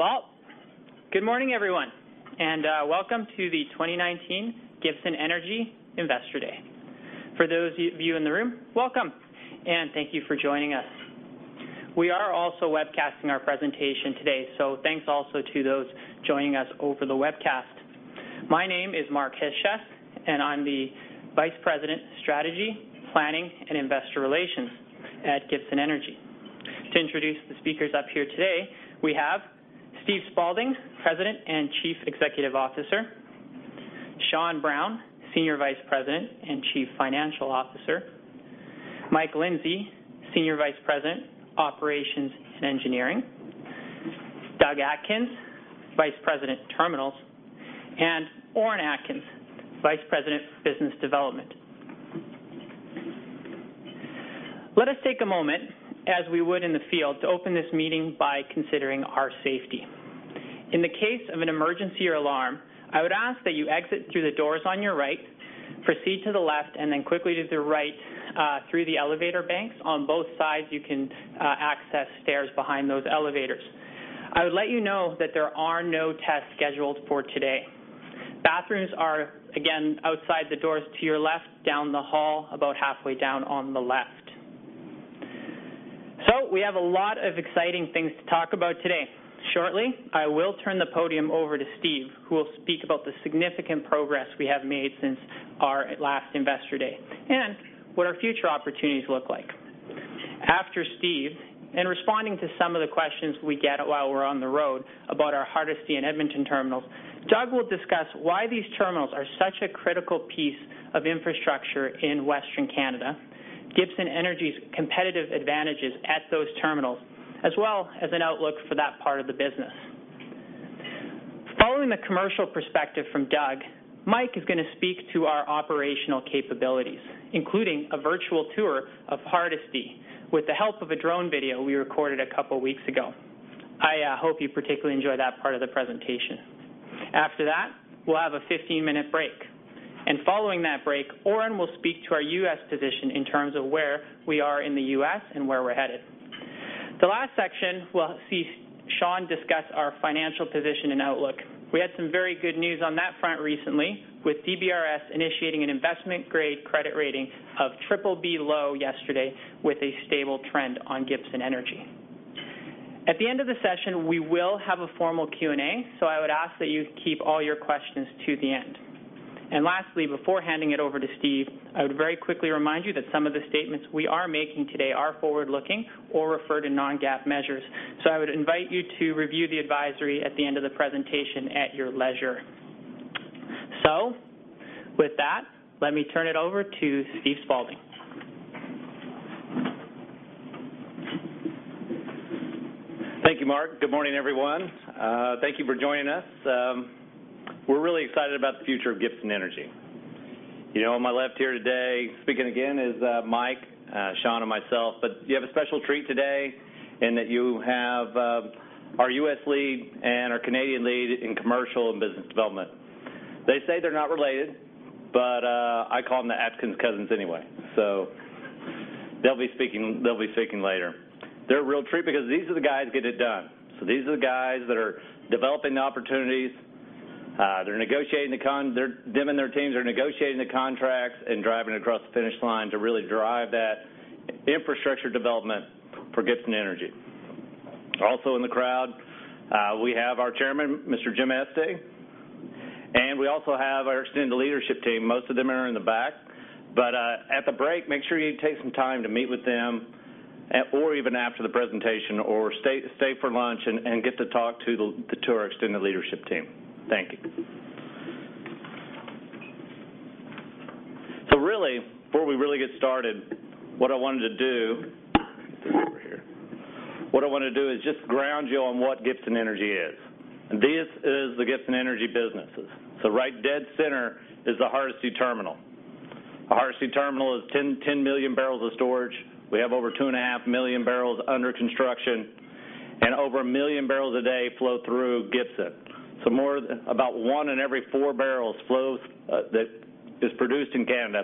All right. Well, good morning, everyone, and welcome to the 2019 Gibson Energy Investor Day. For those of you in the room, welcome, and thank you for joining us. We are also webcasting our presentation today, so thanks also to those joining us over the webcast. My name is Mark Chyc-Cies, and I'm the Vice President of Strategy, Planning, and Investor Relations at Gibson Energy. To introduce the speakers up here today, we have Steve Spaulding, President and Chief Executive Officer, Sean Brown, Senior Vice President and Chief Financial Officer, Mike Lindsay, Senior Vice President, Operations and Engineering, Doug Atkins, Vice President, Terminals, and Orin Atkins, Vice President, Business Development. Let us take a moment, as we would in the field, to open this meeting by considering our safety. In the case of an emergency or alarm, I would ask that you exit through the doors on your right, proceed to the left, and then quickly to the right through the elevator banks. On both sides, you can access stairs behind those elevators. I would let you know that there are no tests scheduled for today. Bathrooms are, again, outside the doors to your left down the hall about halfway down on the left. We have a lot of exciting things to talk about today. Shortly, I will turn the podium over to Steve, who will speak about the significant progress we have made since our last investor day and what our future opportunities look like. After Steve, in responding to some of the questions we get while we're on the road about our Hardisty and Edmonton terminals, Doug will discuss why these terminals are such a critical piece of infrastructure in Western Canada, Gibson Energy's competitive advantages at those terminals, as well as an outlook for that part of the business. Following the commercial perspective from Doug, Mike is going to speak to our operational capabilities, including a virtual tour of Hardisty with the help of a drone video we recorded a couple of weeks ago. I hope you particularly enjoy that part of the presentation. After that, we'll have a 15-minute break. Following that break, Orin will speak to our U.S. position in terms of where we are in the U.S. and where we're headed. The last section, we'll see Sean discuss our financial position and outlook. We had some very good news on that front recently with DBRS initiating an investment-grade credit rating of BBB (low) yesterday with a stable trend on Gibson Energy. At the end of the session, we will have a formal Q&A, so I would ask that you keep all your questions to the end. Lastly, before handing it over to Steve, I would very quickly remind you that some of the statements we are making today are forward-looking or refer to non-GAAP measures. I would invite you to review the advisory at the end of the presentation at your leisure. With that, let me turn it over to Steve Spaulding. Thank you, Mark. Good morning, everyone. Thank you for joining us. We're really excited about the future of Gibson Energy. On my left here today, speaking again, is Mike, Sean, and myself. You have a special treat today in that you have our U.S. lead and our Canadian lead in commercial and business development. They say they're not related, but I call them the Atkins cousins anyway. They'll be speaking later. They're a real treat because these are the guys getting it done. These are the guys that are developing the opportunities. Them and their teams are negotiating the contracts and driving across the finish line to really drive that infrastructure development for Gibson Energy. Also in the crowd, we have our chairman, Mr. Jim Estey, and we also have our extended leadership team. Most of them are in the back, at the break, make sure you take some time to meet with them, or even after the presentation, or stay for lunch and get to talk to our extended leadership team. Thank you. Really, before we really get started, what I wanted to do is just ground you on what Gibson Energy is, and this is the Gibson Energy businesses. Right dead center is the Hardisty Terminal. The Hardisty Terminal is 10 million barrels of storage. We have over 2.5 million barrels under construction, and over 1 million barrels a day flow through Gibson. About one in every four barrels that is produced in Canada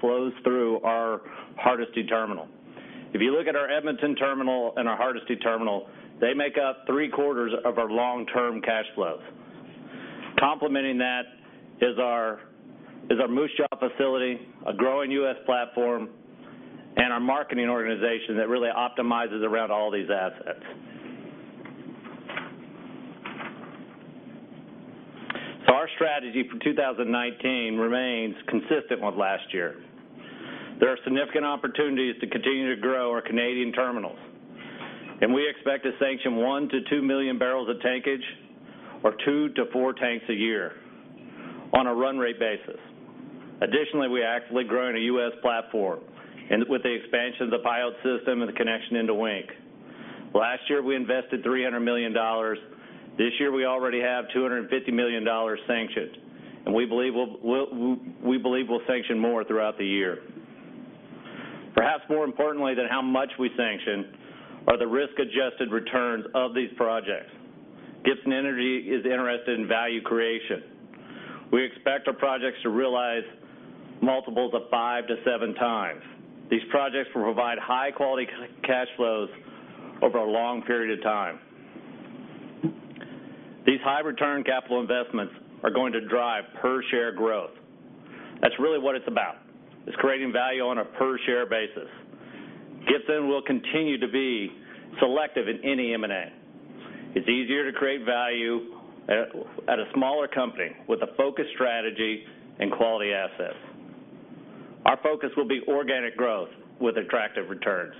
flows through our Hardisty Terminal. If you look at our Edmonton Terminal and our Hardisty Terminal, they make up three-quarters of our long-term cash flows. Complementing that is our Moose Jaw facility, a growing U.S. platform, and our marketing organization that really optimizes around all these assets. Our strategy for 2019 remains consistent with last year. There are significant opportunities to continue to grow our Canadian terminals, and we expect to sanction 1 million to 2 million barrels of tankage or 2 to 4 tanks a year on a run rate basis. Additionally, we are actively growing a U.S. platform and with the expansion of the Pyote System and the connection into Wink. Last year, we invested 300 million dollars. This year, we already have 250 million dollars sanctioned, and we believe we'll sanction more throughout the year. Perhaps more importantly than how much we sanction are the risk-adjusted returns of these projects. Gibson Energy is interested in value creation. We expect our projects to realize multiples of 5 to 7 times. These projects will provide high-quality cash flows over a long period of time. These high-return capital investments are going to drive per-share growth. That's really what it's about. It's creating value on a per-share basis. Gibson will continue to be selective in any M&A. It's easier to create value at a smaller company with a focused strategy and quality assets. Our focus will be organic growth with attractive returns.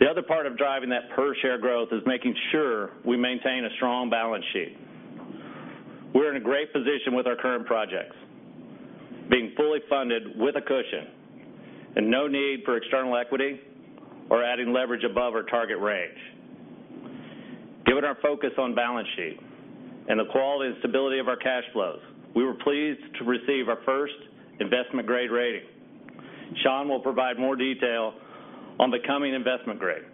The other part of driving that per-share growth is making sure we maintain a strong balance sheet. We're in a great position with our current projects, being fully funded with a cushion and no need for external equity or adding leverage above our target range. Given our focus on balance sheet and the quality and stability of our cash flows, we were pleased to receive our first investment-grade rating. Sean will provide more detail on becoming investment grade.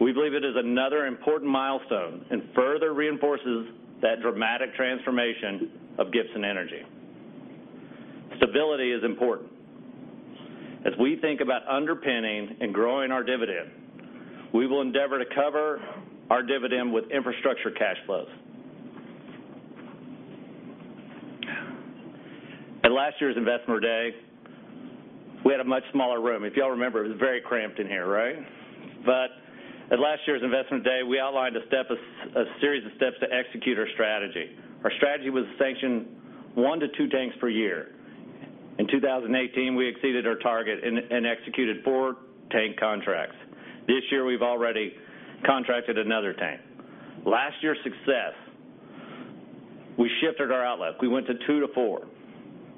We believe it is another important milestone and further reinforces that dramatic transformation of Gibson Energy. Stability is important. As we think about underpinning and growing our dividend, we will endeavor to cover our dividend with infrastructure cash flows. At last year's Investor Day, we had a much smaller room. If you all remember, it was very cramped in here, right? At last year's Investor Day, we outlined a series of steps to execute our strategy. Our strategy was to sanction one to two tanks per year. In 2018, we exceeded our target and executed four tank contracts. This year, we've already contracted another tank. Last year's success, we shifted our outlook. We went to two to four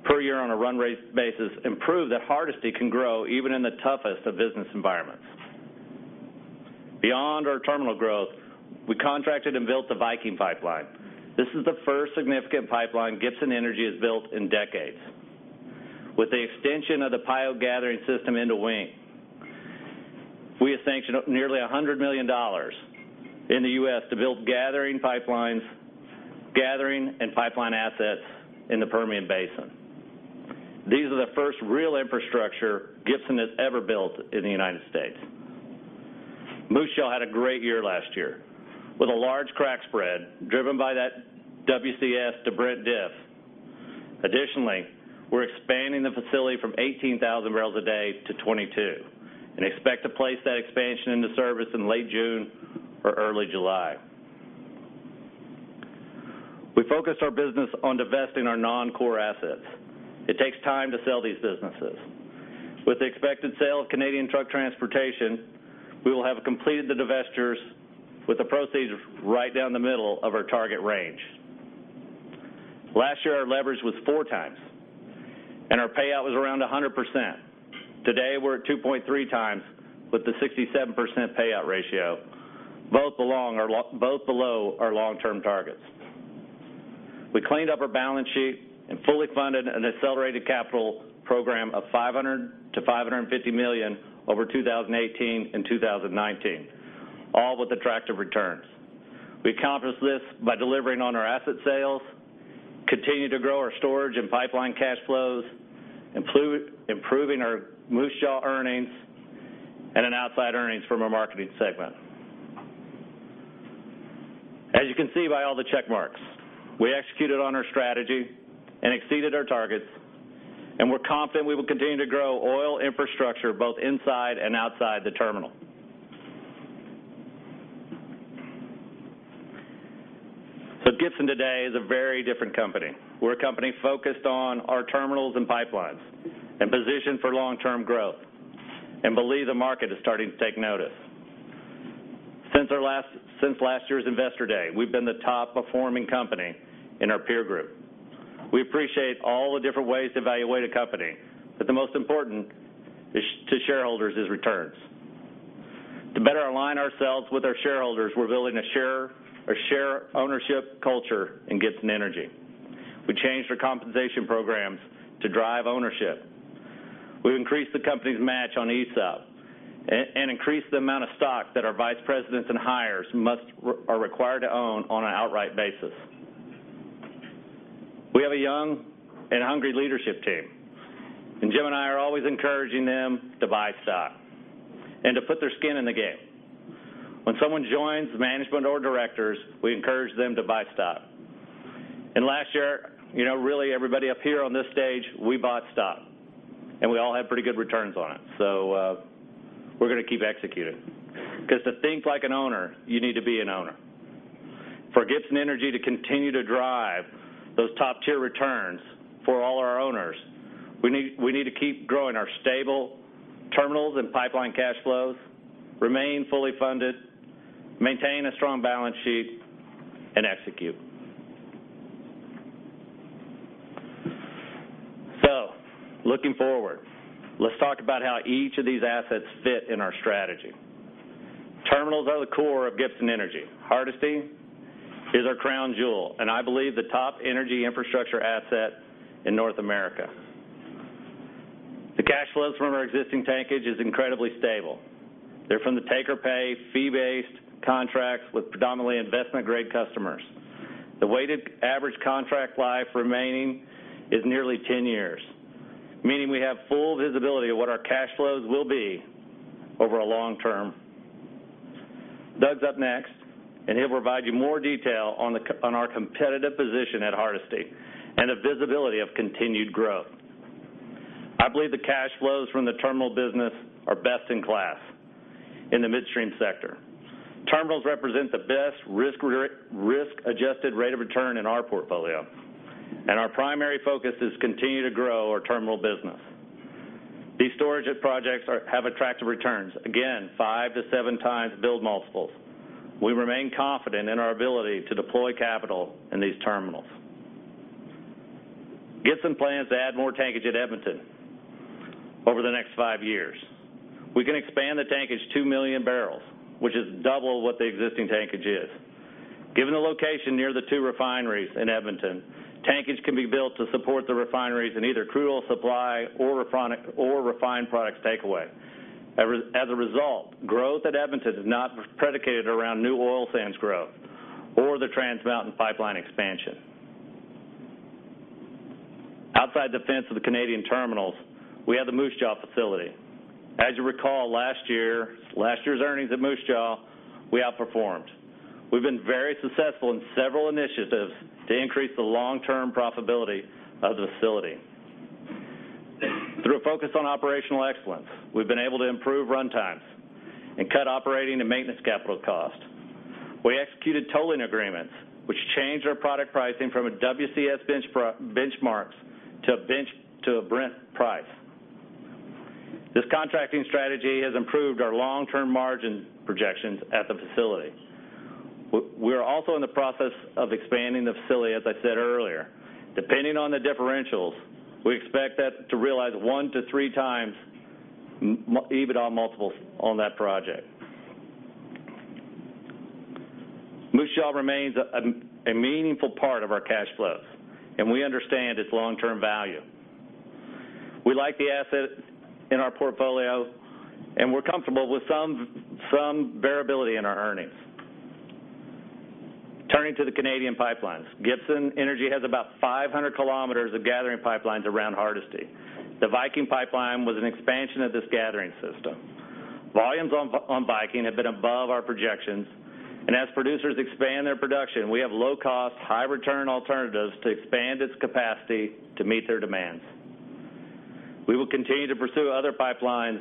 per year on a run rate basis, and proved that Hardisty can grow even in the toughest of business environments. Beyond our terminal growth, we contracted and built the Viking Pipeline. This is the first significant pipeline Gibson Energy has built in decades. With the extension of the Pyote gathering system into Wink, we have sanctioned nearly $100 million in the U.S. to build gathering and pipeline assets in the Permian Basin. These are the first real infrastructure Gibson has ever built in the United States. Moose Jaw had a great year last year with a large crack spread driven by that WCS-to-Brent diff. Additionally, we're expanding the facility from 18,000 barrels a day to 22, and expect to place that expansion into service in late June or early July. We focused our business on divesting our non-core assets. It takes time to sell these businesses. With the expected sale of Canadian truck transportation, we will have completed the divestitures with the proceeds right down the middle of our target range. Last year, our leverage was four times, and our payout was around 100%. Today, we're at 2.3 times with a 67% payout ratio, both below our long-term targets. We cleaned up our balance sheet and fully funded an accelerated capital program of 500 million-550 million over 2018 and 2019, all with attractive returns. We accomplished this by delivering on our asset sales, continuing to grow our storage and pipeline cash flows, improving our Moose Jaw earnings, and in outside earnings from our marketing segment. As you can see by all the check marks, we executed on our strategy and exceeded our targets, and we're confident we will continue to grow oil infrastructure both inside and outside the terminal. Gibson today is a very different company. We're a company focused on our terminals and pipelines and positioned for long-term growth, and believe the market is starting to take notice. Since last year's Investor Day, we've been the top-performing company in our peer group. We appreciate all the different ways to evaluate a company, but the most important to shareholders is returns. To better align ourselves with our shareholders, we're building a share ownership culture in Gibson Energy. We changed our compensation programs to drive ownership. We increased the company's match on ESOP and increased the amount of stock that our vice presidents and hires are required to own on an outright basis. We have a young and hungry leadership team, and Jim and I are always encouraging them to buy stock and to put their skin in the game. When someone joins management or directors, we encourage them to buy stock. Last year, really everybody up here on this stage, we bought stock, and we all had pretty good returns on it. So we're going to keep executing. Because to think like an owner, you need to be an owner. For Gibson Energy to continue to drive those top-tier returns for all our owners, we need to keep growing our stable terminals and pipeline cash flows, remain fully funded, maintain a strong balance sheet, and execute. Looking forward, let's talk about how each of these assets fit in our strategy. Terminals are the core of Gibson Energy. Hardisty is our crown jewel, and I believe the top energy infrastructure asset in North America. Cash flows from our existing tankage is incredibly stable. They're from the take-or-pay fee-based contracts with predominantly investment-grade customers. The weighted average contract life remaining is nearly 10 years, meaning we have full visibility of what our cash flows will be over a long term. Doug's up next, and he'll provide you more detail on our competitive position at Hardisty, and the visibility of continued growth. I believe the cash flows from the terminal business are best in class in the midstream sector. Terminals represent the best risk-adjusted rate of return in our portfolio, and our primary focus is continue to grow our terminal business. These storage projects have attractive returns, again, five to seven times build multiples. We remain confident in our ability to deploy capital in these terminals. Gibson plans to add more tankage at Edmonton over the next five years. We can expand the tankage 2 million barrels, which is double what the existing tankage is. Given the location near the two refineries in Edmonton, tankage can be built to support the refineries in either crude oil supply or refined products takeaway. As a result, growth at Edmonton is not predicated around new oil sands growth or the Trans Mountain Pipeline expansion. Outside the fence of the Canadian terminals, we have the Moose Jaw facility. As you recall, last year's earnings at Moose Jaw, we outperformed. We've been very successful in several initiatives to increase the long-term profitability of the facility. Through a focus on operational excellence, we've been able to improve run times and cut operating and maintenance capital costs. We executed tolling agreements, which changed our product pricing from a WCS benchmarks to a Brent price. This contracting strategy has improved our long-term margin projections at the facility. We are also in the process of expanding the facility, as I said earlier. Depending on the differentials, we expect that to realize one to three times EBITDA multiples on that project. Moose Jaw remains a meaningful part of our cash flows, and we understand its long-term value. We like the asset in our portfolio, and we're comfortable with some variability in our earnings. Turning to the Canadian pipelines. Gibson Energy has about 500 km of gathering pipelines around Hardisty. The Viking Pipeline was an expansion of this gathering system. Volumes on Viking have been above our projections, and as producers expand their production, we have low-cost, high-return alternatives to expand its capacity to meet their demands. We will continue to pursue other pipelines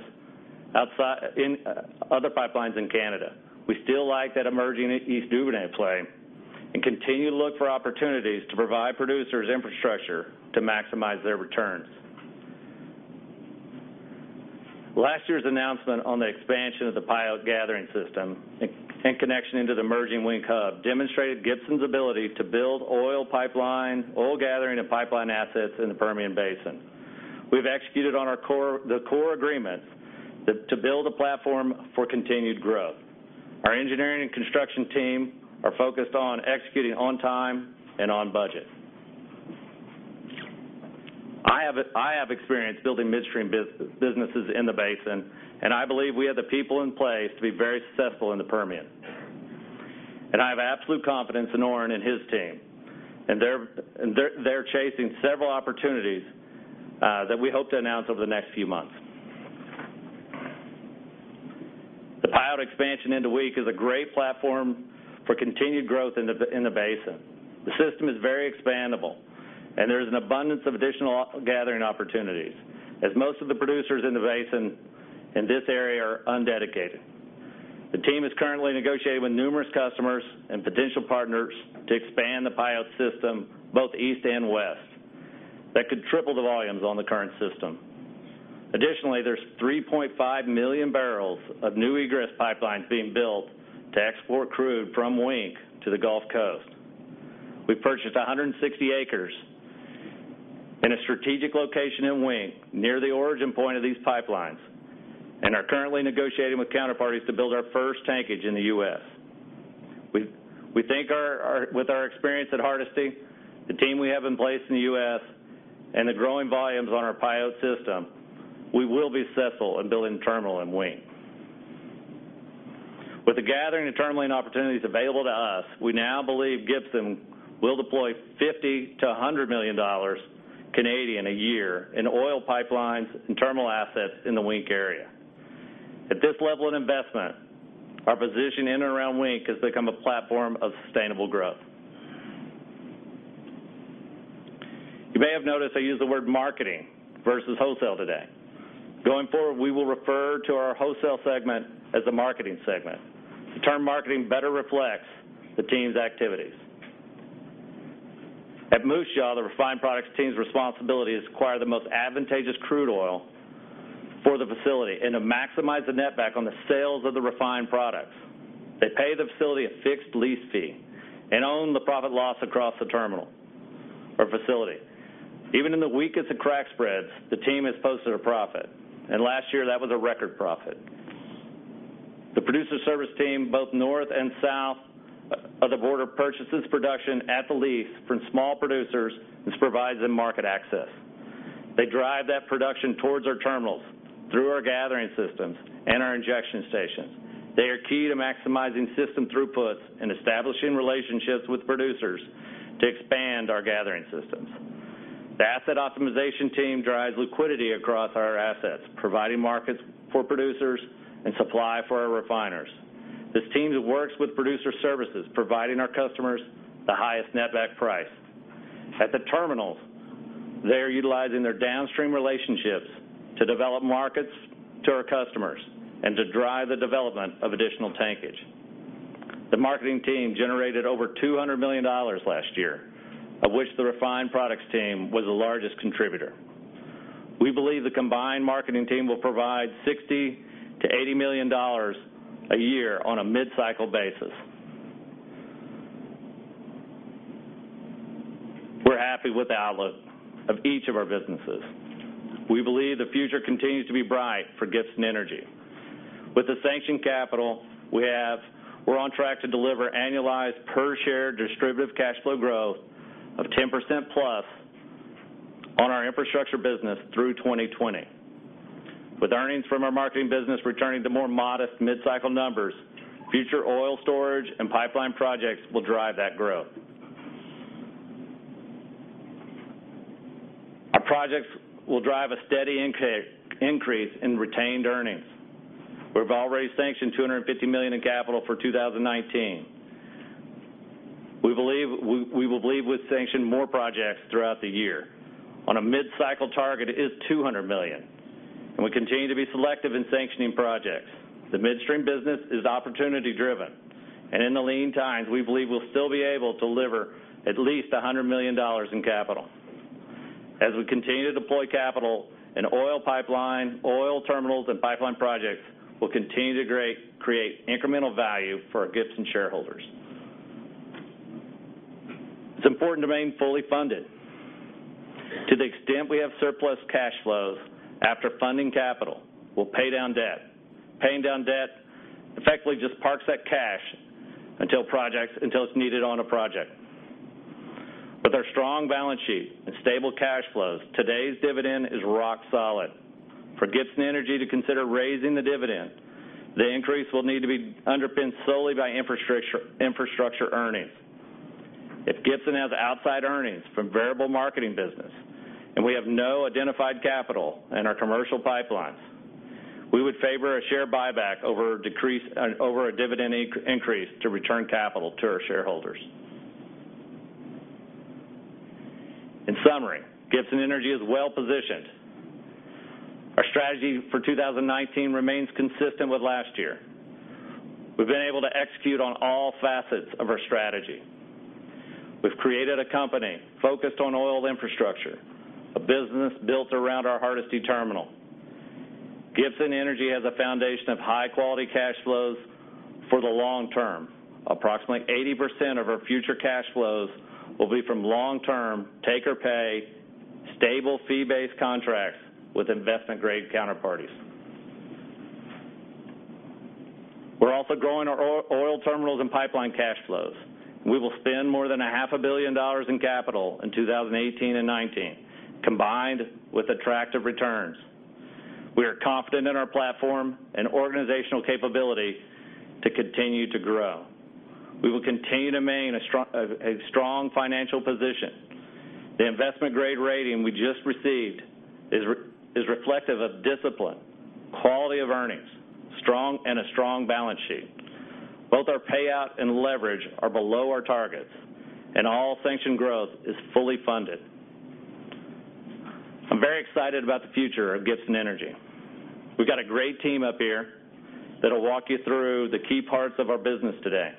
in Canada. We still like that emerging East Duvernay play and continue to look for opportunities to provide producers infrastructure to maximize their returns. Last year's announcement on the expansion of the Pyote gathering system and connection into the emerging Wink hub demonstrated Gibson's ability to build oil pipeline, oil gathering, and pipeline assets in the Permian Basin. We've executed on the core agreement to build a platform for continued growth. Our engineering and construction team are focused on executing on time and on budget. I have experience building midstream businesses in the basin, and I believe we have the people in place to be very successful in the Permian. I have absolute confidence in Orin and his team, and they're chasing several opportunities that we hope to announce over the next few months. The Pyote expansion into Wink is a great platform for continued growth in the basin. The system is very expandable, and there is an abundance of additional gathering opportunities, as most of the producers in the basin in this area are undedicated. The team is currently negotiating with numerous customers and potential partners to expand the Pyote system both east and west. That could triple the volumes on the current system. Additionally, there's 3.5 million barrels of new egress pipelines being built to export crude from Wink to the Gulf Coast. We purchased 160 acres in a strategic location in Wink, near the origin point of these pipelines, and are currently negotiating with counterparties to build our first tankage in the U.S. We think with our experience at Hardisty, the team we have in place in the U.S., and the growing volumes on our Pyote system, we will be successful in building a terminal in Wink. With the gathering and terminaling opportunities available to us, we now believe Gibson will deploy 50 million-100 million Canadian dollars a year in oil pipelines and terminal assets in the Wink area. At this level of investment, our position in and around Wink has become a platform of sustainable growth. You may have noticed I used the word marketing versus wholesale today. Going forward, we will refer to our wholesale segment as the marketing segment. The term marketing better reflects the team's activities. At Moose Jaw, the refined products team's responsibility is to acquire the most advantageous crude oil for the facility and to maximize the netback on the sales of the refined products. They pay the facility a fixed lease fee and own the profit loss across the terminal or facility. Even in the weakest of crack spreads, the team has posted a profit, and last year that was a record profit. The producer service team, both north and south of the border, purchases production at the lease from small producers, which provides them market access. They drive that production towards our terminals through our gathering systems and our injection stations. They are key to maximizing system throughputs and establishing relationships with producers to expand our gathering systems. The asset optimization team drives liquidity across our assets, providing markets for producers and supply for our refiners. This team works with producer services, providing our customers the highest netback price. At the terminals, they're utilizing their downstream relationships to develop markets to our customers and to drive the development of additional tankage. The marketing team generated over 200 million dollars last year, of which the refined products team was the largest contributor. We believe the combined marketing team will provide 60 million-80 million dollars a year on a mid-cycle basis. We're happy with the outlook of each of our businesses. We believe the future continues to be bright for Gibson Energy. With the sanctioned capital we have, we're on track to deliver annualized per share distributive cash flow growth of 10% plus on our infrastructure business through 2020. With earnings from our marketing business returning to more modest mid-cycle numbers, future oil storage and pipeline projects will drive that growth. Our projects will drive a steady increase in retained earnings. We've already sanctioned 250 million in capital for 2019. We believe we'll sanction more projects throughout the year. On a mid-cycle target, it is 200 million, and we continue to be selective in sanctioning projects. The midstream business is opportunity driven, and in the lean times, we believe we'll still be able to deliver at least 100 million dollars in capital. As we continue to deploy capital in oil terminals and pipeline projects, we'll continue to create incremental value for our Gibson shareholders. It's important to remain fully funded. To the extent we have surplus cash flows after funding capital, we'll pay down debt. Paying down debt effectively just parks that cash until it's needed on a project. With our strong balance sheet and stable cash flows, today's dividend is rock solid. For Gibson Energy to consider raising the dividend, the increase will need to be underpinned solely by infrastructure earnings. If Gibson has outside earnings from variable marketing business and we have no identified capital in our commercial pipelines, we would favor a share buyback over a dividend increase to return capital to our shareholders. In summary, Gibson Energy is well-positioned. Our strategy for 2019 remains consistent with last year. We've been able to execute on all facets of our strategy. We've created a company focused on oil infrastructure, a business built around our Hardisty Terminal. Gibson Energy has a foundation of high-quality cash flows for the long term. Approximately 80% of our future cash flows will be from long-term, take-or-pay, stable fee-based contracts with investment-grade counterparties. We're also growing our oil terminals and pipeline cash flows. We will spend more than a half a billion CAD in capital in 2018 and 2019, combined with attractive returns. We are confident in our platform and organizational capability to continue to grow. We will continue to maintain a strong financial position. The investment-grade rating we just received is reflective of discipline, quality of earnings, and a strong balance sheet. Both our payout and leverage are below our targets, and all sanctioned growth is fully funded. I'm very excited about the future of Gibson Energy. We've got a great team up here that'll walk you through the key parts of our business today.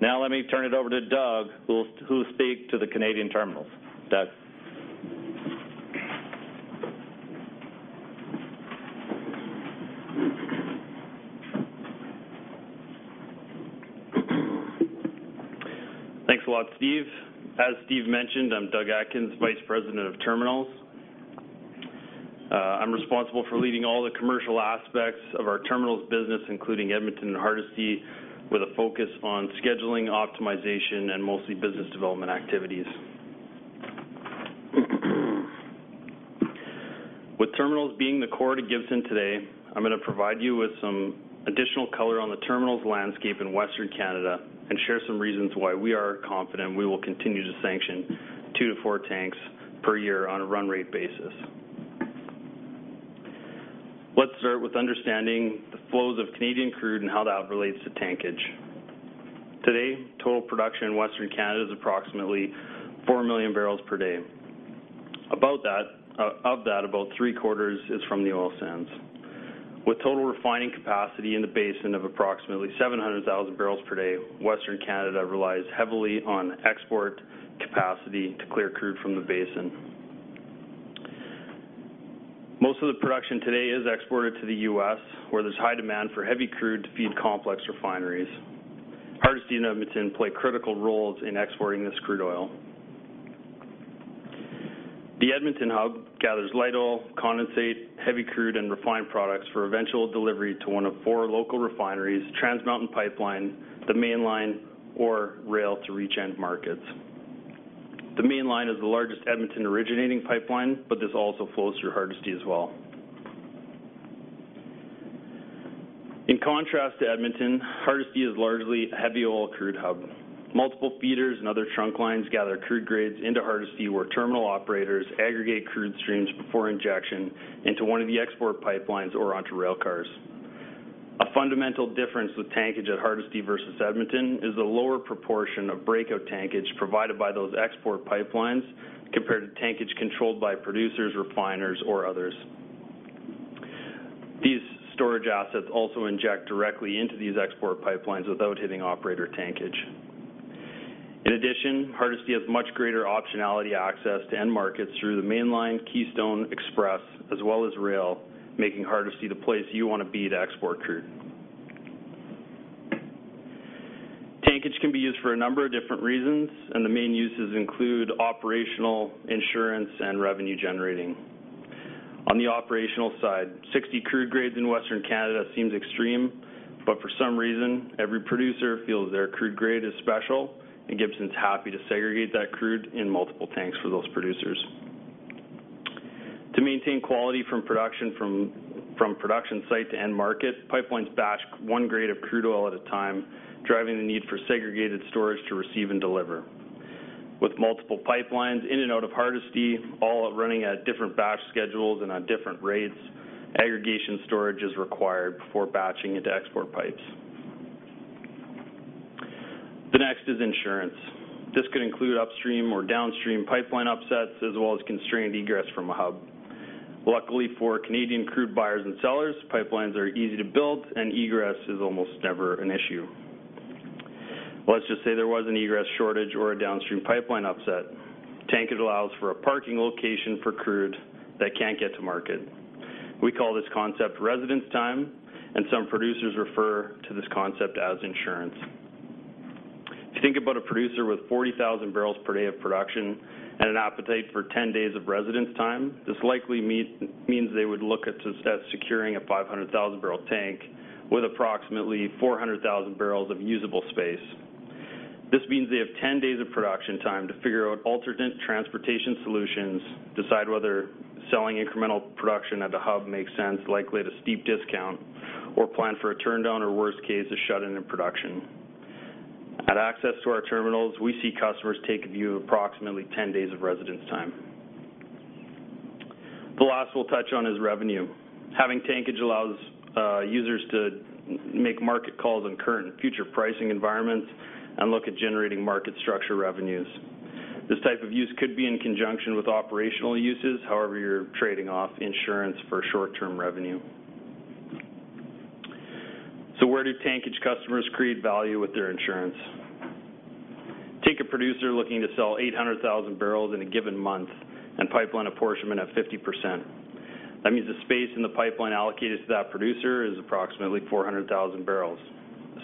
Let me turn it over to Doug, who will speak to the Canadian terminals. Doug? Thanks a lot, Steve. As Steve mentioned, I'm Doug Atkins, Vice President of Terminals. I'm responsible for leading all the commercial aspects of our terminals business, including Edmonton and Hardisty, with a focus on scheduling, optimization, and mostly business development activities. With terminals being the core to Gibson today, I'm going to provide you with some additional color on the terminals landscape in Western Canada and share some reasons why we are confident we will continue to sanction two to four tanks per year on a run rate basis. Let's start with understanding the flows of Canadian crude and how that relates to tankage. Today, total production in Western Canada is approximately 4 million barrels per day. Of that, about three-quarters is from the oil sands. With total refining capacity in the basin of approximately 700,000 barrels per day, Western Canada relies heavily on export capacity to clear crude from the basin. Most of the production today is exported to the U.S., where there's high demand for heavy crude to feed complex refineries. Hardisty and Edmonton play critical roles in exporting this crude oil. The Edmonton hub gathers light oil, condensate, heavy crude, and refined products for eventual delivery to one of four local refineries, Trans Mountain Pipeline, the Mainline, or rail to reach end markets. This also flows through Hardisty as well. In contrast to Edmonton, Hardisty is largely a heavy oil crude hub. Multiple feeders and other trunk lines gather crude grades into Hardisty, where terminal operators aggregate crude streams before injection into one of the export pipelines or onto rail cars. A fundamental difference with tankage at Hardisty versus Edmonton is the lower proportion of breakout tankage provided by those export pipelines compared to tankage controlled by producers, refiners, or others. These storage assets also inject directly into these export pipelines without hitting operator tankage. In addition, Hardisty has much greater optionality access to end markets through the Mainline Keystone Express, as well as rail, making Hardisty the place you want to be to export crude. The main uses include operational, insurance, and revenue generating. On the operational side, 60 crude grades in Western Canada seems extreme, for some reason, every producer feels their crude grade is special, and Gibson's happy to segregate that crude in multiple tanks for those producers. To maintain quality from production site to end market, pipelines batch one grade of crude oil at a time, driving the need for segregated storage to receive and deliver. With multiple pipelines in and out of Hardisty, all running at different batch schedules and on different rates, aggregation storage is required before batching into export pipes. The next is insurance. This could include upstream or downstream pipeline upsets, as well as constrained egress from a hub. Luckily for Canadian crude buyers and sellers, pipelines are easy to build, egress is almost never an issue. Let's just say there was an egress shortage or a downstream pipeline upset. Tankage allows for a parking location for crude that can't get to market. We call this concept residence time, some producers refer to this concept as insurance. If you think about a producer with 40,000 barrels per day of production and an appetite for 10 days of residence time, this likely means they would look at securing a 500,000-barrel tank with approximately 400,000 barrels of usable space. This means they have 10 days of production time to figure out alternate transportation solutions, decide whether selling incremental production at the hub makes sense, likely at a steep discount, or plan for a turndown or worst case, a shut-in in production. At access to our terminals, we see customers take a view of approximately 10 days of residence time. The last we'll touch on is revenue. Having tankage allows users to make market calls on current and future pricing environments and look at generating market structure revenues. This type of use could be in conjunction with operational uses. However, you're trading off insurance for short-term revenue. Where do tankage customers create value with their insurance? Take a producer looking to sell 800,000 barrels in a given month and pipeline apportionment of 50%. That means the space in the pipeline allocated to that producer is approximately 400,000 barrels.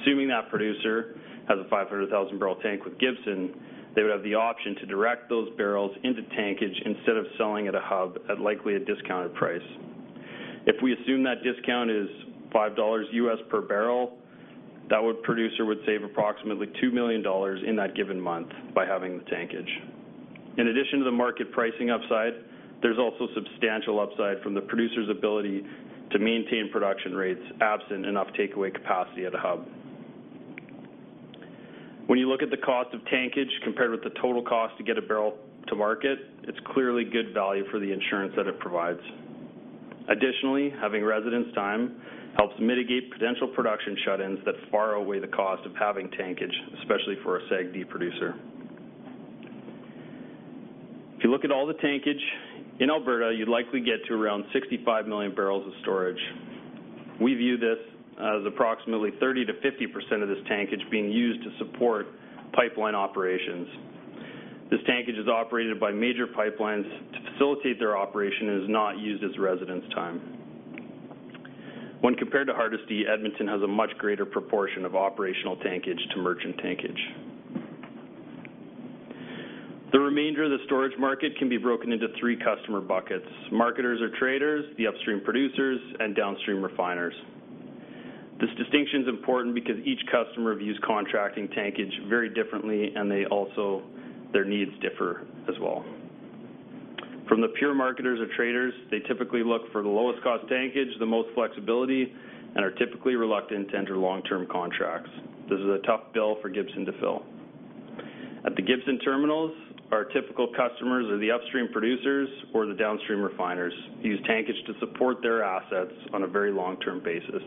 Assuming that producer has a 500,000-barrel tank with Gibson, they would have the option to direct those barrels into tankage instead of selling at a hub at likely a discounted price. If we assume that discount is 5 US dollars per barrel, that producer would save approximately $2 million in that given month by having the tankage. In addition to the market pricing upside, there is also substantial upside from the producer's ability to maintain production rates absent enough takeaway capacity at a hub. When you look at the cost of tankage compared with the total cost to get a barrel to market, it is clearly good value for the insurance that it provides. Additionally, having residence time helps mitigate potential production shut-ins that far outweigh the cost of having tankage, especially for a Seg D producer. If you look at all the tankage in Alberta, you would likely get to around 65 million barrels of storage. We view this as approximately 30%-50% of this tankage being used to support pipeline operations. This tankage is operated by major pipelines to facilitate their operation and is not used as residence time. When compared to Hardisty, Edmonton has a much greater proportion of operational tankage to merchant tankage. The remainder of the storage market can be broken into three customer buckets, marketers or traders, the upstream producers, and downstream refiners. This distinction is important because each customer views contracting tankage very differently, and their needs differ as well. From the pure marketers or traders, they typically look for the lowest cost tankage, the most flexibility, and are typically reluctant to enter long-term contracts. This is a tough bill for Gibson to fill. At the Gibson terminals, our typical customers are the upstream producers or the downstream refiners, who use tankage to support their assets on a very long-term basis.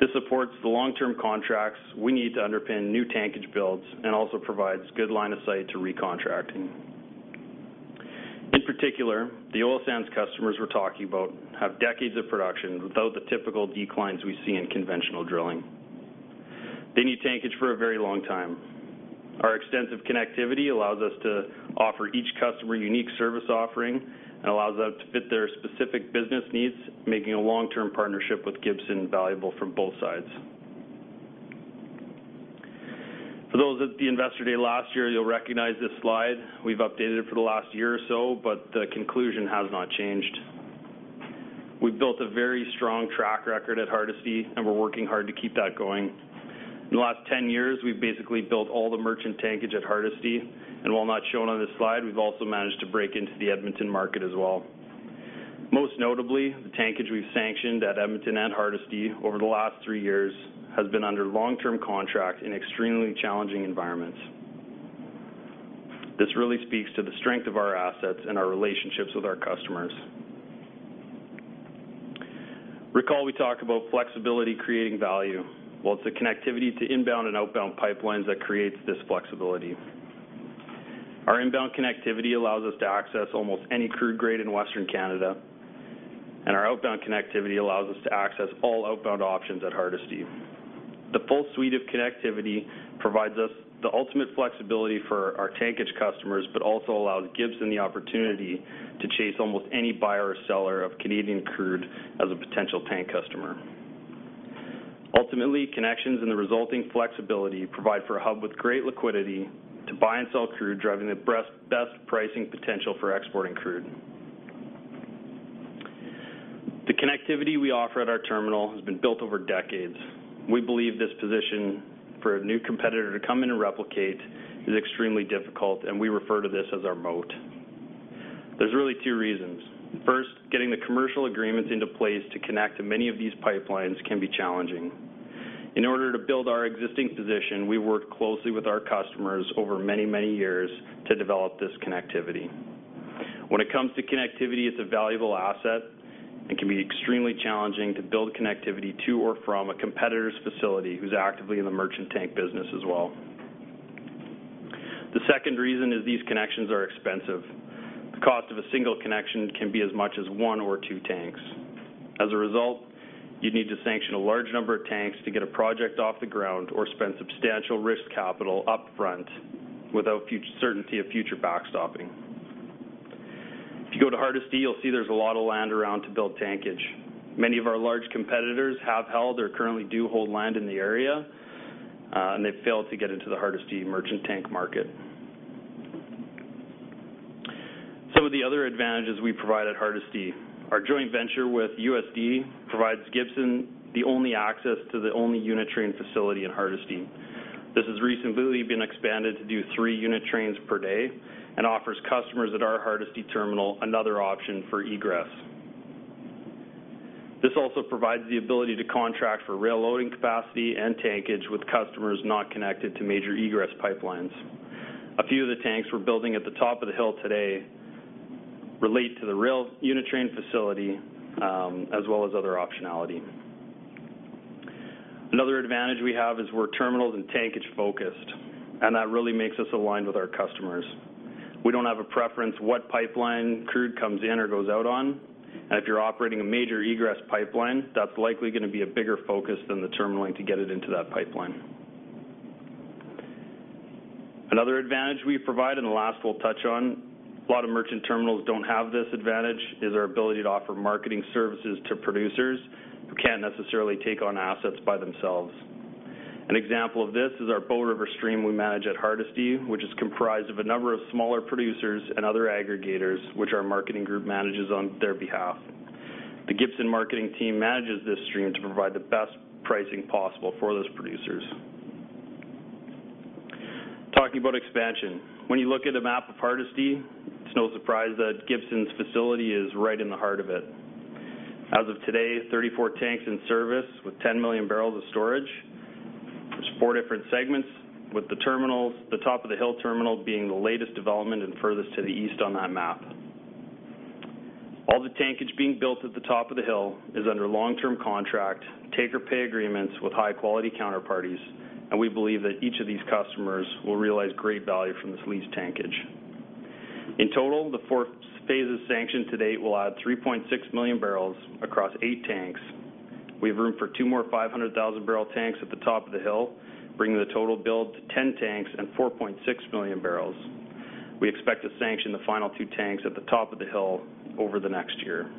This supports the long-term contracts we need to underpin new tankage builds and also provides good line of sight to recontracting. In particular, the oil sands customers we are talking about have decades of production without the typical declines we see in conventional drilling. They need tankage for a very long time. Our extensive connectivity allows us to offer each customer a unique service offering and allows that to fit their specific business needs, making a long-term partnership with Gibson valuable from both sides. For those at the investor day last year, you will recognize this slide. We have updated it for the last year or so, but the conclusion has not changed. We have built a very strong track record at Hardisty, and we are working hard to keep that going. In the last 10 years, we have basically built all the merchant tankage at Hardisty. While not shown on this slide, we have also managed to break into the Edmonton market as well. Most notably, the tankage we have sanctioned at Edmonton and Hardisty over the last three years has been under long-term contract in extremely challenging environments. This really speaks to the strength of our assets and our relationships with our customers. Recall we talk about flexibility creating value. It's the connectivity to inbound and outbound pipelines that creates this flexibility. Our inbound connectivity allows us to access almost any crude grade in Western Canada. Our outbound connectivity allows us to access all outbound options at Hardisty. The full suite of connectivity provides us the ultimate flexibility for our tankage customers, also allows Gibson the opportunity to chase almost any buyer or seller of Canadian crude as a potential tank customer. Ultimately, connections and the resulting flexibility provide for a hub with great liquidity to buy and sell crude, driving the best pricing potential for exporting crude. The connectivity we offer at our terminal has been built over decades. We believe this position for a new competitor to come in and replicate is extremely difficult. We refer to this as our moat. There's really two reasons. First, getting the commercial agreements into place to connect to many of these pipelines can be challenging. In order to build our existing position, we worked closely with our customers over many years to develop this connectivity. When it comes to connectivity, it's a valuable asset and can be extremely challenging to build connectivity to or from a competitor's facility who's actively in the merchant tank business as well. The second reason is these connections are expensive. The cost of a single connection can be as much as one or two tanks. As a result, you'd need to sanction a large number of tanks to get a project off the ground or spend substantial risk capital up front without certainty of future backstopping. If you go to Hardisty, you'll see there's a lot of land around to build tankage. Many of our large competitors have held or currently do hold land in the area. They've failed to get into the Hardisty merchant tank market. Some of the other advantages we provide at Hardisty, our joint venture with USD provides Gibson the only access to the only unit train facility in Hardisty. This has recently been expanded to do three unit trains per day, offers customers at our Hardisty terminal another option for egress. This also provides the ability to contract for rail loading capacity and tankage with customers not connected to major egress pipelines. A few of the tanks we're building at the top of the hill today relate to the rail unit train facility, as well as other optionality. Another advantage we have is we're terminal and tankage focused. That really makes us aligned with our customers. We don't have a preference what pipeline crude comes in or goes out on. If you're operating a major egress pipeline, that's likely going to be a bigger focus than the terminaling to get it into that pipeline. Another advantage we provide and the last we'll touch on, a lot of merchant terminals don't have this advantage, is our ability to offer marketing services to producers who can't necessarily take on assets by themselves. An example of this is our Bow River stream we manage at Hardisty, which is comprised of a number of smaller producers and other aggregators, which our marketing group manages on their behalf. The Gibson marketing team manages this stream to provide the best pricing possible for those producers. Talking about expansion. When you look at a map of Hardisty, it's no surprise that Gibson's facility is right in the heart of it. As of today, 34 tanks in service with 10 million barrels of storage. There's four different segments with the terminals, the Top of the Hill Terminal being the latest development and furthest to the east on that map. All the tankage being built at the Top of the Hill is under long-term contract, take-or-pay agreements with high-quality counterparties, and we believe that each of these customers will realize great value from this leased tankage. In total, the four phases sanctioned to date will add 3.6 million barrels across eight tanks. We have room for two more 500,000-barrel tanks at the Top of the Hill, bringing the total build to 10 tanks and 4.6 million barrels. We expect to sanction the final two tanks at the Top of the Hill over the next year.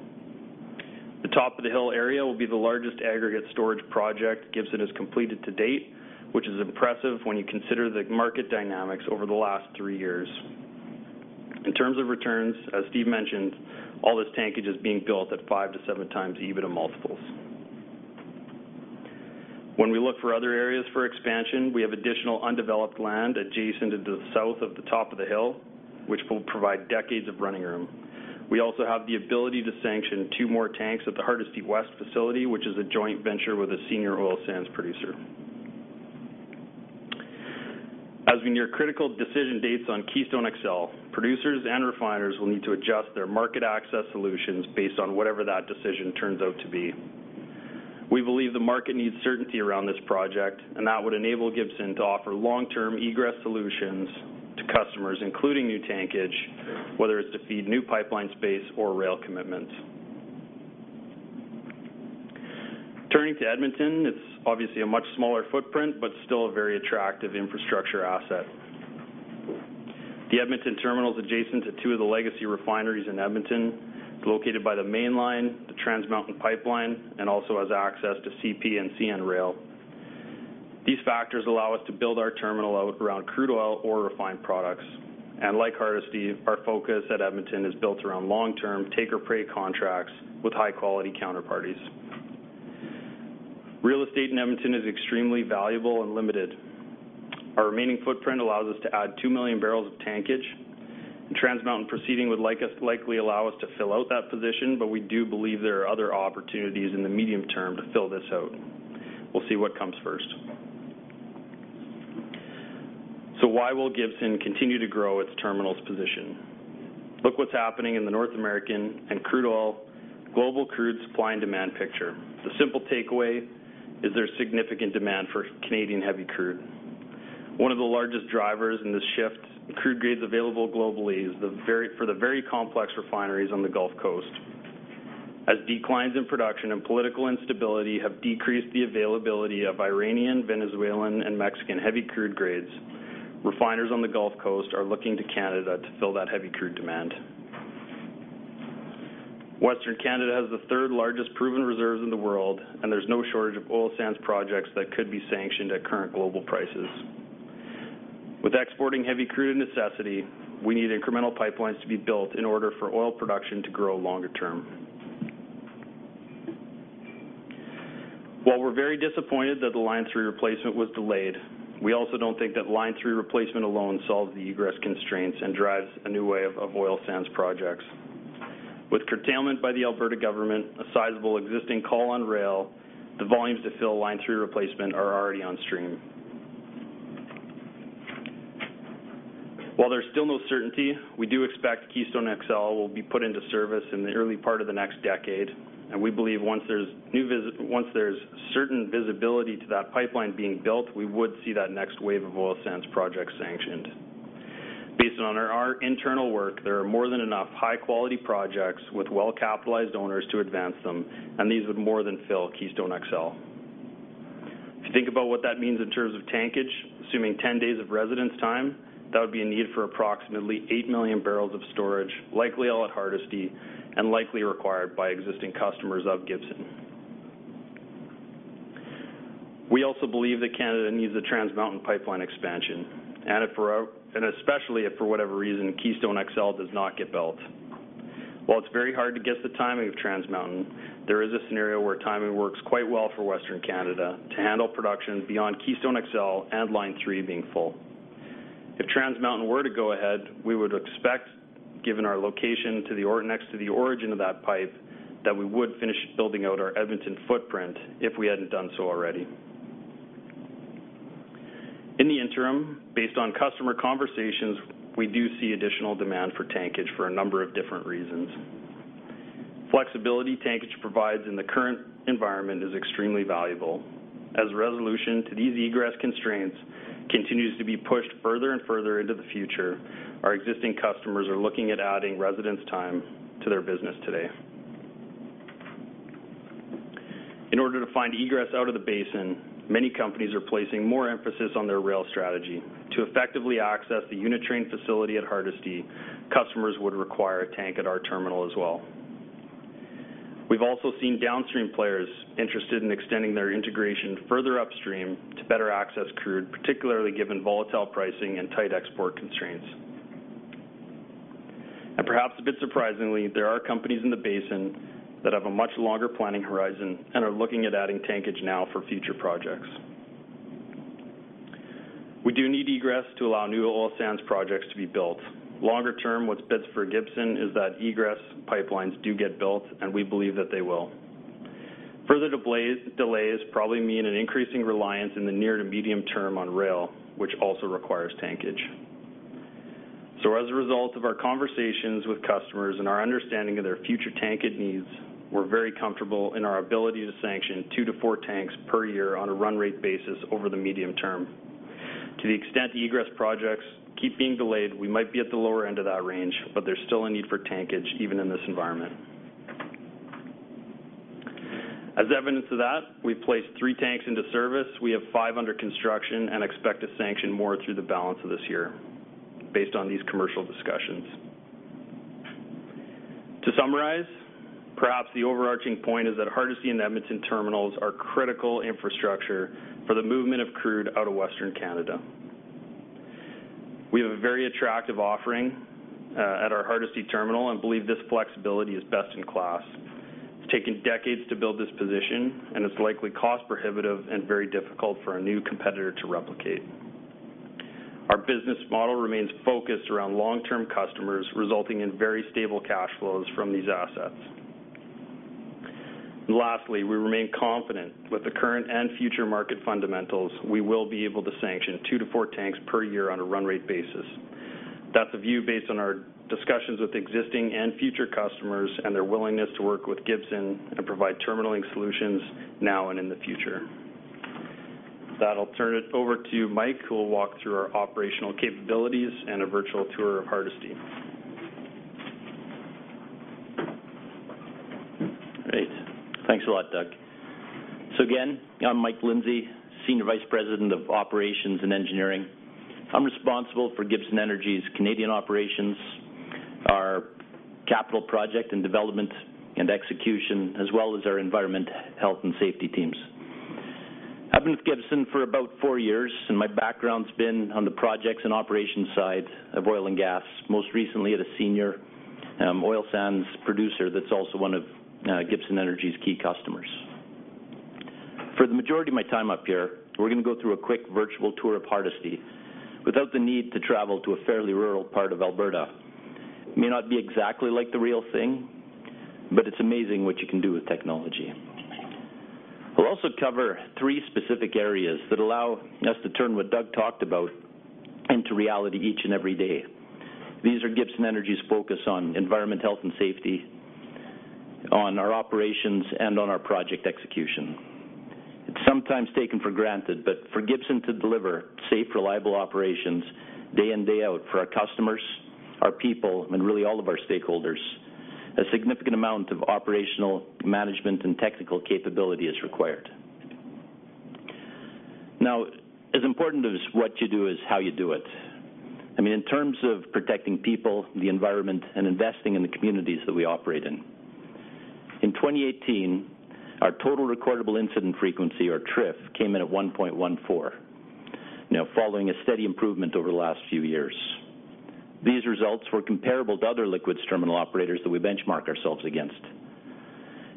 The Top of the Hill area will be the largest aggregate storage project Gibson has completed to date, which is impressive when you consider the market dynamics over the last three years. In terms of returns, as Steve mentioned, all this tankage is being built at 5-7 times EBITDA multiples. When we look for other areas for expansion, we have additional undeveloped land adjacent to the south of the Top of the Hill, which will provide decades of running room. We also have the ability to sanction two more tanks at the Hardisty West facility, which is a joint venture with a senior oil sands producer. As we near critical decision dates on Keystone XL, producers and refiners will need to adjust their market access solutions based on whatever that decision turns out to be. We believe the market needs certainty around this project, and that would enable Gibson to offer long-term egress solutions to customers, including new tankage, whether it's to feed new pipeline space or rail commitments. Turning to Edmonton, it's obviously a much smaller footprint, but still a very attractive infrastructure asset. The Edmonton Terminal is adjacent to two of the legacy refineries in Edmonton. It's located by the Mainline, the Trans Mountain Pipeline, and also has access to CP and CN rail. These factors allow us to build our terminal out around crude oil or refined products. Like Hardisty, our focus at Edmonton is built around long-term take-or-pay contracts with high-quality counterparties. Real estate in Edmonton is extremely valuable and limited. Our remaining footprint allows us to add 2 million barrels of tankage. The Trans Mountain proceeding would likely allow us to fill out that position, but we do believe there are other opportunities in the medium term to fill this out. We'll see what comes first. Why will Gibson continue to grow its terminals position? Look what's happening in the North American and crude oil global crude supply and demand picture. The simple takeaway is there's significant demand for Canadian heavy crude. One of the largest drivers in this shift in crude grades available globally is for the very complex refineries on the Gulf Coast. As declines in production and political instability have decreased the availability of Iranian, Venezuelan, and Mexican heavy crude grades, refiners on the Gulf Coast are looking to Canada to fill that heavy crude demand. Western Canada has the third-largest proven reserves in the world, there's no shortage of oil sands projects that could be sanctioned at current global prices. With exporting heavy crude a necessity, we need incremental pipelines to be built in order for oil production to grow longer term. While we're very disappointed that the Line 3 replacement was delayed, we also don't think that Line 3 replacement alone solves the egress constraints and drives a new wave of oil sands projects. With curtailment by the Alberta government, a sizable existing call on rail, the volumes to fill Line 3 replacement are already on stream. While there's still no certainty, we do expect Keystone XL will be put into service in the early part of the next decade, we believe once there's certain visibility to that pipeline being built, we would see that next wave of oil sands projects sanctioned. Based on our internal work, there are more than enough high-quality projects with well-capitalized owners to advance them, these would more than fill Keystone XL. If you think about what that means in terms of tankage, assuming 10 days of residence time, that would be a need for approximately 8 million barrels of storage, likely all at Hardisty, likely required by existing customers of Gibson. We also believe that Canada needs the Trans Mountain pipeline expansion, especially if for whatever reason, Keystone XL does not get built. While it's very hard to guess the timing of Trans Mountain, there is a scenario where timing works quite well for western Canada to handle production beyond Keystone XL and Line 3 being full. If Trans Mountain were to go ahead, we would expect, given our location next to the origin of that pipe, that we would finish building out our Edmonton footprint if we hadn't done so already. In the interim, based on customer conversations, we do see additional demand for tankage for a number of different reasons. Flexibility tankage provides in the current environment is extremely valuable. As resolution to these egress constraints continues to be pushed further and further into the future, our existing customers are looking at adding residence time to their business today. In order to find egress out of the basin, many companies are placing more emphasis on their rail strategy. To effectively access the unit train facility at Hardisty, customers would require a tank at our terminal as well. We've also seen downstream players interested in extending their integration further upstream to better access crude, particularly given volatile pricing and tight export constraints. Perhaps a bit surprisingly, there are companies in the basin that have a much longer planning horizon and are looking at adding tankage now for future projects. We do need egress to allow new oil sands projects to be built. Longer term, what's best for Gibson is that egress pipelines do get built, we believe that they will. Further delays probably mean an increasing reliance in the near to medium term on rail, which also requires tankage. As a result of our conversations with customers and our understanding of their future tankage needs, we're very comfortable in our ability to sanction 2 to 4 tanks per year on a run rate basis over the medium term. To the extent egress projects keep being delayed, we might be at the lower end of that range, but there's still a need for tankage, even in this environment. As evidence of that, we've placed three tanks into service. We have five under construction and expect to sanction more through the balance of this year based on these commercial discussions. To summarize, perhaps the overarching point is that Hardisty Terminal and Edmonton Terminal are critical infrastructure for the movement of crude out of Western Canada. We have a very attractive offering at our Hardisty Terminal and believe this flexibility is best in class. It's taken decades to build this position, and it's likely cost-prohibitive and very difficult for a new competitor to replicate. Our business model remains focused around long-term customers, resulting in very stable cash flows from these assets. Lastly, we remain confident with the current and future market fundamentals, we will be able to sanction two to four tanks per year on a run rate basis. That'll turn it over to Mike, who will walk through our operational capabilities and a virtual tour of Hardisty. Great. Thanks a lot, Doug. Again, I'm Mike Lindsay, Senior Vice President of Operations and Engineering. I'm responsible for Gibson Energy's Canadian operations, our capital project and development and execution, as well as our environment, health, and safety teams. I've been with Gibson for about four years, and my background's been on the projects and operations side of oil and gas, most recently at a senior oil sands producer that's also one of Gibson Energy's key customers. For the majority of my time up here, we're going to go through a quick virtual tour of Hardisty without the need to travel to a fairly rural part of Alberta. It may not be exactly like the real thing, but it's amazing what you can do with technology. We'll also cover three specific areas that allow us to turn what Doug talked about into reality each and every day. These are Gibson Energy's focus on environment, health, and safety, on our operations, and on our project execution. It's sometimes taken for granted, but for Gibson to deliver safe, reliable operations day in, day out for our customers, our people, and really all of our stakeholders, a significant amount of operational management and technical capability is required. Now, as important as what you do is how you do it. In terms of protecting people, the environment, and investing in the communities that we operate in. In 2018, our total recordable incident frequency, or TRIF, came in at 1.14, following a steady improvement over the last few years. These results were comparable to other liquids terminal operators that we benchmark ourselves against.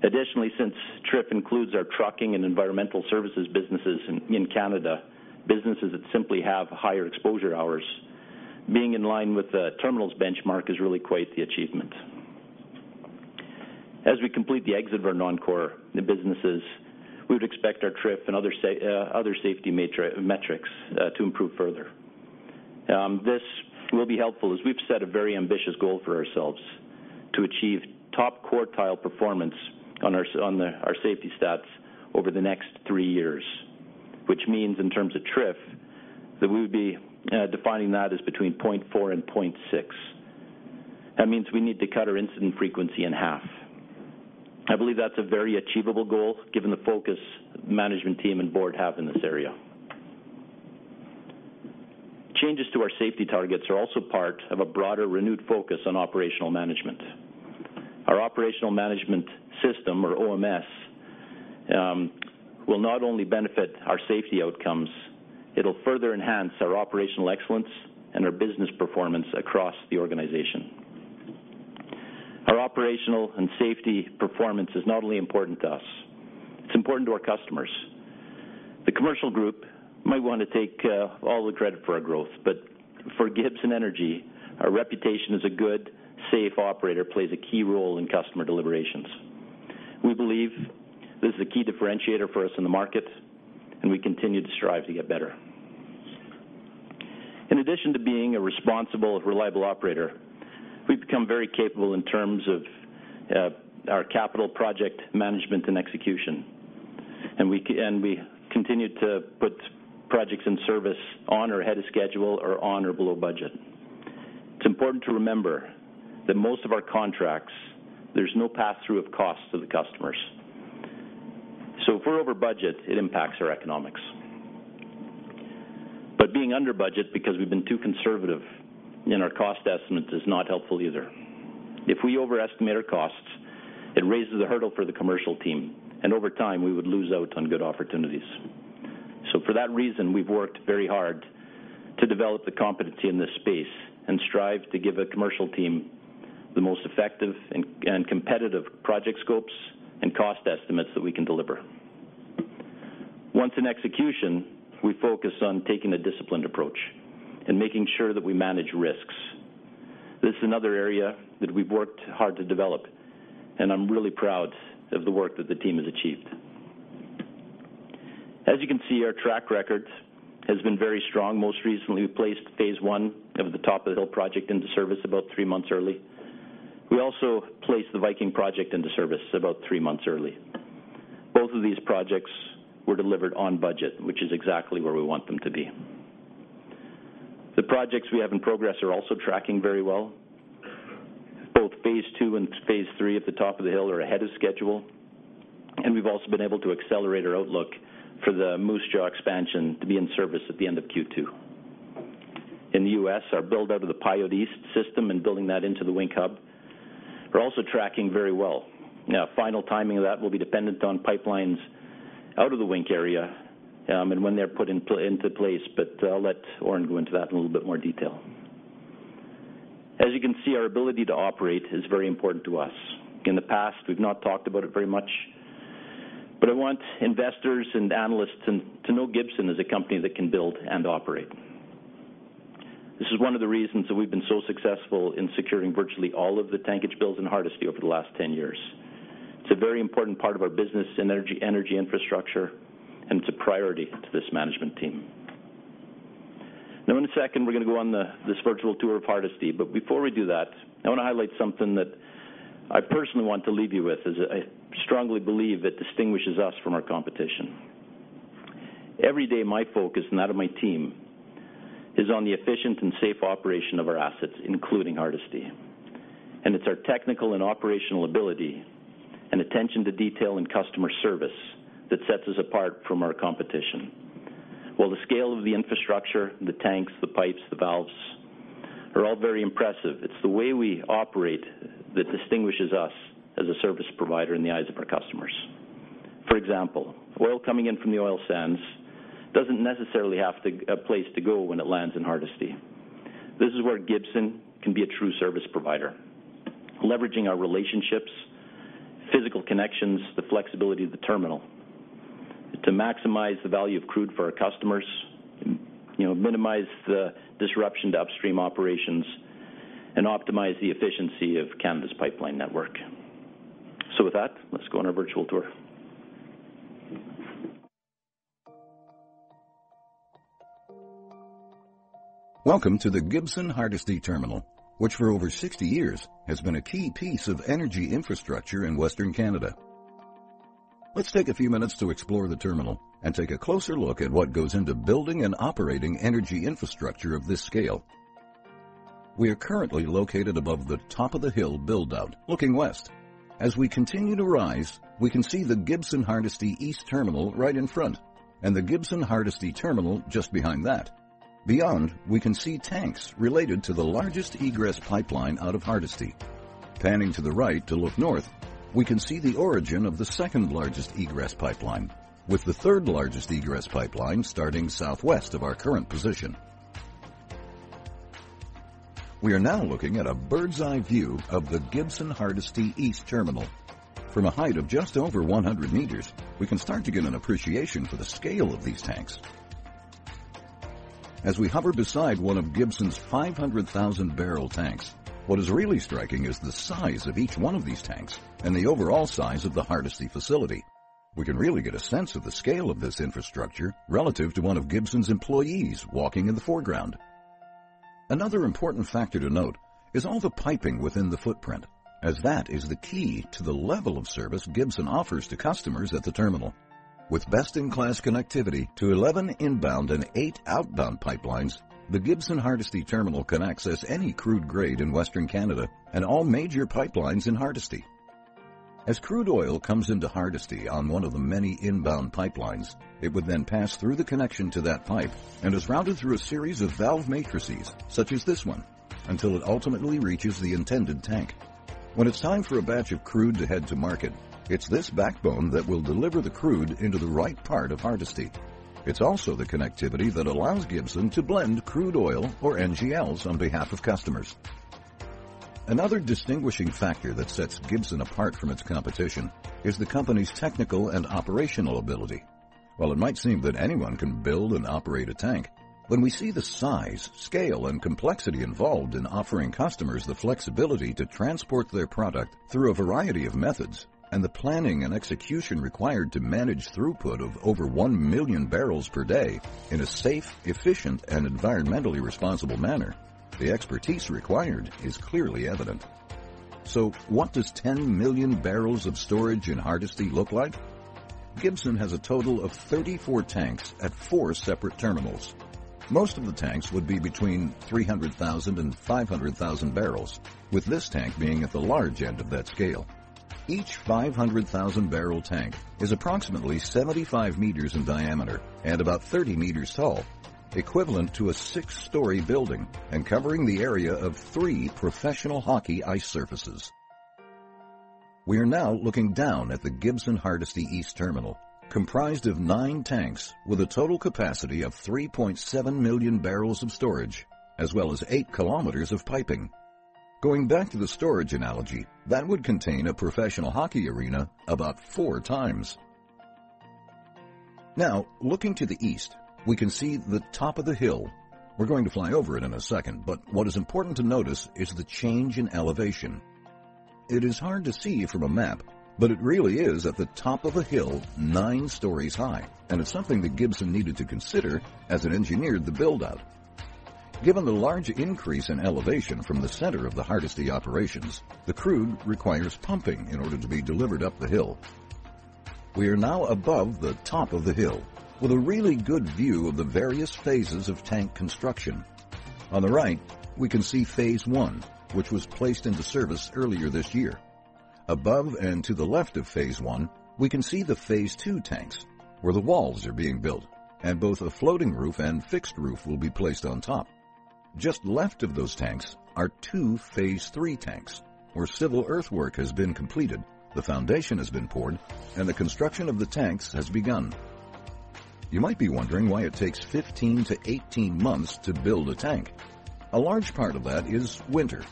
Additionally, since TRIF includes our trucking and environmental services businesses in Canada, businesses that simply have higher exposure hours, being in line with the terminals benchmark is really quite the achievement. As we complete the exit of our non-core businesses, we would expect our TRIF and other safety metrics to improve further. This will be helpful as we've set a very ambitious goal for ourselves to achieve top quartile performance on our safety stats over the next three years. Which means in terms of TRIF, that we would be defining that as between 0.4 and 0.6. That means we need to cut our incident frequency in half. I believe that's a very achievable goal given the focus management team and board have in this area. Changes to our safety targets are also part of a broader, renewed focus on operational management. Our operational management system, or OMS, will not only benefit our safety outcomes, it'll further enhance our operational excellence and our business performance across the organization. Our operational and safety performance is not only important to us, it's important to our customers. The commercial group might want to take all the credit for our growth, but for Gibson Energy, our reputation as a good, safe operator plays a key role in customer deliberations. We believe this is a key differentiator for us in the market, and we continue to strive to get better. In addition to being a responsible and reliable operator, we've become very capable in terms of our capital project management and execution, and we continue to put projects and service on or ahead of schedule or on or below budget. It's important to remember that most of our contracts, there's no pass-through of cost to the customers. If we're over budget, it impacts our economics. Being under budget because we've been too conservative in our cost estimates is not helpful either. If we overestimate our costs, it raises the hurdle for the commercial team, and over time, we would lose out on good opportunities. For that reason, we've worked very hard to develop the competency in this space and strive to give a commercial team the most effective and competitive project scopes and cost estimates that we can deliver. Once in execution, we focus on taking a disciplined approach and making sure that we manage risks. This is another area that we've worked hard to develop, and I'm really proud of the work that the team has achieved. As you can see, our track record has been very strong. Most recently, we placed phase 1 of the Top of the Hill project into service about three months early. We also placed the Viking Pipeline into service about three months early. Both of these projects were delivered on budget, which is exactly where we want them to be. The projects we have in progress are also tracking very well. Both phase 2 and phase 3 at the Top of the Hill are ahead of schedule, and we've also been able to accelerate our outlook for the Moose Jaw expansion to be in service at the end of Q2. In the U.S., our build-out of the Pyote East System and building that into the Wink Hub are also tracking very well. Final timing of that will be dependent on pipelines out of the Wink area, and when they're put into place, but I'll let Orin go into that in a little bit more detail. As you can see, our ability to operate is very important to us. In the past, we've not talked about it very much, but I want investors and analysts to know Gibson is a company that can build and operate. This is one of the reasons that we've been so successful in securing virtually all of the tankage builds in Hardisty over the last 10 years. It's a very important part of our business energy infrastructure, and it's a priority to this management team. In a second, we're going to go on this virtual tour of Hardisty, but before we do that, I want to highlight something that I personally want to leave you with, as I strongly believe it distinguishes us from our competition. Every day my focus, and that of my team, is on the efficient and safe operation of our assets, including Hardisty. It's our technical and operational ability, and attention to detail in customer service, that sets us apart from our competition. While the scale of the infrastructure, the tanks, the pipes, the valves, are all very impressive, it's the way we operate that distinguishes us as a service provider in the eyes of our customers. For example, oil coming in from the oil sands doesn't necessarily have a place to go when it lands in Hardisty. This is where Gibson can be a true service provider, leveraging our relationships, physical connections, the flexibility of the terminal to maximize the value of crude for our customers, minimize the disruption to upstream operations, and optimize the efficiency of Canada's pipeline network. With that, let's go on our virtual tour. Welcome to the Gibson Hardisty Terminal, which for over 60 years has been a key piece of energy infrastructure in Western Canada. Let's take a few minutes to explore the terminal and take a closer look at what goes into building and operating energy infrastructure of this scale. We are currently located above the top of the hill build-out, looking west. As we continue to rise, we can see the Gibson Hardisty East Terminal right in front, and the Gibson Hardisty Terminal just behind that. Beyond, we can see tanks related to the largest egress pipeline out of Hardisty. Panning to the right to look north, we can see the origin of the second-largest egress pipeline, with the third-largest egress pipeline starting southwest of our current position. We are now looking at a bird's-eye view of the Gibson Hardisty East Terminal. From a height of just over 100 meters, we can start to get an appreciation for the scale of these tanks. As we hover beside one of Gibson's 500,000-barrel tanks, what is really striking is the size of each one of these tanks and the overall size of the Hardisty facility. We can really get a sense of the scale of this infrastructure relative to one of Gibson's employees walking in the foreground. Another important factor to note is all the piping within the footprint, as that is the key to the level of service Gibson offers to customers at the terminal. With best-in-class connectivity to 11 inbound and eight outbound pipelines, the Gibson Hardisty Terminal can access any crude grade in Western Canada and all major pipelines in Hardisty. As crude oil comes into Hardisty on one of the many inbound pipelines, it would then pass through the connection to that pipe and is routed through a series of valve matrices, such as this one, until it ultimately reaches the intended tank. When it's time for a batch of crude to head to market, it's this backbone that will deliver the crude into the right part of Hardisty. It's also the connectivity that allows Gibson to blend crude oil or NGLs on behalf of customers. Another distinguishing factor that sets Gibson apart from its competition is the company's technical and operational ability. While it might seem that anyone can build and operate a tank, when we see the size, scale, and complexity involved in offering customers the flexibility to transport their product through a variety of methods, and the planning and execution required to manage throughput of over 1 million barrels per day in a safe, efficient, and environmentally responsible manner, the expertise required is clearly evident. What does 10 million barrels of storage in Hardisty look like? Gibson has a total of 34 tanks at four separate terminals. Most of the tanks would be between 300,000 and 500,000 barrels, with this tank being at the large end of that scale. Each 500,000-barrel tank is approximately 75 meters in diameter and about 30 meters tall, equivalent to a six-story building and covering the area of three professional hockey ice surfaces. We are now looking down at the Gibson Hardisty East Terminal, comprised of nine tanks with a total capacity of 3.7 million barrels of storage, as well as eight kilometers of piping. Going back to the storage analogy, that would contain a professional hockey arena about four times. Now, looking to the east, we can see the top of the hill. We're going to fly over it in a second, but what is important to notice is the change in elevation. It is hard to see from a map, but it really is at the top of a hill nine stories high, and it's something that Gibson needed to consider as it engineered the build-out. Given the large increase in elevation from the center of the Hardisty operations, the crude requires pumping in order to be delivered up the hill. We are now above the top of the hill, with a really good view of the various phases of tank construction. On the right, we can see phase 1, which was placed into service earlier this year. Above and to the left of phase 1, we can see the phase 2 tanks, where the walls are being built and both a floating roof and fixed roof will be placed on top. Just left of those tanks are two phase 3 tanks, where civil earthwork has been completed, the foundation has been poured, and the construction of the tanks has begun. You might be wondering why it takes 15 to 18 months to build a tank. A large part of that is winter.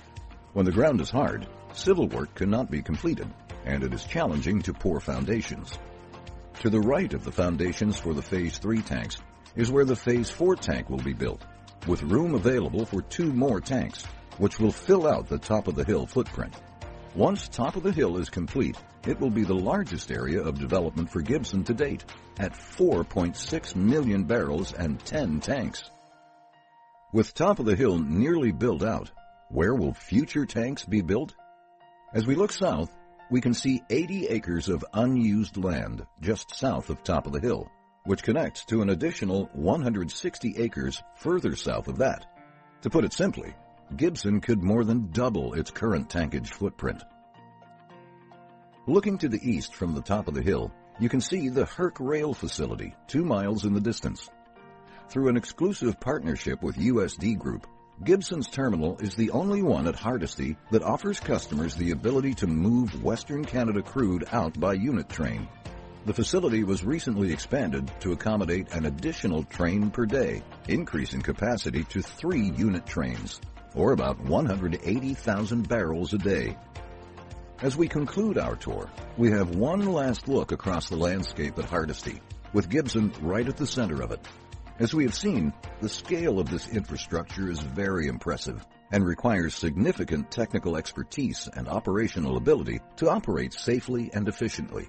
When the ground is hard, civil work cannot be completed, and it is challenging to pour foundations. To the right of the foundations for the phase 3 tanks is where the phase 4 tank will be built, with room available for two more tanks, which will fill out the Top of the Hill footprint. Once Top of the Hill is complete, it will be the largest area of development for Gibson to date at 4.6 million barrels and 10 tanks. With Top of the Hill nearly built out, where will future tanks be built? As we look south, we can see 80 acres of unused land just south of Top of the Hill, which connects to an additional 160 acres further south of that. To put it simply, Gibson could more than double its current tankage footprint. Looking to the east from the Top of the Hill, you can see the HURC Rail Facility two miles in the distance. Through an exclusive partnership with USD Group, Gibson's terminal is the only one at Hardisty that offers customers the ability to move Western Canada crude out by unit train. The facility was recently expanded to accommodate an additional train per day, increasing capacity to three unit trains, or about 180,000 barrels a day. As we conclude our tour, we have one last look across the landscape at Hardisty, with Gibson right at the center of it. As we have seen, the scale of this infrastructure is very impressive and requires significant technical expertise and operational ability to operate safely and efficiently.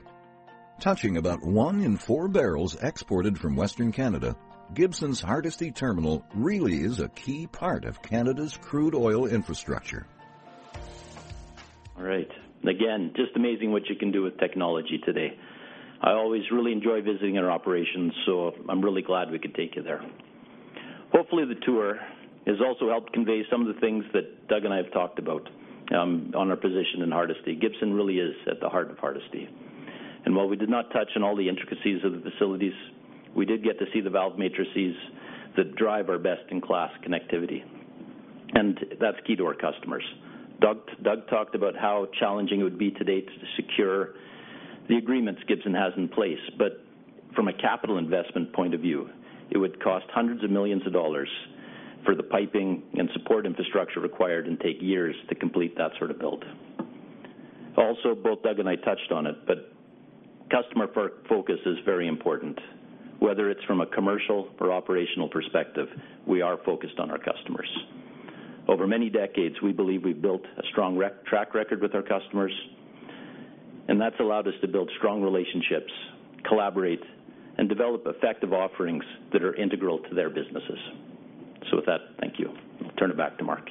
Touching about one in four barrels exported from Western Canada, Gibson's Hardisty Terminal really is a key part of Canada's crude oil infrastructure. All right. Again, just amazing what you can do with technology today. I always really enjoy visiting our operations, so I'm really glad we could take you there. Hopefully, the tour has also helped convey some of the things that Doug and I have talked about on our position in Hardisty. Gibson really is at the heart of Hardisty. While we did not touch on all the intricacies of the facilities, we did get to see the valve matrices that drive our best-in-class connectivity, and that's key to our customers. Doug talked about how challenging it would be today to secure the agreements Gibson has in place. From a capital investment point of view, it would cost hundreds of millions of CAD for the piping and support infrastructure required and take years to complete that sort of build. Both Doug and I touched on it, customer focus is very important. Whether it's from a commercial or operational perspective, we are focused on our customers. Over many decades, we believe we've built a strong track record with our customers, and that's allowed us to build strong relationships, collaborate, and develop effective offerings that are integral to their businesses. With that, thank you. I'll turn it back to Mark.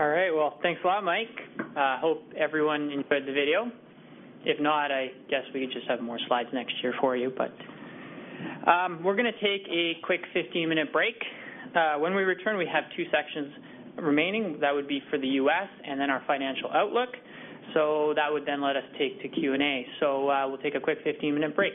All right, thanks a lot, Mike. Hope everyone enjoyed the video. If not, I guess we could just have more slides next year for you. We're going to take a quick 15-minute break. When we return, we have two sections remaining. That would be for the U.S. and then our financial outlook. That would then let us take to Q&A. We'll take a quick 15-minute break.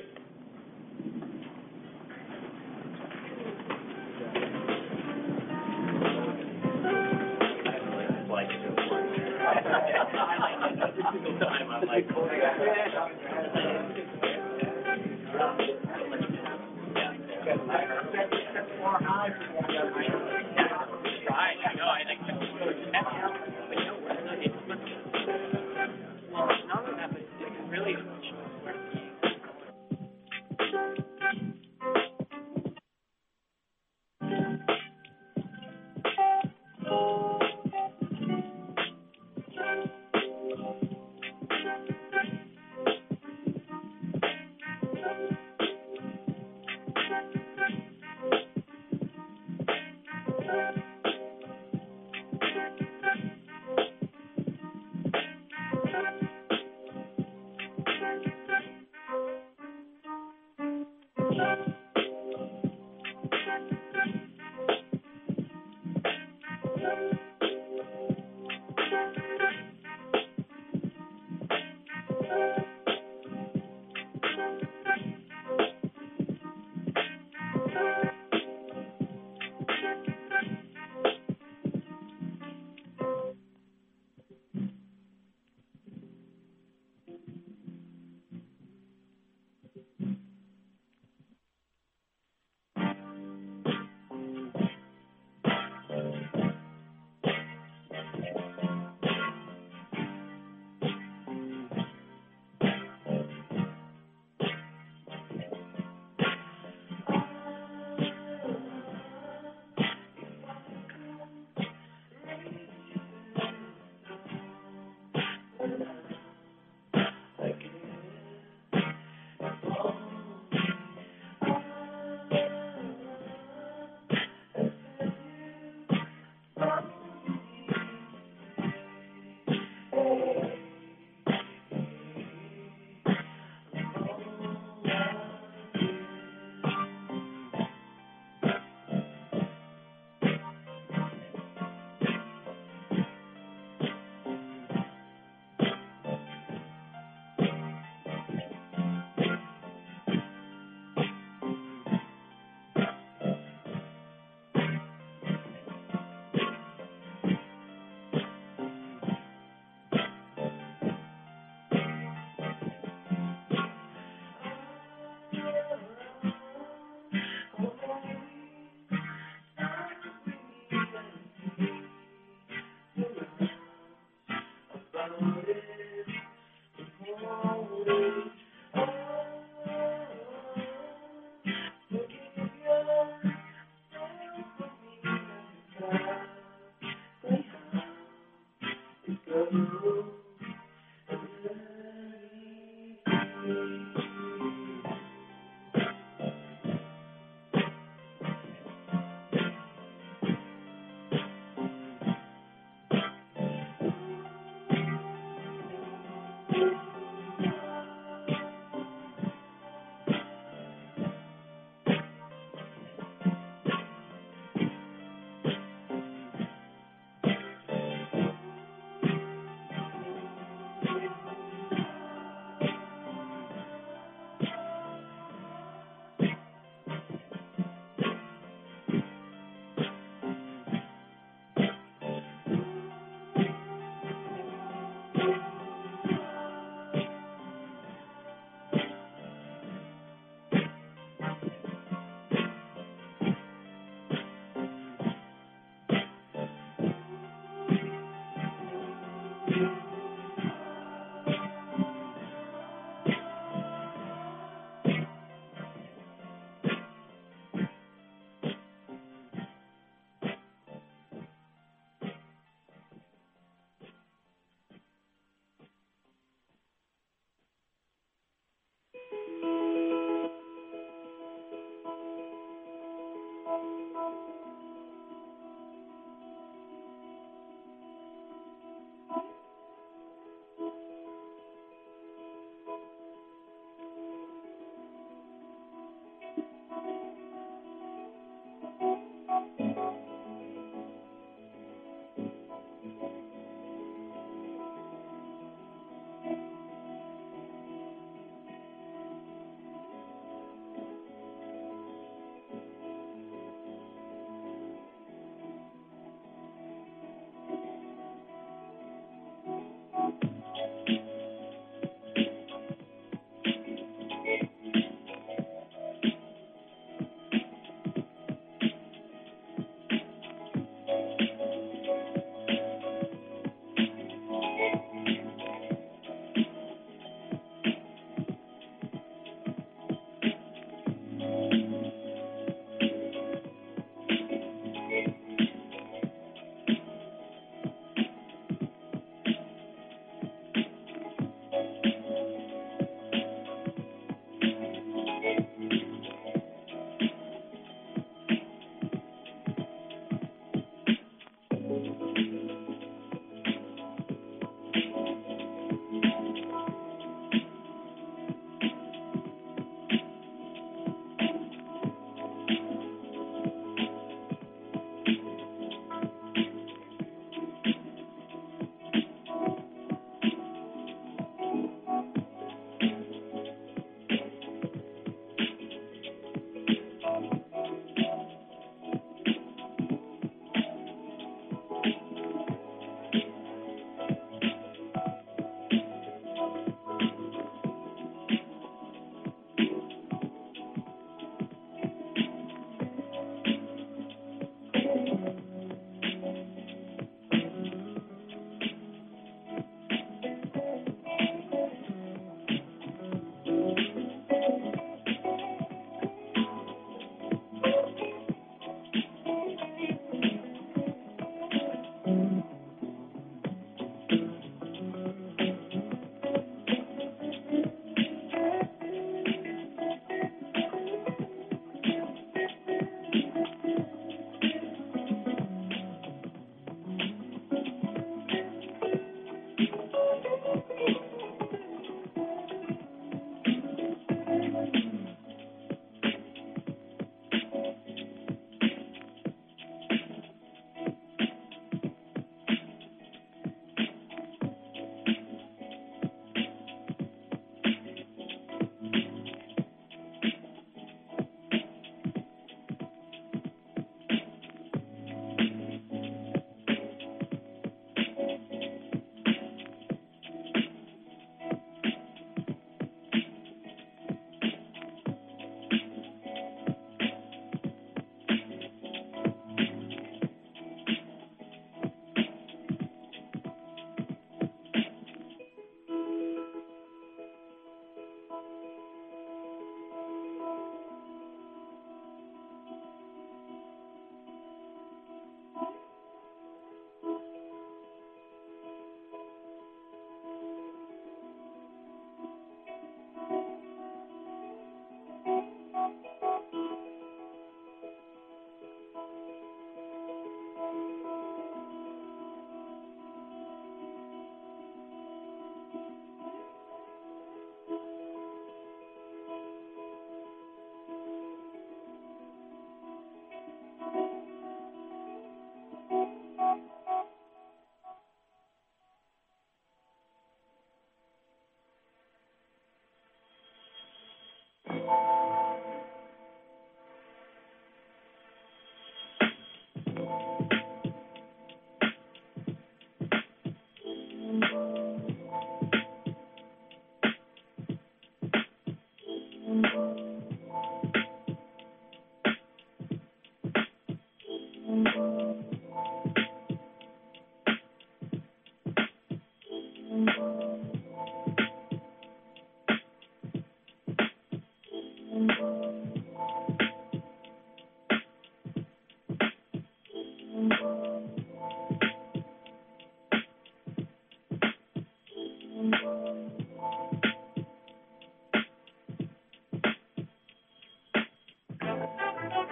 All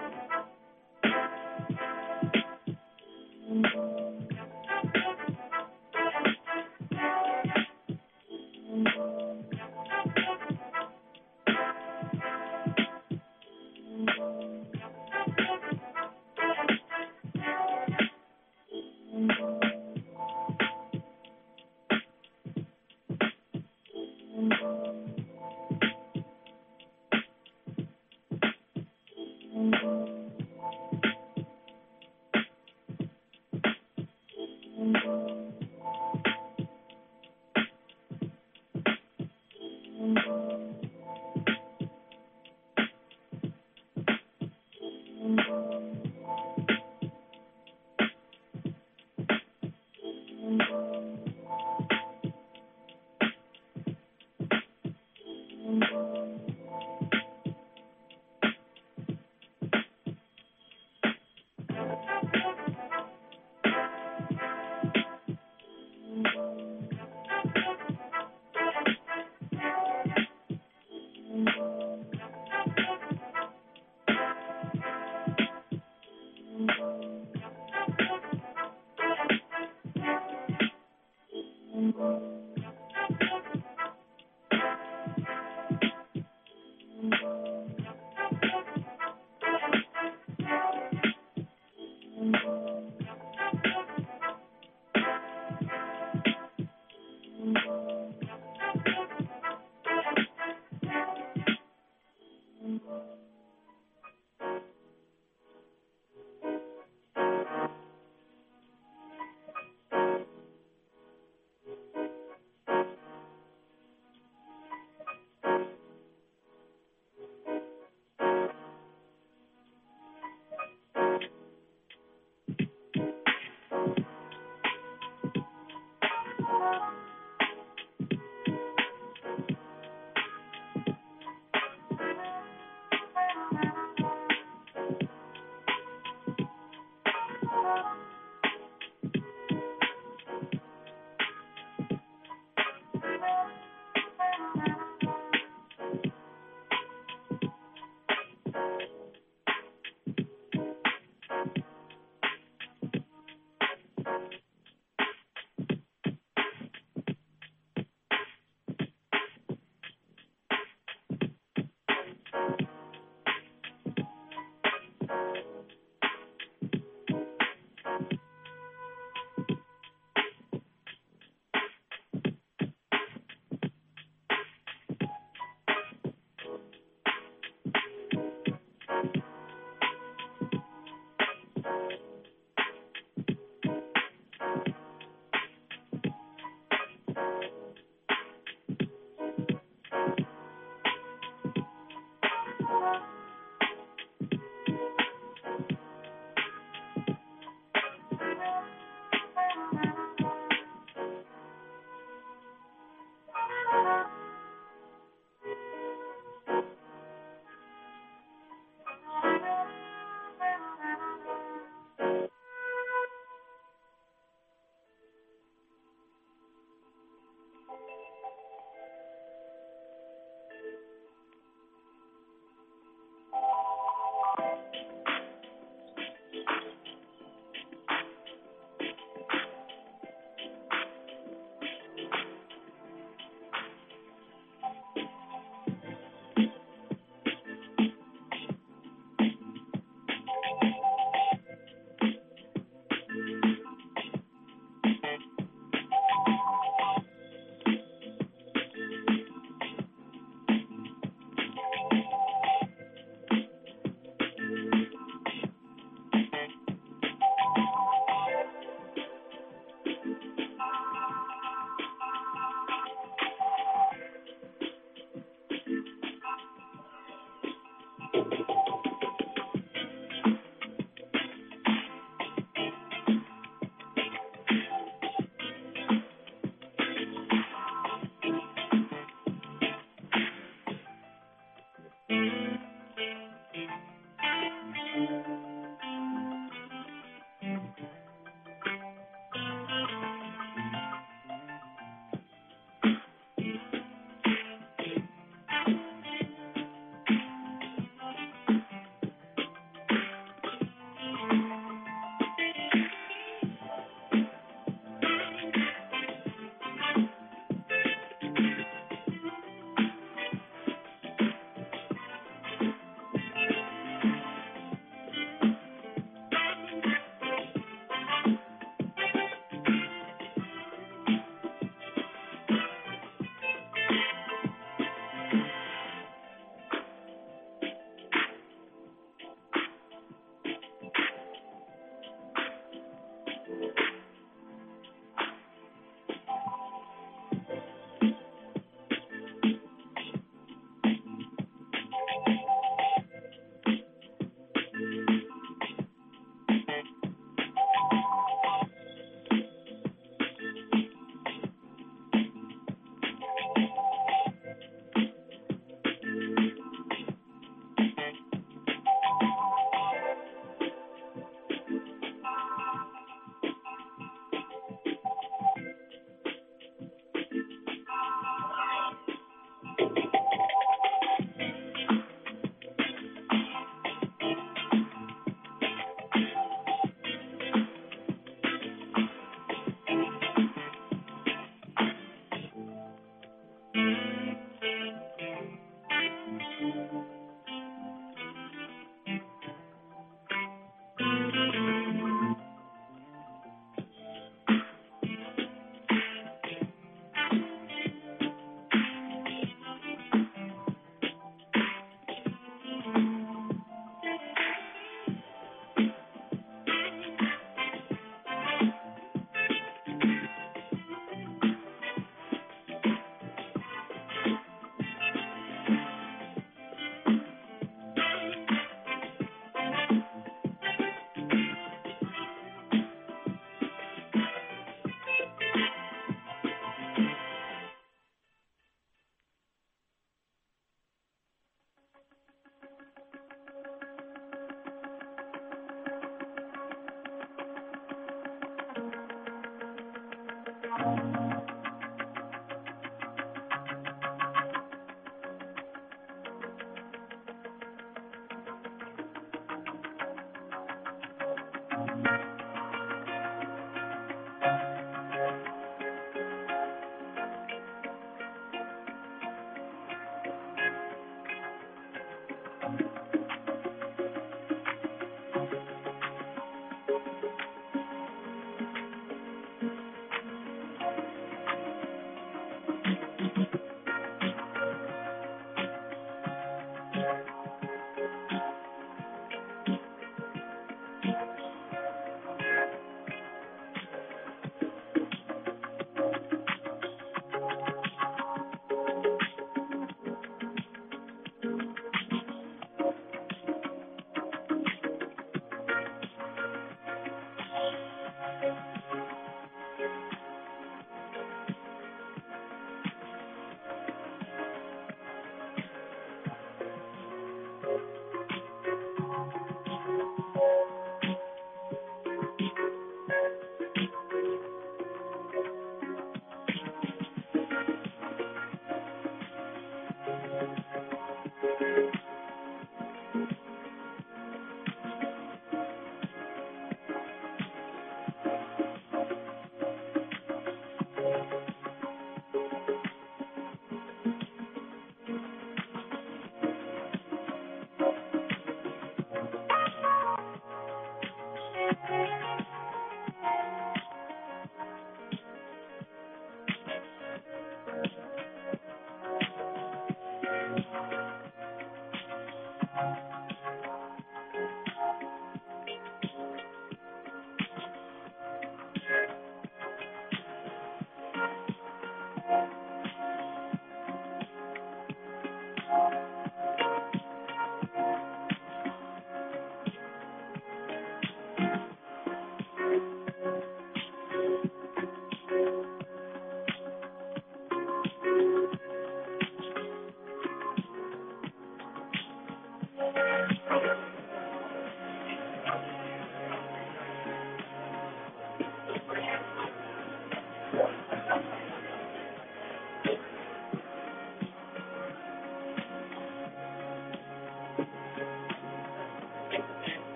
right.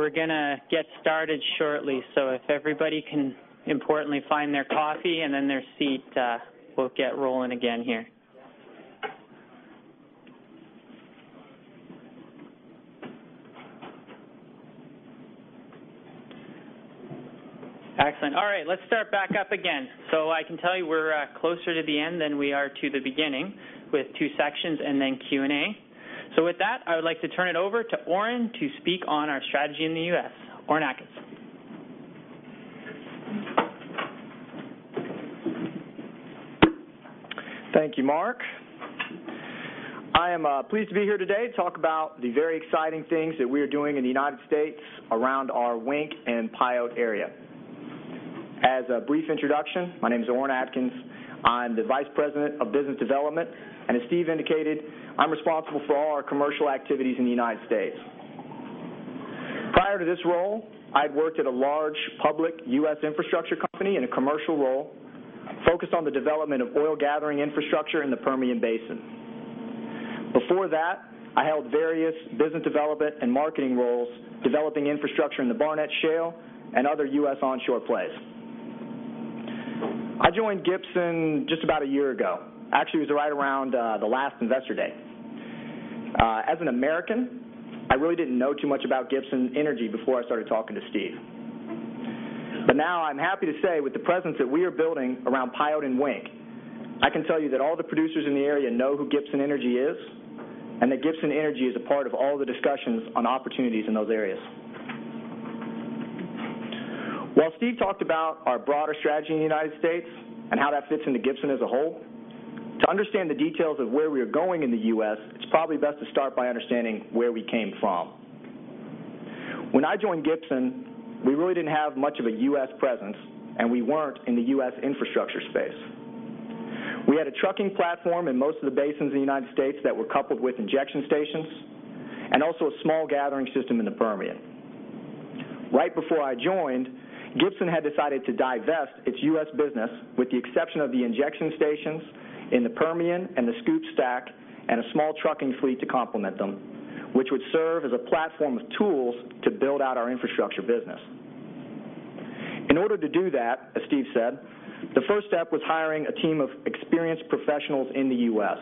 We're going to get started shortly, so if everybody can importantly find their coffee and then their seat, we'll get rolling again here. Excellent. All right. Let's start back up again. I can tell you we're closer to the end than we are to the beginning, with two sections and then Q&A. With that, I would like to turn it over to Orin to speak on our strategy in the U.S. Orin Atkins. Thank you, Mark. I am pleased to be here today to talk about the very exciting things that we are doing in the United States around our Wink and Pyote area. As a brief introduction, my name is Orin Atkins. I'm the Vice President of Business Development, and as Steve indicated, I'm responsible for all our commercial activities in the United States. Prior to this role, I'd worked at a large public U.S. infrastructure company in a commercial role, focused on the development of oil gathering infrastructure in the Permian Basin. Before that, I held various business development and marketing roles, developing infrastructure in the Barnett Shale and other U.S. onshore plays. I joined Gibson just about a year ago. Actually, it was right around the last Investor Day. As an American, I really didn't know too much about Gibson Energy before I started talking to Steve. Now I'm happy to say with the presence that we are building around Pyote and Wink, I can tell you that all the producers in the area know who Gibson Energy is, and that Gibson Energy is a part of all the discussions on opportunities in those areas. While Steve talked about our broader strategy in the United States and how that fits into Gibson as a whole, to understand the details of where we are going in the U.S., it's probably best to start by understanding where we came from. When I joined Gibson, we really didn't have much of a U.S. presence, and we weren't in the U.S. infrastructure space. We had a trucking platform in most of the basins in the United States that were coupled with injection stations, and also a small gathering system in the Permian. Right before I joined, Gibson had decided to divest its U.S. business, with the exception of the injection stations in the Permian and the SCOOP/STACK, and a small trucking fleet to complement them, which would serve as a platform of tools to build out our infrastructure business. In order to do that, as Steve said, the first step was hiring a team of experienced professionals in the U.S.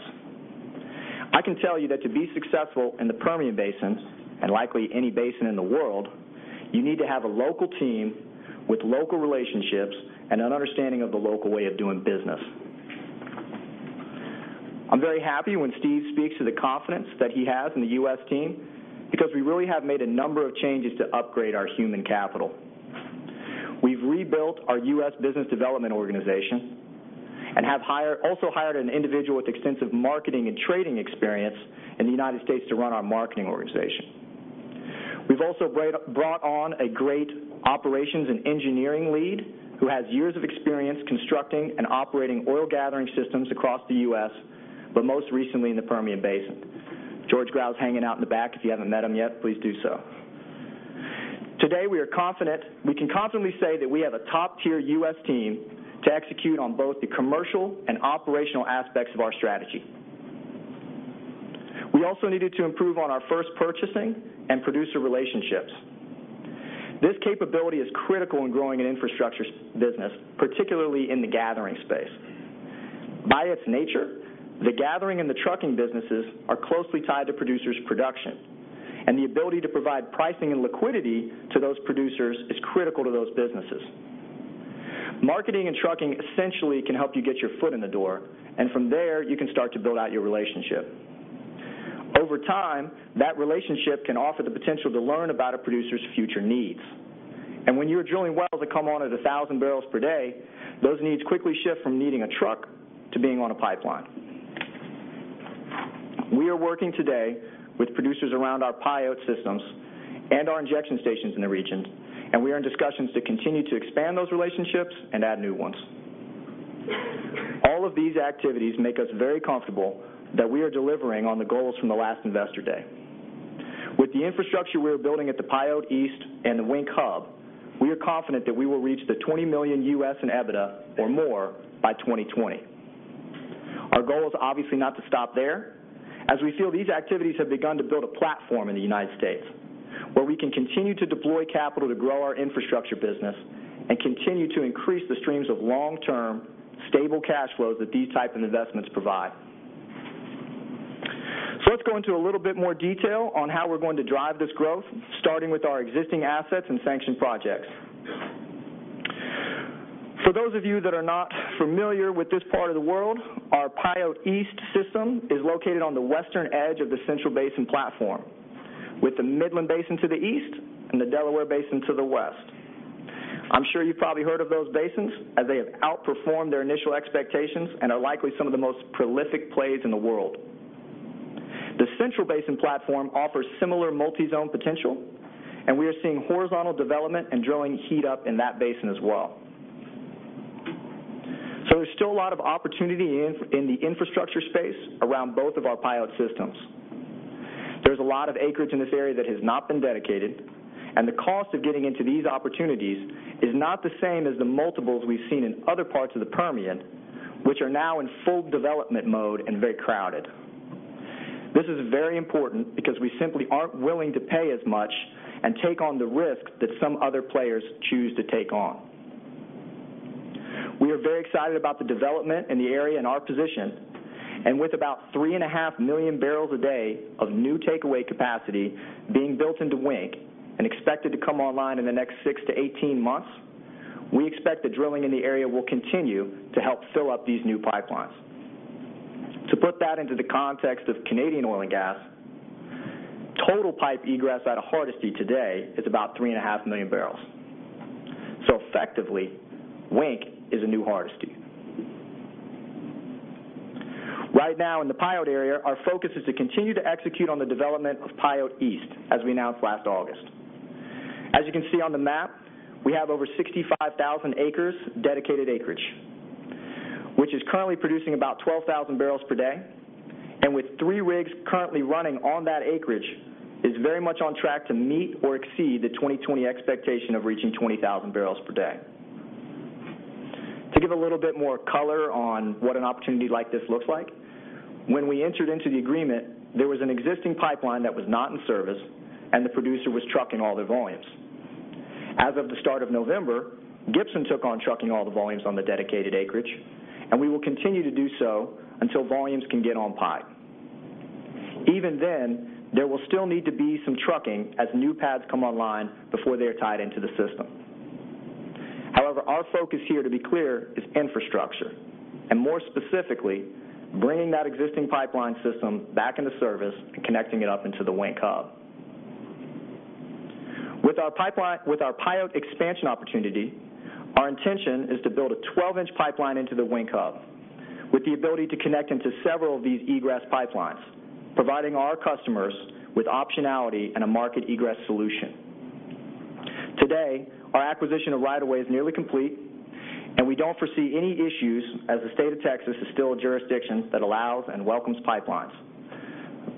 I can tell you that to be successful in the Permian Basin, and likely any basin in the world, you need to have a local team with local relationships and an understanding of the local way of doing business. I'm very happy when Steve speaks to the confidence that he has in the U.S. team, because we really have made a number of changes to upgrade our human capital. We've rebuilt our U.S. business development organization and have also hired an individual with extensive marketing and trading experience in the United States to run our marketing organization. We've also brought on a great operations and engineering lead who has years of experience constructing and operating oil gathering systems across the U.S., but most recently in the Permian Basin. George Graue's hanging out in the back. If you haven't met him yet, please do so. Today, we can confidently say that we have a top-tier U.S. team to execute on both the commercial and operational aspects of our strategy. We also needed to improve on our first purchasing and producer relationships. This capability is critical in growing an infrastructure business, particularly in the gathering space. By its nature, the gathering and the trucking businesses are closely tied to producers' production, and the ability to provide pricing and liquidity to those producers is critical to those businesses. Marketing and trucking essentially can help you get your foot in the door, and from there, you can start to build out your relationship. Over time, that relationship can offer the potential to learn about a producer's future needs. When you are drilling wells that come on at 1,000 barrels per day, those needs quickly shift from needing a truck to being on a pipeline. We are working today with producers around our Pyote systems and our injection stations in the region, and we are in discussions to continue to expand those relationships and add new ones. All of these activities make us very comfortable that we are delivering on the goals from the last Investor Day. With the infrastructure we are building at the Pyote East and the Wink Hub, we are confident that we will reach the $20 million in EBITDA or more by 2020. Our goal is obviously not to stop there, as we feel these activities have begun to build a platform in the United States, where we can continue to deploy capital to grow our infrastructure business and continue to increase the streams of long-term, stable cash flows that these types of investments provide. Let's go into a little bit more detail on how we're going to drive this growth, starting with our existing assets and sanctioned projects. For those of you that are not familiar with this part of the world, our Pyote East system is located on the western edge of the Central Basin Platform, with the Midland Basin to the east and the Delaware Basin to the west. I'm sure you've probably heard of those basins, as they have outperformed their initial expectations and are likely some of the most prolific plays in the world. The Central Basin Platform offers similar multi-zone potential, and we are seeing horizontal development and drilling heat up in that basin as well. There's still a lot of opportunity in the infrastructure space around both of our Pyote systems. There's a lot of acreage in this area that has not been dedicated, and the cost of getting into these opportunities is not the same as the multiples we've seen in other parts of the Permian, which are now in full development mode and very crowded. This is very important because we simply aren't willing to pay as much and take on the risk that some other players choose to take on. We are very excited about the development in the area and our position, and with about 3.5 million barrels a day of new takeaway capacity being built into Wink and expected to come online in the next 6 to 18 months, we expect the drilling in the area will continue to help fill up these new pipelines. To put that into the context of Canadian oil and gas, total pipe egress out of Hardisty today is about 3.5 million barrels. Effectively, Wink is a new Hardisty. Right now in the Pyote area, our focus is to continue to execute on the development of Pyote East, as we announced last August. As you can see on the map, we have over 65,000 acres dedicated acreage, which is currently producing about 12,000 barrels per day, and with three rigs currently running on that acreage, is very much on track to meet or exceed the 2020 expectation of reaching 20,000 barrels per day. To give a little bit more color on what an opportunity like this looks like, when we entered into the agreement, there was an existing pipeline that was not in service, and the producer was trucking all their volumes. As of the start of November, Gibson took on trucking all the volumes on the dedicated acreage, and we will continue to do so until volumes can get on pipe. Even then, there will still need to be some trucking as new pads come online before they are tied into the system. However, our focus here, to be clear, is infrastructure, and more specifically, bringing that existing pipeline system back into service and connecting it up into the Wink Hub. With our Pyote expansion opportunity, our intention is to build a 12-inch pipeline into the Wink Hub. With the ability to connect into several of these egress pipelines, providing our customers with optionality and a market egress solution. Today, our acquisition of right-of-way is nearly complete, and we don't foresee any issues as the State of Texas is still a jurisdiction that allows and welcomes pipelines.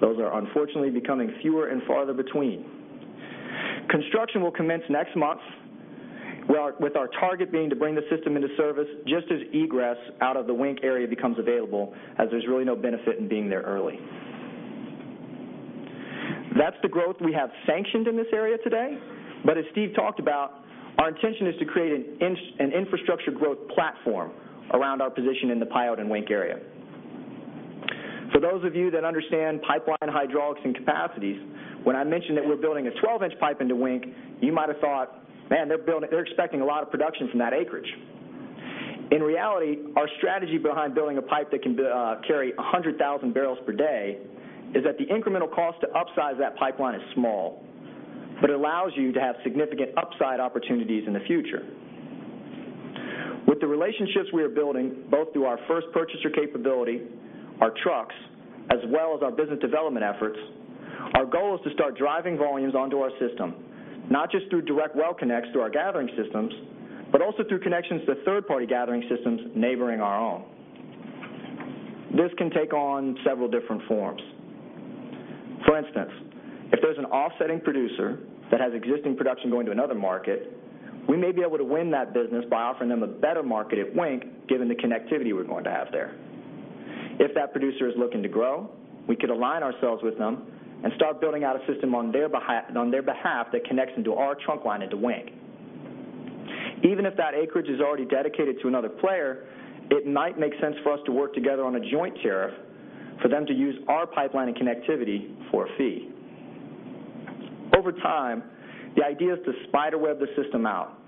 Those are unfortunately becoming fewer and farther between. Construction will commence next month with our target being to bring the system into service just as egress out of the Wink area becomes available, as there's really no benefit in being there early. That's the growth we have sanctioned in this area today. As Steve Spaulding talked about, our intention is to create an infrastructure growth platform around our position in the Pyote and Wink area. For those of you that understand pipeline hydraulics and capacities, when I mentioned that we're building a 12-inch pipe into Wink, you might have thought, "Man, they're expecting a lot of production from that acreage." In reality, our strategy behind building a pipe that can carry 100,000 barrels per day is that the incremental cost to upsize that pipeline is small, but it allows you to have significant upside opportunities in the future. With the relationships we are building, both through our first purchaser capability, our trucks, as well as our business development efforts, our goal is to start driving volumes onto our system, not just through direct well connects to our gathering systems, but also through connections to third-party gathering systems neighboring our own. This can take on several different forms. For instance, if there's an offsetting producer that has existing production going to another market, we may be able to win that business by offering them a better market at Wink, given the connectivity we're going to have there. If that producer is looking to grow, we could align ourselves with them and start building out a system on their behalf that connects into our trunk line into Wink. Even if that acreage is already dedicated to another player, it might make sense for us to work together on a joint tariff for them to use our pipeline and connectivity for a fee. Over time, the idea is to spider web the system out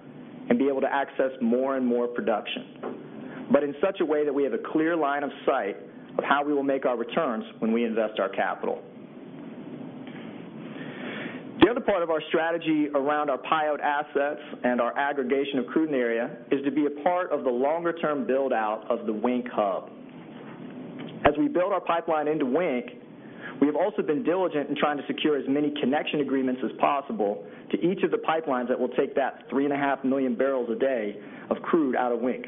and be able to access more and more production. In such a way that we have a clear line of sight of how we will make our returns when we invest our capital. The other part of our strategy around our Pyote assets and our aggregation of crude area is to be a part of the longer-term build-out of the Wink Hub. As we build our pipeline into Wink, we have also been diligent in trying to secure as many connection agreements as possible to each of the pipelines that will take that 3.5 million barrels a day of crude out of Wink.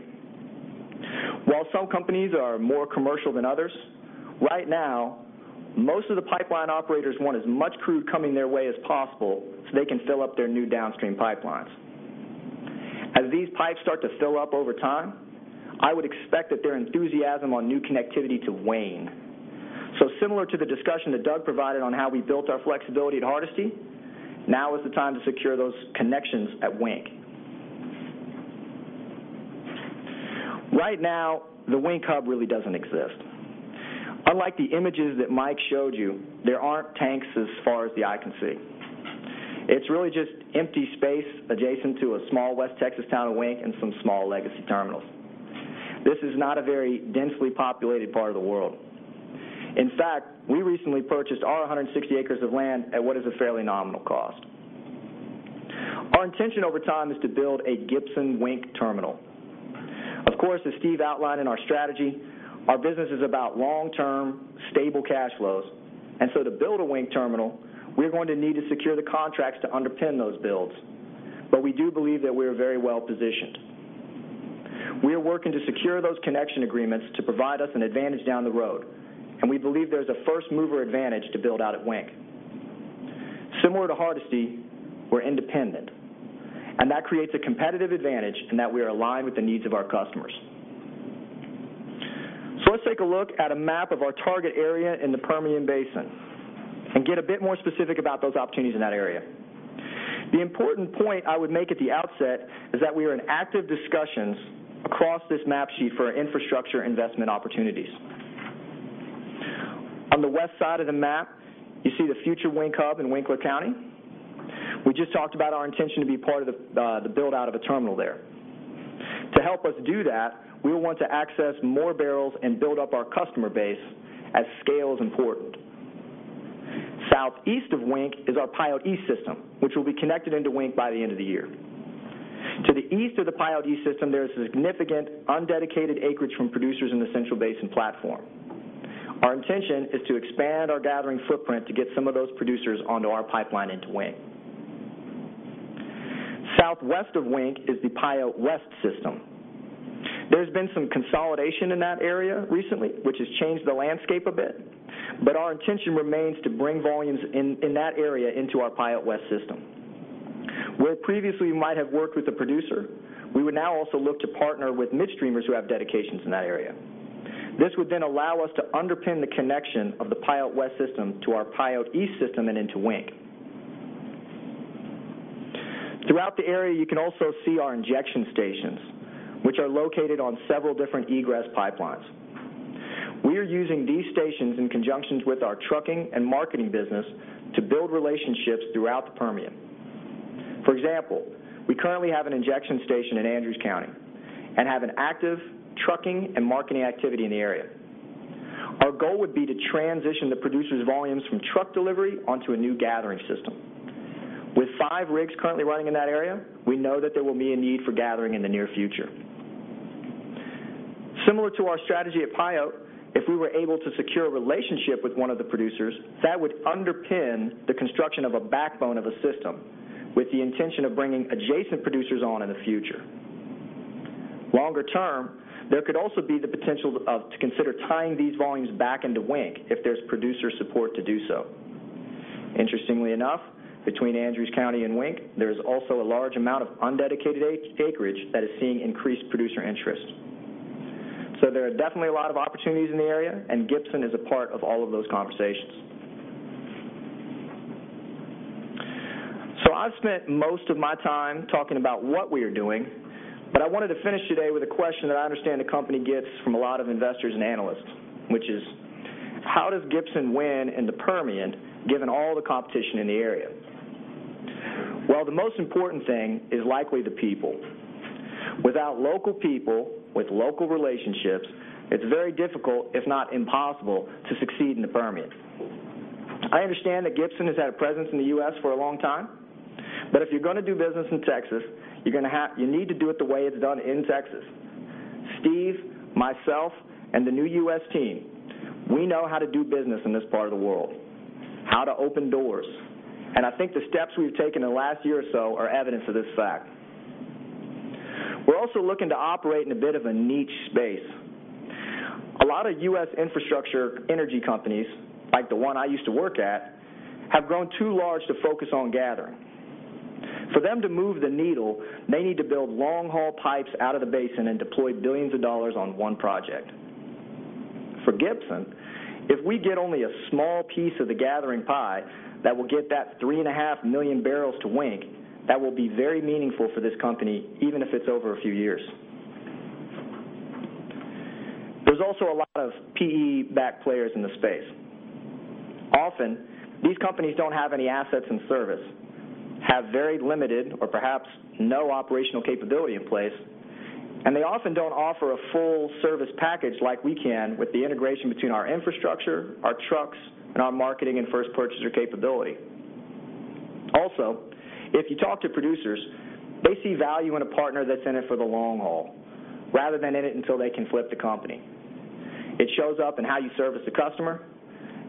While some companies are more commercial than others, right now, most of the pipeline operators want as much crude coming their way as possible so they can fill up their new downstream pipelines. As these pipes start to fill up over time, I would expect that their enthusiasm on new connectivity to wane. Similar to the discussion that Doug Atkins provided on how we built our flexibility at Hardisty, now is the time to secure those connections at Wink. Right now, the Wink hub really doesn't exist. Unlike the images that Mike Lindsay showed you, there aren't tanks as far as the eye can see. It's really just empty space adjacent to a small West Texas town of Wink and some small legacy terminals. This is not a very densely populated part of the world. In fact, we recently purchased our 160 acres of land at what is a fairly nominal cost. Our intention over time is to build a Gibson Wink terminal. Of course, as Steve outlined in our strategy, our business is about long-term, stable cash flows. To build a Wink terminal, we're going to need to secure the contracts to underpin those builds. We do believe that we are very well-positioned. We are working to secure those connection agreements to provide us an advantage down the road, and we believe there's a first-mover advantage to build out at Wink. Similar to Hardisty, we're independent, and that creates a competitive advantage in that we are aligned with the needs of our customers. Let's take a look at a map of our target area in the Permian Basin and get a bit more specific about those opportunities in that area. The important point I would make at the outset is that we are in active discussions across this map sheet for infrastructure investment opportunities. On the west side of the map, you see the future Wink Hub in Winkler County. We just talked about our intention to be part of the build-out of a terminal there. To help us do that, we want to access more barrels and build up our customer base as scale is important. Southeast of Wink is our Pyote East system, which will be connected into Wink by the end of the year. To the east of the Pyote East system, there is significant undedicated acreage from producers in the Central Basin Platform. Our intention is to expand our gathering footprint to get some of those producers onto our pipeline into Wink. Southwest of Wink is the Pyote West system. There's been some consolidation in that area recently, which has changed the landscape a bit, but our intention remains to bring volumes in that area into our Pyote West system. Where previously we might have worked with the producer, we would now also look to partner with midstreamers who have dedications in that area. This would allow us to underpin the connection of the Pyote West system to our Pyote East system and into Wink. Throughout the area, you can also see our injection stations, which are located on several different egress pipelines. We are using these stations in conjunction with our trucking and marketing business to build relationships throughout the Permian. For example, we currently have an injection station in Andrews County and have an active trucking and marketing activity in the area. Our goal would be to transition the producer's volumes from truck delivery onto a new gathering system. With five rigs currently running in that area, we know that there will be a need for gathering in the near future. Similar to our strategy at Pyote, if we were able to secure a relationship with one of the producers, that would underpin the construction of a backbone of a system with the intention of bringing adjacent producers on in the future. Longer term, there could also be the potential to consider tying these volumes back into Wink if there's producer support to do so. Interestingly enough, between Andrews County and Wink, there's also a large amount of undedicated acreage that is seeing increased producer interest. There are definitely a lot of opportunities in the area, and Gibson is a part of all of those conversations. I've spent most of my time talking about what we are doing, but I wanted to finish today with a question that I understand the company gets from a lot of investors and analysts, which is: How does Gibson win in the Permian, given all the competition in the area? The most important thing is likely the people. Without local people with local relationships, it's very difficult, if not impossible, to succeed in the Permian. I understand that Gibson has had a presence in the U.S. for a long time, but if you're going to do business in Texas, you need to do it the way it's done in Texas. Steve, myself, and the new U.S. team, we know how to do business in this part of the world, how to open doors, and I think the steps we've taken in the last year or so are evidence of this fact. We're also looking to operate in a bit of a niche space. A lot of U.S. infrastructure energy companies, like the one I used to work at, have grown too large to focus on gathering. For them to move the needle, they need to build long-haul pipes out of the basin and deploy billions dollars on one project. For Gibson, if we get only a small piece of the gathering pie that will get that 3.5 million barrels to Wink, that will be very meaningful for this company, even if it's over a few years. There's also a lot of PE-backed players in the space. Often, these companies don't have any assets and service, have very limited or perhaps no operational capability in place, and they often don't offer a full service package like we can with the integration between our infrastructure, our trucks, and our marketing and first purchaser capability. If you talk to producers, they see value in a partner that's in it for the long haul rather than in it until they can flip the company. It shows up in how you service the customer,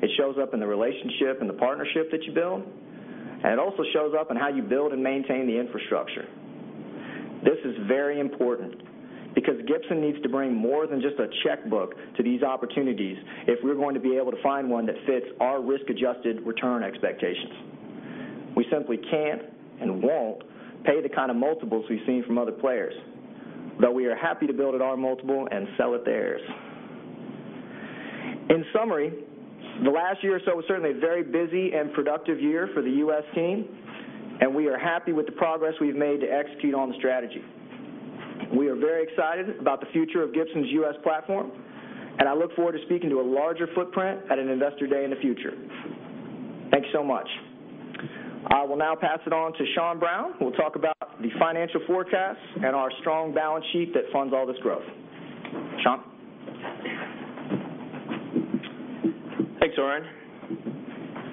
it shows up in the relationship and the partnership that you build, and it also shows up in how you build and maintain the infrastructure. This is very important because Gibson needs to bring more than just a checkbook to these opportunities if we're going to be able to find one that fits our risk-adjusted return expectations. We simply can't and won't pay the kind of multiples we've seen from other players. We are happy to build at our multiple and sell at theirs. The last year or so was certainly a very busy and productive year for the U.S. team, and we are happy with the progress we've made to execute on the strategy. We are very excited about the future of Gibson's U.S. platform. I look forward to speaking to a larger footprint at an Investor Day in the future. Thank you so much. I will now pass it on to Sean Brown, who will talk about the financial forecast and our strong balance sheet that funds all this growth. Sean? Thanks, Orin.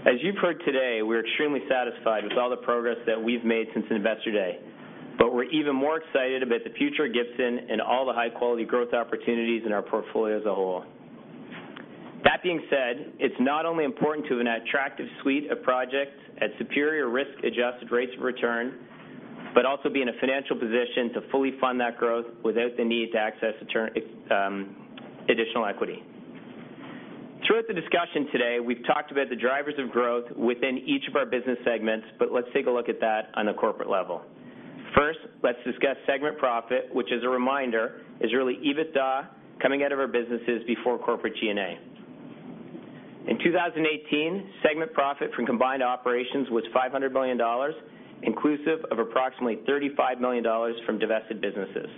As you've heard today, we're extremely satisfied with all the progress that we've made since Investor Day. We're even more excited about the future of Gibson and all the high-quality growth opportunities in our portfolio as a whole. That being said, it's not only important to have an attractive suite of projects at superior risk-adjusted rates of return. Also be in a financial position to fully fund that growth without the need to access additional equity. Throughout the discussion today, we've talked about the drivers of growth within each of our business segments. Let's take a look at that on a corporate level. First, let's discuss segment profit, which as a reminder, is really EBITDA coming out of our businesses before corporate G&A. In 2018, segment profit from combined operations was 500 million dollars, inclusive of approximately 35 million dollars from divested businesses.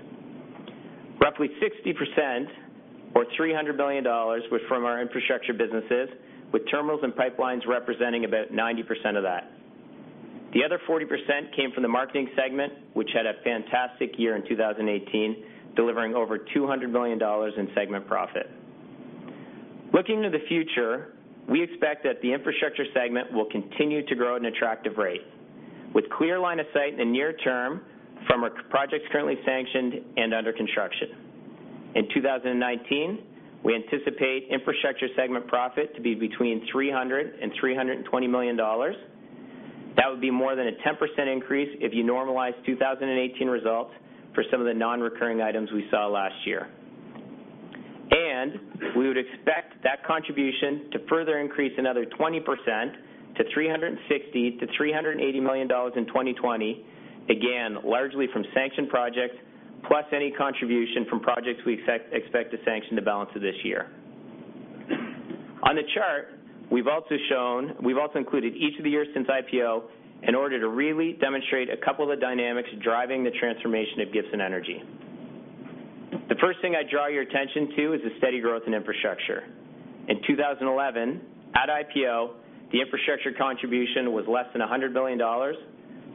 Roughly 60%, or 300 million dollars, was from our infrastructure businesses, with terminals and pipelines representing about 90% of that. The other 40% came from the marketing segment, which had a fantastic year in 2018, delivering over 200 million dollars in segment profit. Looking to the future, we expect that the infrastructure segment will continue to grow at an attractive rate. With clear line of sight in the near term from our projects currently sanctioned and under construction. In 2019, we anticipate infrastructure segment profit to be between 300 million dollars and 320 million dollars. That would be more than a 10% increase if you normalize 2018 results for some of the non-recurring items we saw last year. We would expect that contribution to further increase another 20% to 360 million to 380 million dollars in 2020, again, largely from sanctioned projects, plus any contribution from projects we expect to sanction the balance of this year. On the chart, we've also included each of the years since IPO in order to really demonstrate a couple of the dynamics driving the transformation of Gibson Energy. The first thing I draw your attention to is the steady growth in infrastructure. In 2011, at IPO, the infrastructure contribution was less than 100 million dollars.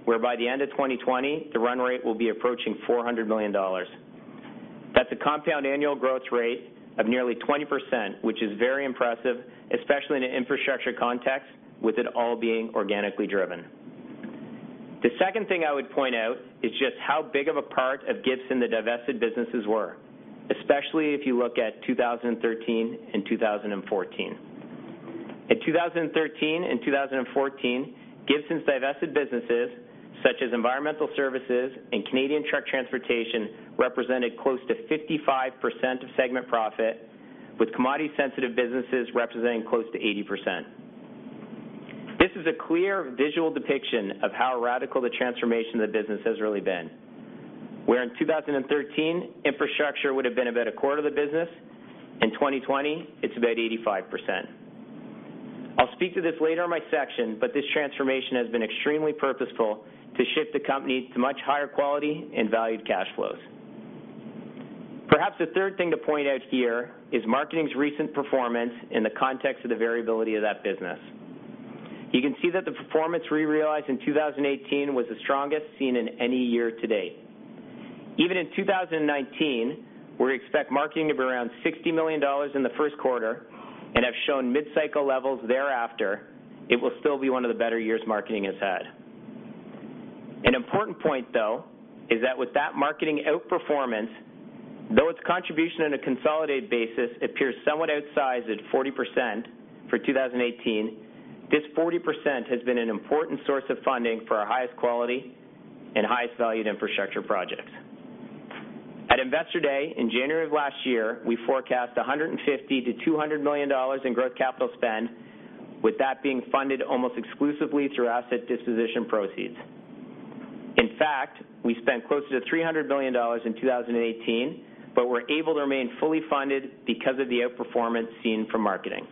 Where by the end of 2020, the run rate will be approaching 400 million dollars. That's a compound annual growth rate of nearly 20%, which is very impressive, especially in an infrastructure context, with it all being organically driven. The second thing I would point out is just how big of a part of Gibson the divested businesses were, especially if you look at 2013 and 2014. In 2013 and 2014, Gibson's divested businesses, such as Environmental Services and Canadian Truck Transportation, represented close to 55% of segment profit, with commodity-sensitive businesses representing close to 80%. This is a clear visual depiction of how radical the transformation of the business has really been. Where in 2013, infrastructure would've been about a quarter of the business, in 2020, it's about 85%. I'll speak to this later in my section, this transformation has been extremely purposeful to shift the company to much higher quality and valued cash flows. Perhaps the third thing to point out here is marketing's recent performance in the context of the variability of that business. You can see that the performance we realized in 2018 was the strongest seen in any year to date. Even in 2019, where we expect marketing of around 60 million dollars in the first quarter, and have shown mid-cycle levels thereafter, it will still be one of the better years marketing has had. An important point, though, is that with that marketing outperformance, though its contribution on a consolidated basis appears somewhat outsized at 40% for 2018, this 40% has been an important source of funding for our highest quality and highest valued infrastructure projects. At Investor Day in January of last year, we forecast 150 million-200 million dollars in growth capital spend, with that being funded almost exclusively through asset disposition proceeds. In fact, we spent closer to 300 million dollars in 2018, were able to remain fully funded because of the outperformance seen from marketing.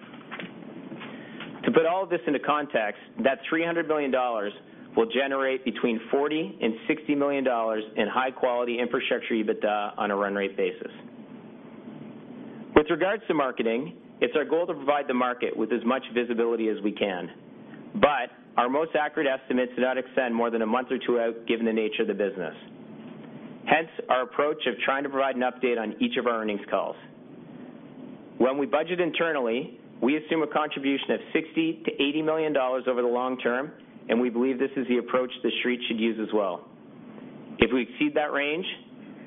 To put all of this into context, that 300 million dollars will generate between 40 million and 60 million dollars in high-quality infrastructure EBITDA on a run-rate basis. With regards to marketing, it's our goal to provide the market with as much visibility as we can. Our most accurate estimates do not extend more than a month or two out, given the nature of the business. Hence, our approach of trying to provide an update on each of our earnings calls. When we budget internally, we assume a contribution of 60 million-80 million dollars over the long term, we believe this is the approach The Street should use as well. If we exceed that range,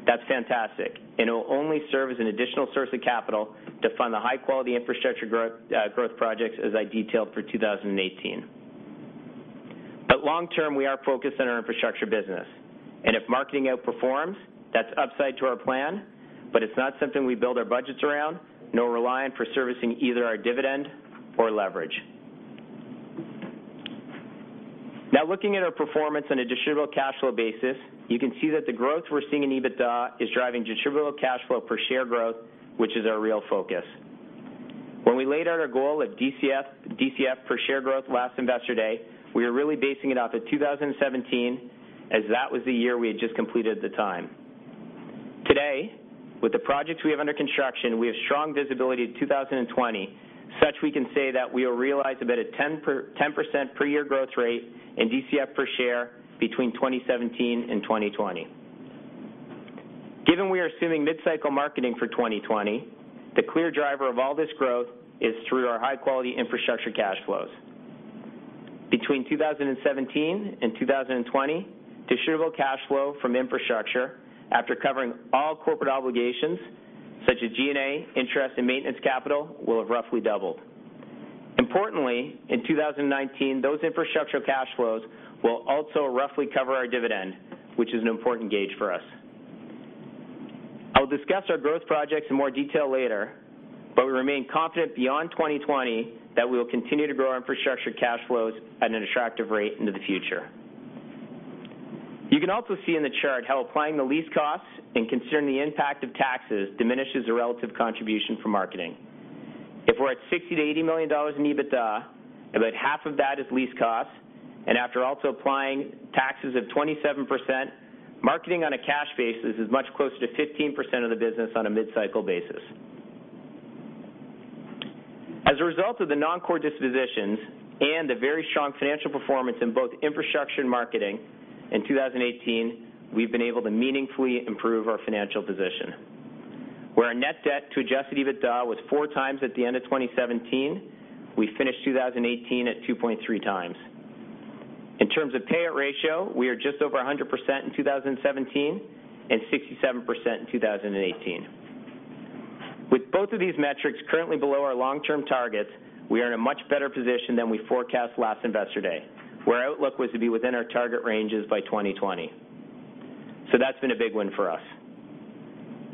that's fantastic, it will only serve as an additional source of capital to fund the high-quality infrastructure growth projects, as I detailed for 2018. Long term, we are focused on our infrastructure business, if marketing outperforms, that's upside to our plan, it's not something we build our budgets around, nor rely on for servicing either our dividend or leverage. Looking at our performance on a distributable cash flow basis, you can see that the growth we're seeing in EBITDA is driving distributable cash flow per share growth, which is our real focus. When we laid out our goal of DCF per share growth last Investor Day, we were really basing it off of 2017, as that was the year we had just completed at the time. Today, with the projects we have under construction, we have strong visibility to 2020. Such we can say that we will realize about a 10% per year growth rate in DCF per share between 2017 and 2020. Given we are assuming mid-cycle marketing for 2020, the clear driver of all this growth is through our high-quality infrastructure cash flows. Between 2017 and 2020, distributable cash flow from infrastructure after covering all corporate obligations such as G&A, interest, and maintenance capital, will have roughly doubled. Importantly, in 2019, those infrastructure cash flows will also roughly cover our dividend, which is an important gauge for us. I will discuss our growth projects in more detail later, but we remain confident beyond 2020 that we will continue to grow our infrastructure cash flows at an attractive rate into the future. You can also see in the chart how applying the lease costs and considering the impact of taxes diminishes the relative contribution from marketing. If we're at 60 million-80 million dollars in EBITDA, about half of that is lease costs, and after also applying taxes of 27%, marketing on a cash basis is much closer to 15% of the business on a mid-cycle basis. As a result of the non-core dispositions and the very strong financial performance in both infrastructure and marketing in 2018, we've been able to meaningfully improve our financial position, where our net debt to adjusted EBITDA was 4 times at the end of 2017. We finished 2018 at 2.3 times. In terms of payout ratio, we are just over 100% in 2017 and 67% in 2018. With both of these metrics currently below our long-term targets, we are in a much better position than we forecast last Investor Day, where our outlook was to be within our target ranges by 2020. That's been a big win for us.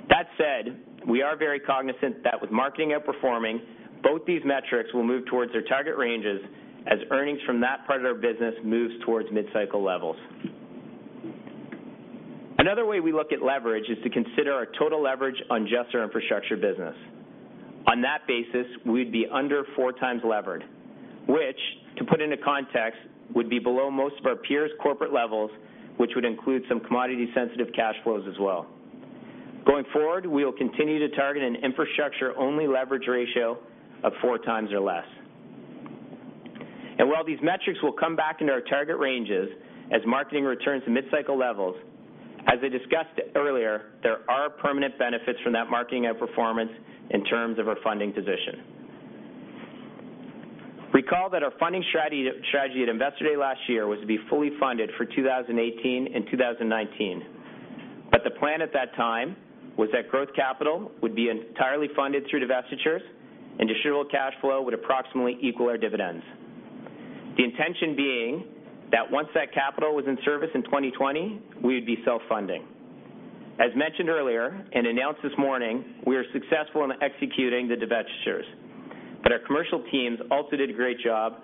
That said, we are very cognizant that with marketing outperforming, both these metrics will move towards their target ranges as earnings from that part of our business moves towards mid-cycle levels. Another way we look at leverage is to consider our total leverage on just our infrastructure business. On that basis, we'd be under 4 times levered, which, to put into context, would be below most of our peers' corporate levels, which would include some commodity-sensitive cash flows as well. Going forward, we will continue to target an infrastructure-only leverage ratio of 4 times or less. While these metrics will come back into our target ranges as marketing returns to mid-cycle levels, as I discussed earlier, there are permanent benefits from that marketing outperformance in terms of our funding position. Recall that our funding strategy at Investor Day last year was to be fully funded for 2018 and 2019, the plan at that time was that growth capital would be entirely funded through divestitures and distributable cash flow would approximately equal our dividends. The intention being that once that capital was in service in 2020, we would be self-funding. As mentioned earlier and announced this morning, we are successful in executing the divestitures. Our commercial teams also did a great job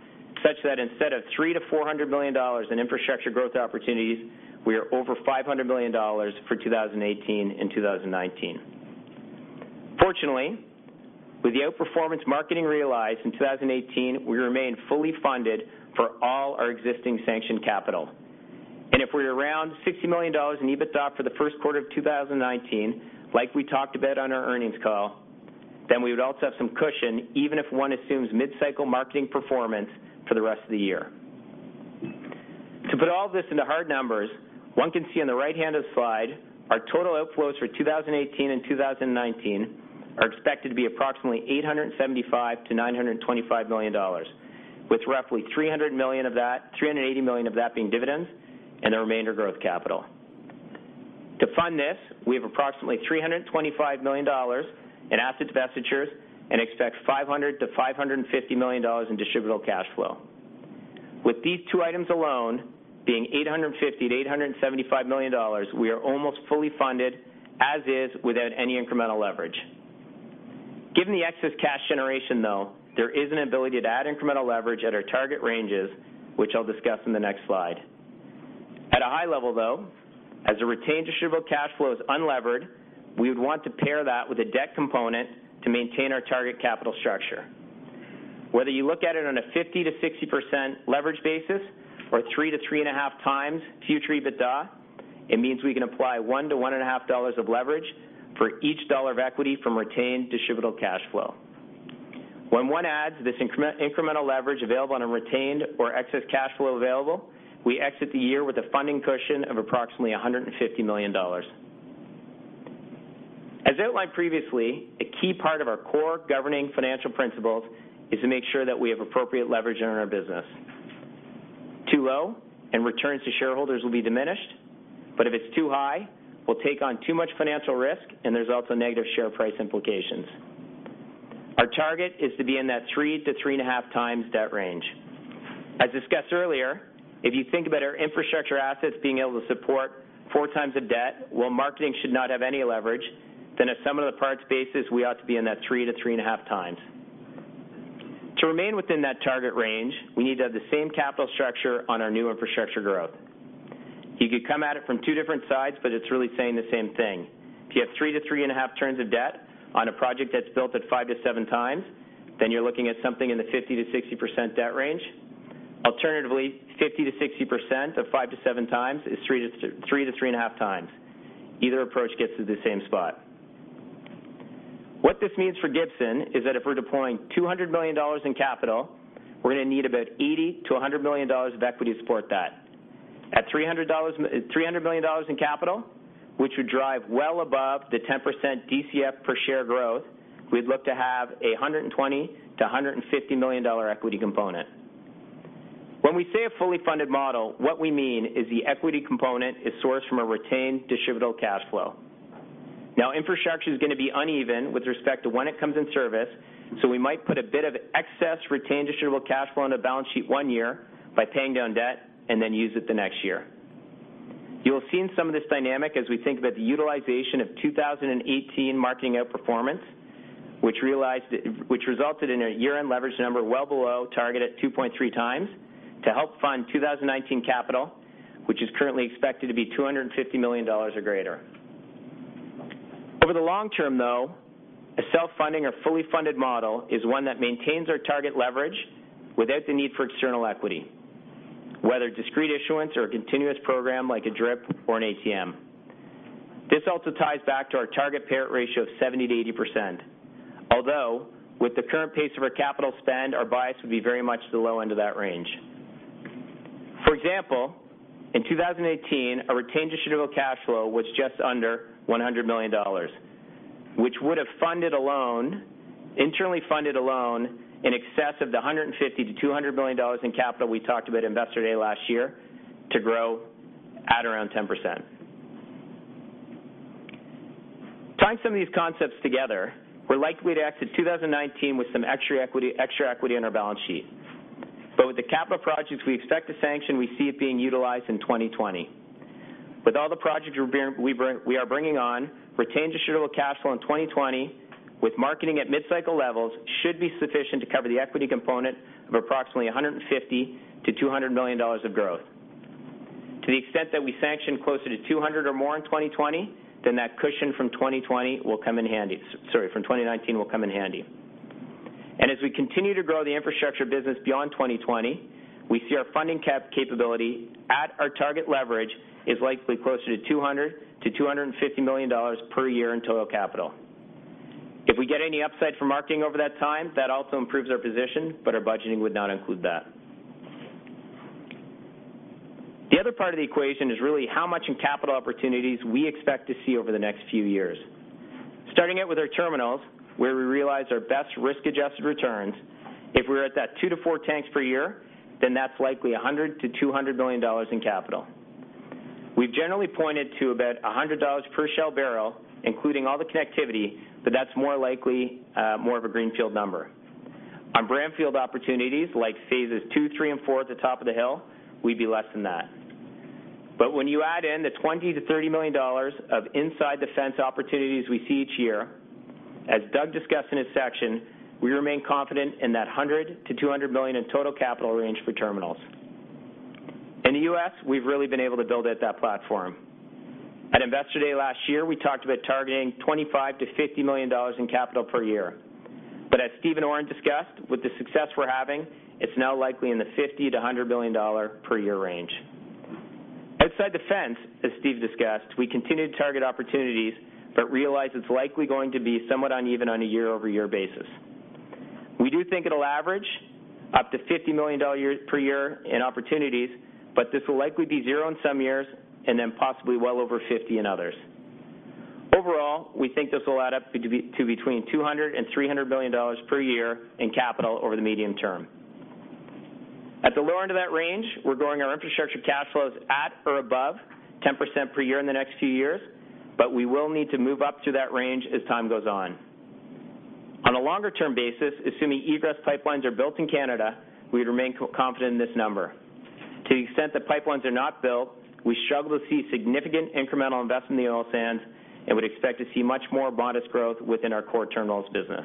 such that instead of 300 million-400 million dollars in infrastructure growth opportunities, we are over 500 million dollars for 2018 and 2019. Fortunately, with the outperformance marketing realized in 2018, we remain fully funded for all our existing sanctioned capital. If we're around 60 million dollars in EBITDA for the first quarter of 2019, like we talked about on our earnings call, we would also have some cushion even if one assumes mid-cycle marketing performance for the rest of the year. To put all this into hard numbers, one can see on the right-hand of the slide, our total outflows for 2018 and 2019 are expected to be approximately 875 million-925 million dollars, with roughly 380 million of that being dividends and the remainder growth capital. To fund this, we have approximately 325 million dollars in asset divestitures and expect 500 million-550 million dollars in distributable cash flow. With these two items alone being 850 million-875 million dollars, we are almost fully funded as is without any incremental leverage. Given the excess cash generation, though, there is an ability to add incremental leverage at our target ranges, which I'll discuss in the next slide. At a high level, though, as a retained distributable cash flow is unlevered, we would want to pair that with a debt component to maintain our target capital structure. Whether you look at it on a 50%-60% leverage basis or 3 to 3.5 times future EBITDA, it means we can apply 1-1.50 dollars of leverage for each CAD 1 of equity from retained distributable cash flow. When one adds this incremental leverage available on a retained or excess cash flow available, we exit the year with a funding cushion of approximately 150 million dollars. As outlined previously, a key part of our core governing financial principles is to make sure that we have appropriate leverage in our business. Too low, and returns to shareholders will be diminished, but if it's too high, we'll take on too much financial risk, and there's also negative share price implications. Our target is to be in that 3 to 3.5 times debt range. As discussed earlier, if you think about our infrastructure assets being able to support 4 times of debt, while marketing should not have any leverage, then a sum of the parts basis, we ought to be in that 3 to 3.5 times. To remain within that target range, we need to have the same capital structure on our new infrastructure growth. You could come at it from two different sides, but it's really saying the same thing. If you have 3 to 3.5 turns of debt on a project that's built at 5 to 7 times, then you're looking at something in the 50%-60% debt range. Alternatively, 50%-60% of 5 to 7 times is 3 to 3.5 times. Either approach gets to the same spot. What this means for Gibson is that if we're deploying 200 million dollars in capital, we're going to need about 80 million-100 million dollars of equity to support that. At 300 million dollars in capital, which would drive well above the 10% DCF per share growth, we'd look to have a 120 million-150 million dollar equity component. When we say a fully funded model, what we mean is the equity component is sourced from a retained distributable cash flow. Now, infrastructure is going to be uneven with respect to when it comes in service, so we might put a bit of excess retained distributable cash flow on the balance sheet one year by paying down debt and then use it the next year. You will have seen some of this dynamic as we think about the utilization of 2018 marketing outperformance, which resulted in a year-end leverage number well below target at 2.3 times to help fund 2019 capital, which is currently expected to be 250 million dollars or greater. Over the long term, though, a self-funding or fully funded model is one that maintains our target leverage without the need for external equity, whether discrete issuance or a continuous program like a DRIP or an ATM. This also ties back to our target payout ratio of 70%-80%. With the current pace of our capital spend, our bias would be very much the low end of that range. For example, in 2018, our retained distributable cash flow was just under 100 million dollars, which would have internally funded a loan in excess of the 150 million-200 million dollars in capital we talked about at Investor Day last year to grow at around 10%. Tying some of these concepts together, we're likely to exit 2019 with some extra equity on our balance sheet. With the capital projects we expect to sanction, we see it being utilized in 2020. With all the projects we are bringing on, retained distributable cash flow in 2020 with marketing at mid-cycle levels should be sufficient to cover the equity component of approximately 150 million-200 million dollars of growth. To the extent that we sanction closer to 200 or more in 2020, that cushion from 2020 will come in handy. Sorry, from 2019 will come in handy. As we continue to grow the infrastructure business beyond 2020, we see our funding capability at our target leverage is likely closer to 200 million-250 million dollars per year in total capital. If we get any upside from marketing over that time, that also improves our position, but our budgeting would not include that. The other part of the equation is really how much in capital opportunities we expect to see over the next few years. Starting out with our terminals, where we realize our best risk-adjusted returns, if we're at that two to four tanks per year, that's likely 100 million-200 million dollars in capital. We've generally pointed to about 100 dollars per shell barrel, including all the connectivity, but that's more likely more of a greenfield number. On brownfield opportunities, like phases 2, 3, and 4 at the top of the hill, we'd be less than that. When you add in the 20 million-30 million dollars of inside-the-fence opportunities we see each year, as Doug discussed in his section, we remain confident in that 100 million-200 million in total capital range for terminals. In the U.S., we've really been able to build out that platform. At Investor Day last year, we talked about targeting 25 million-50 million dollars in capital per year. As Steve and Orin discussed, with the success we're having, it's now likely in the 50 million-100 million dollar per year range. Outside the fence, as Steve discussed, we continue to target opportunities, but realize it's likely going to be somewhat uneven on a year-over-year basis. We do think it'll average up to 50 million dollars per year in opportunities, but this will likely be zero in some years and then possibly well over 50 in others. Overall, we think this will add up to between 200 million and 300 million dollars per year in capital over the medium term. At the lower end of that range, we're growing our infrastructure cash flows at or above 10% per year in the next few years, but we will need to move up to that range as time goes on. On a longer-term basis, assuming egress pipelines are built in Canada, we'd remain confident in this number. To the extent that pipelines are not built, we struggle to see significant incremental investment in the oil sands and would expect to see much more modest growth within our core terminals business.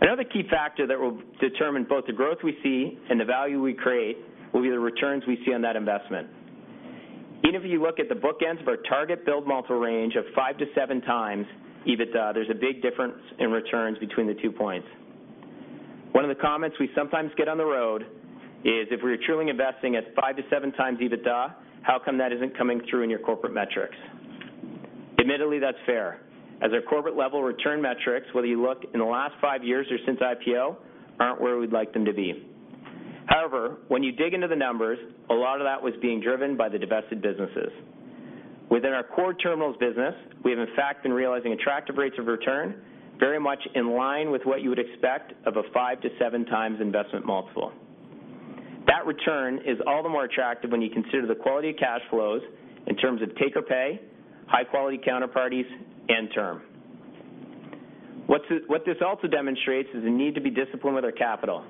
Another key factor that will determine both the growth we see and the value we create will be the returns we see on that investment. Even if you look at the bookends of our target build multiple range of 5 to 7 times EBITDA, there's a big difference in returns between the two points. One of the comments we sometimes get on the road is, If we're truly investing at 5 to 7 times EBITDA, how come that isn't coming through in your corporate metrics? Admittedly, that's fair, as our corporate-level return metrics, whether you look in the last five years or since IPO, aren't where we'd like them to be. When you dig into the numbers, a lot of that was being driven by the divested businesses. Within our core terminals business, we have in fact been realizing attractive rates of return very much in line with what you would expect of a 5 to 7 times investment multiple. That return is all the more attractive when you consider the quality of cash flows in terms of take-or-pay, high-quality counterparties, and term. This also demonstrates is a need to be disciplined with our capital.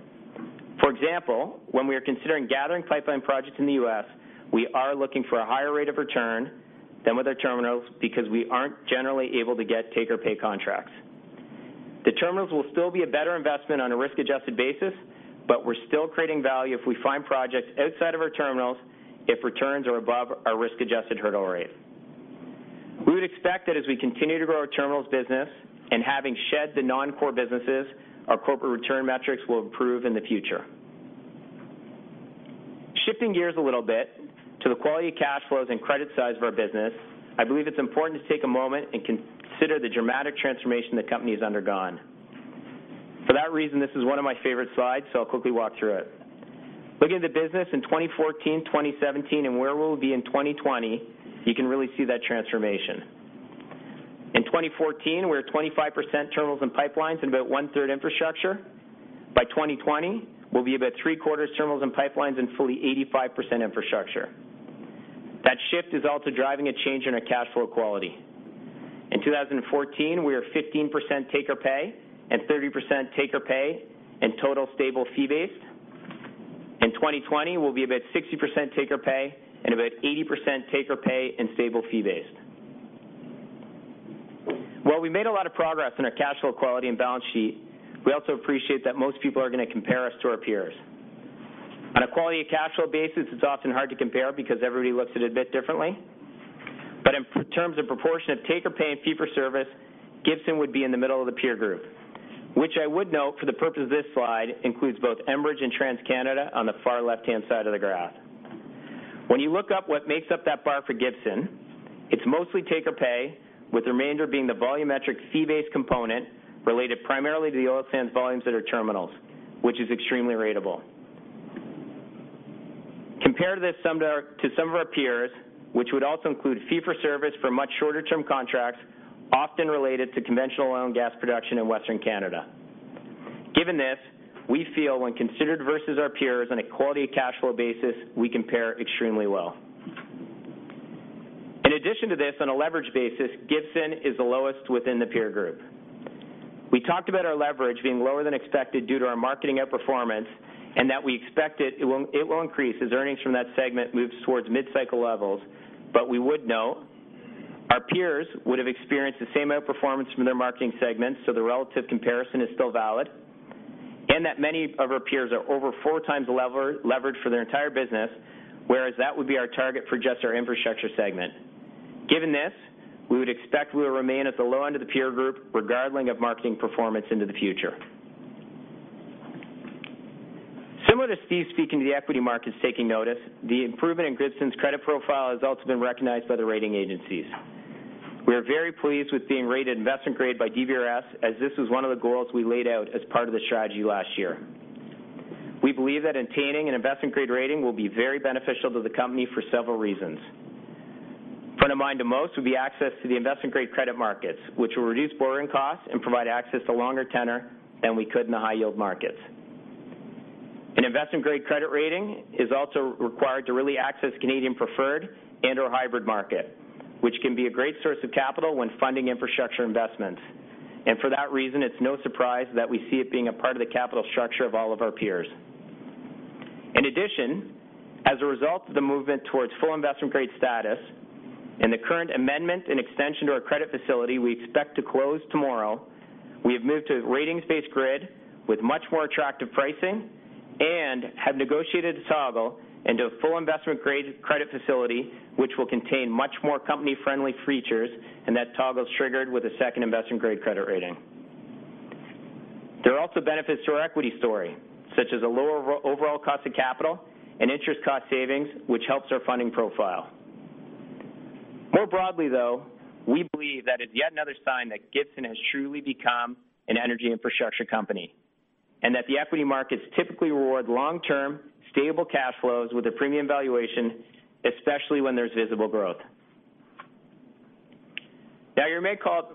For example, when we are considering gathering pipeline projects in the U.S., we are looking for a higher rate of return than with our terminals because we aren't generally able to get take-or-pay contracts. The terminals will still be a better investment on a risk-adjusted basis, but we're still creating value if we find projects outside of our terminals if returns are above our risk-adjusted hurdle rate. We would expect that as we continue to grow our terminals business and having shed the non-core businesses, our corporate return metrics will improve in the future. Shifting gears a little bit to the quality of cash flows and credit size of our business, I believe it's important to take a moment and consider the dramatic transformation the company has undergone. For that reason, this is one of my favorite slides, so I'll quickly walk through it. Looking at the business in 2014, 2017, and where we'll be in 2020, you can really see that transformation. In 2014, we're at 25% terminals and pipelines and about one-third infrastructure. By 2020, we'll be about three-quarters terminals and pipelines and fully 85% infrastructure. That shift is also driving a change in our cash flow quality. In 2014, we are 15% take-or-pay and 30% take-or-pay and total stable fee-based. In 2020, we'll be about 60% take-or-pay and about 80% take-or-pay and stable fee-based. While we made a lot of progress on our cash flow quality and balance sheet, we also appreciate that most people are going to compare us to our peers. On a quality of cash flow basis, it's often hard to compare because everybody looks at it a bit differently. In terms of proportion of take-or-pay and fee-for-service, Gibson would be in the middle of the peer group, which I would note for the purpose of this slide includes both Enbridge and TransCanada on the far left-hand side of the graph. When you look up what makes up that bar for Gibson, it's mostly take-or-pay, with the remainder being the volumetric fee-based component related primarily to the oil sands volumes at our terminals, which is extremely ratable. Compare this to some of our peers, which would also include fee-for-service for much shorter-term contracts, often related to conventional oil and gas production in Western Canada. Given this, we feel when considered versus our peers on a quality of cash flow basis, we compare extremely well. In addition to this, on a leverage basis, Gibson is the lowest within the peer group. We talked about our leverage being lower than expected due to our marketing outperformance and that we expect it will increase as earnings from that segment moves towards mid-cycle levels. We would note our peers would have experienced the same outperformance from their marketing segments, so the relative comparison is still valid. Many of our peers are over four times the leverage for their entire business, whereas that would be our target for just our infrastructure segment. Given this, we would expect we will remain at the low end of the peer group regarding of marketing performance into the future. Similar to Steve speaking to the equity markets taking notice, the improvement in Gibson's credit profile has also been recognized by the rating agencies. We are very pleased with being rated investment grade by DBRS, as this was one of the goals we laid out as part of the strategy last year. We believe that attaining an investment-grade rating will be very beneficial to the company for several reasons. Front of mind to most will be access to the investment-grade credit markets, which will reduce borrowing costs and provide access to longer tenor than we could in the high-yield markets. An investment-grade credit rating is also required to really access Canadian preferred and/or hybrid market, which can be a great source of capital when funding infrastructure investments. For that reason, it's no surprise that we see it being a part of the capital structure of all of our peers. In addition, as a result of the movement towards full investment-grade status and the current amendment and extension to our credit facility we expect to close tomorrow, we have moved to a ratings-based grid with much more attractive pricing and have negotiated a toggle into a full investment-grade credit facility, which will contain much more company-friendly features. That toggle is triggered with a second investment-grade credit rating. There are also benefits to our equity story, such as a lower overall cost of capital and interest cost savings, which helps our funding profile. More broadly, though, we believe that it's yet another sign that Gibson has truly become an energy infrastructure company, and that the equity markets typically reward long-term, stable cash flows with a premium valuation, especially when there's visible growth. You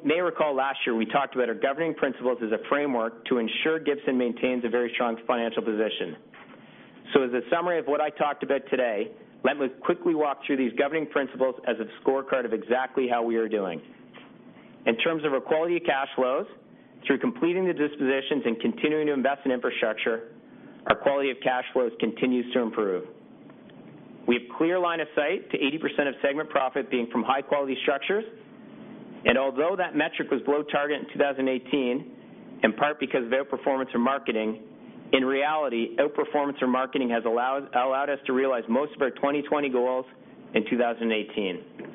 may recall last year we talked about our governing principles as a framework to ensure Gibson maintains a very strong financial position. As a summary of what I talked about today, let me quickly walk through these governing principles as a scorecard of exactly how we are doing. In terms of our quality of cash flows, through completing the dispositions and continuing to invest in infrastructure, our quality of cash flows continues to improve. We have clear line of sight to 80% of segment profit being from high-quality structures. Although that metric was below target in 2018, in part because of out-performance in marketing, in reality, out-performance in marketing has allowed us to realize most of our 2020 goals in 2018.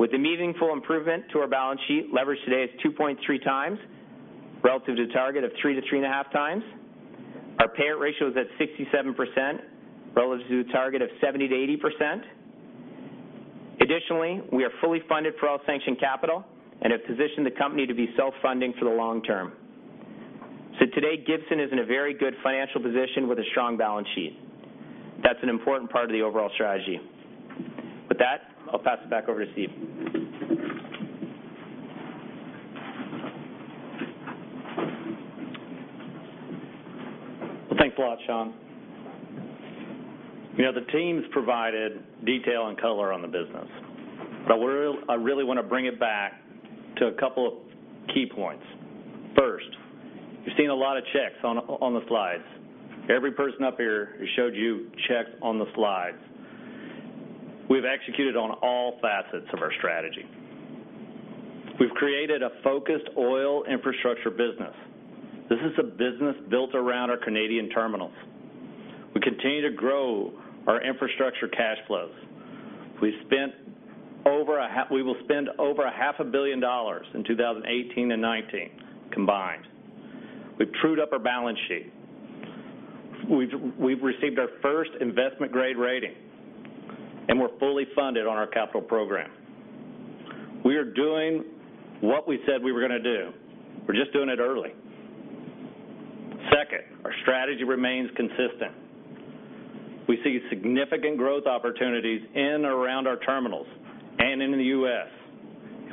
With a meaningful improvement to our balance sheet, leverage today is 2.3 times relative to target of 3 to 3.5 times. Our payout ratio is at 67% relative to the target of 70%-80%. Additionally, we are fully funded for all sanctioned capital and have positioned the company to be self-funding for the long term. Today, Gibson is in a very good financial position with a strong balance sheet. That's an important part of the overall strategy. With that, I'll pass it back over to Steve. Well, thanks a lot, Sean. The teams provided detail and color on the business. I really want to bring it back to a couple of key points. First, you've seen a lot of checks on the slides. Every person up here who showed you checks on the slides. We've executed on all facets of our strategy. We've created a focused oil infrastructure business. This is a business built around our Canadian terminals. We continue to grow our infrastructure cash flows. We will spend over a half a billion CAD in 2018 and 2019 combined. We've trued up our balance sheet. We've received our first investment-grade rating, and we're fully funded on our capital program. We are doing what we said we were going to do. We're just doing it early. Second, our strategy remains consistent. We see significant growth opportunities in and around our terminals and in the U.S.,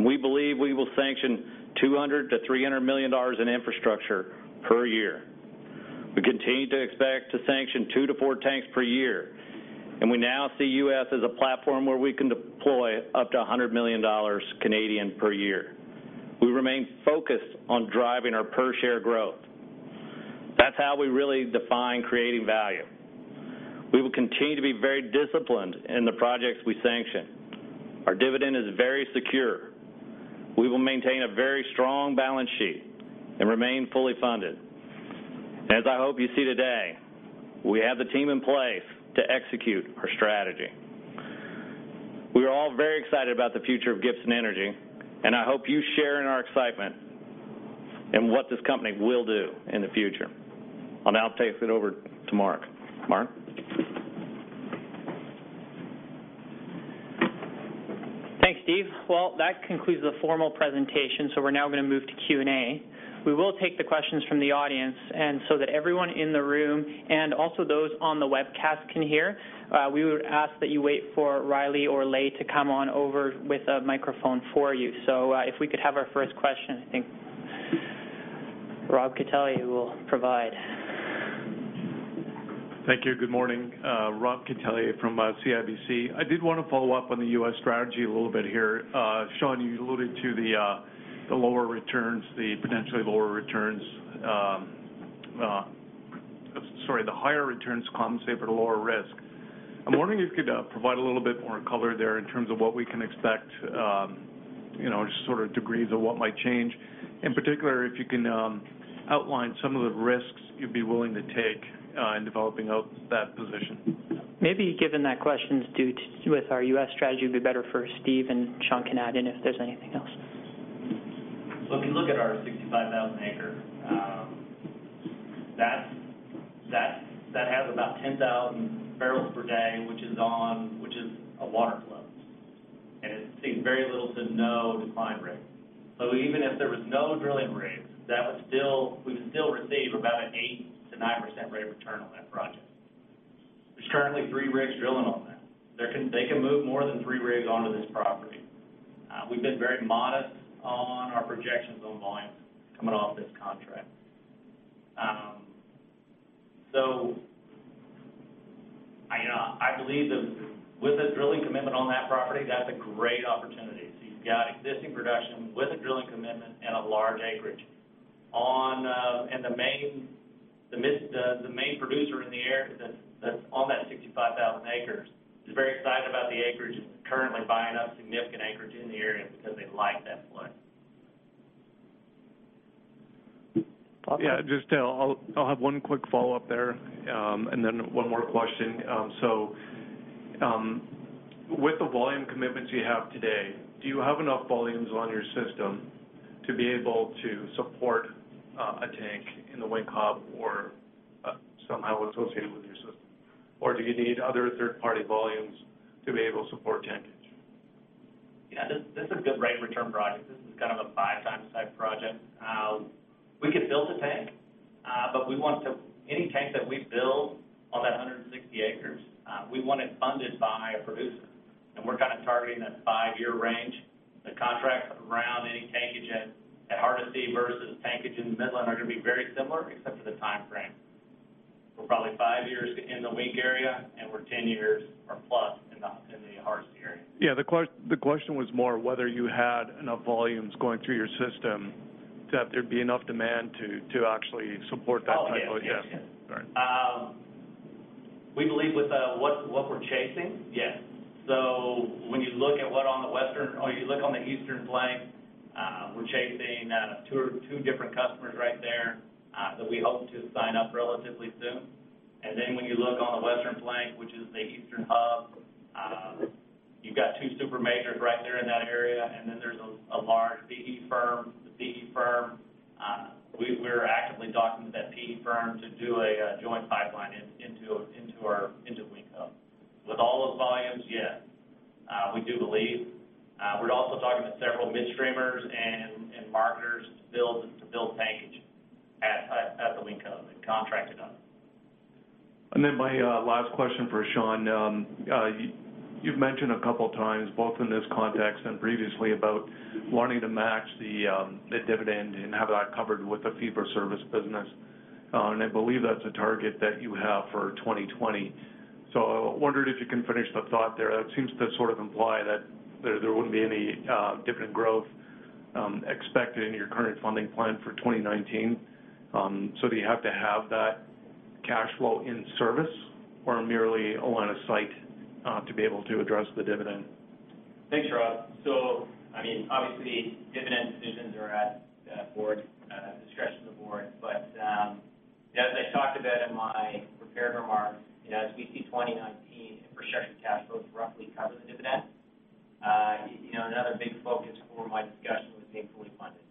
we believe we will sanction 200 million-300 million dollars in infrastructure per year. We continue to expect to sanction two to four tanks per year, we now see U.S. as a platform where we can deploy up to 100 million Canadian dollars per year. We remain focused on driving our per-share growth. That's how we really define creating value. We will continue to be very disciplined in the projects we sanction. Our dividend is very secure. We will maintain a very strong balance sheet and remain fully funded. As I hope you see today, we have the team in place to execute our strategy. We are all very excited about the future of Gibson Energy, and I hope you share in our excitement in what this company will do in the future. I'll now take it over to Mark. Mark? Thanks, Steve. That concludes the formal presentation, so we're now going to move to Q&A. We will take the questions from the audience, and so that everyone in the room and also those on the webcast can hear, we would ask that you wait for Riley or Leigh to come on over with a microphone for you. If we could have our first question, I think Rob Catellier will provide. Thank you. Good morning. Rob Catellier from CIBC. I did want to follow up on the U.S. strategy a little bit here. Sean, you alluded to the higher returns compensate for the lower risk. I'm wondering if you could provide a little bit more color there in terms of what we can expect, just sort of degrees of what might change. In particular, if you can outline some of the risks you'd be willing to take in developing out that position. Maybe given that question's with our U.S. strategy, it'd be better for Steve. Sean can add in if there's anything else. If you look at our 65,000 acres, that has about 10,000 barrels per day, which is a water flood, and it sees very little to no decline rate. Even if there was no drilling rigs, we would still receive about an 8%-9% rate of return on that project. There is currently three rigs drilling on that. They can move more than three rigs onto this property. We've been very modest on our projections on volumes coming off this contract. I believe that with a drilling commitment on that property, that is a great opportunity. You've got existing production with a drilling commitment and a large acreage. The main producer in the area that is on that 65,000 acres is very excited about the acreage, is currently buying up significant acreage in the area because they like that play. Just I'll have one quick follow-up there, and then one more question. With the volume commitments you have today, do you have enough volumes on your system to be able to support a tank in the Wink hub or somehow associated with your system? Or do you need other third-party volumes to be able to support tankage? This is a good rate of return project. This is kind of a five-time type project. We could build a tank, but any tank that we build on that 160 acres, we want it funded by a producer, and we're targeting that five-year range. The contract around any tankage at Hardisty versus tankage in the Midland are going to be very similar except for the timeframe. We're probably five years in the Wink area, and we're 10 years or plus in the Hardisty area. The question was more whether you had enough volumes going through your system that there'd be enough demand to actually support that type of Oh, yes. Yeah. All right. We believe with what we're chasing, yes. When you look on the eastern flank, we're chasing two different customers right there that we hope to sign up relatively soon. When you look on the western flank, which is the Eastern hub, you've got two super majors right there in that area, and then there's a large PE firm. We're actively talking to that PE firm to do a joint pipeline into Wink hub. With all those volumes, yes, we do believe. We're also talking to several midstreamers and marketers to build tankage at the Wink hub and contract it up. My last question for Sean. You've mentioned a couple of times, both in this context and previously, about wanting to match the dividend and have that covered with the fee-for-service business. I believe that's a target that you have for 2020. I wondered if you can finish the thought there. That seems to sort of imply that there wouldn't be any different growth expected in your current funding plan for 2019. Do you have to have that cash flow in service or merely on a site to be able to address the dividend? Thanks, Rob. Obviously, dividend decisions are at the discretion of the board. As I talked about in my prepared remarks, as we see 2019 infrastructure cash flows roughly cover the dividend. Another big focus for my discussion was being fully funded.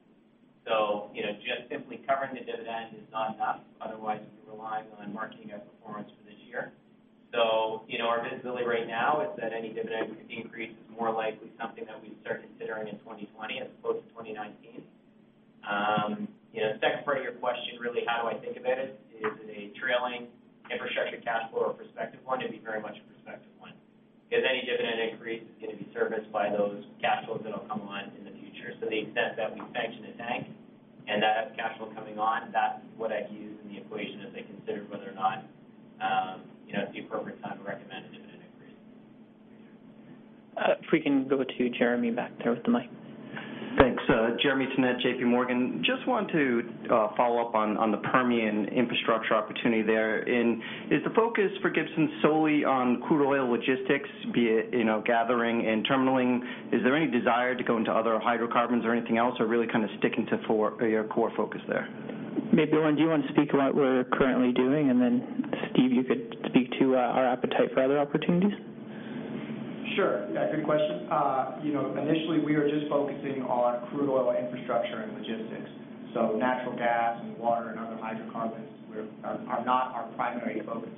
Just simply covering the dividend is not enough. Otherwise, we rely on marketing our performance for this year. Our visibility right now is that any dividend increase is more likely something that we'd start considering in 2020 as opposed to 2019. The second part of your question, really, how do I think about it? Is it a trailing infrastructure cash flow or a prospective one? It'd be very much a prospective one. Any dividend increase is going to be serviced by those cash flows that'll come online in the future. To the extent that we bank in a tank, and that has cash flow coming on, that's what I use in the equation as I consider whether or not it's the appropriate time to recommend a dividend increase. If we can go to Jeremy back there with the mic. Thanks. Jeremy Tonet, J.P. Morgan. Just wanted to follow up on the Permian infrastructure opportunity there. Is the focus for Gibson solely on crude oil logistics, be it gathering and terminaling? Is there any desire to go into other hydrocarbons or anything else, or really kind of sticking to your core focus there? Maybe, Orin, do you want to speak to what we're currently doing, and then Steve, you could speak to our appetite for other opportunities? Sure. Yeah, good question. Initially, we are just focusing on crude oil infrastructure and logistics. Natural gas and water and other hydrocarbons are not our primary focus.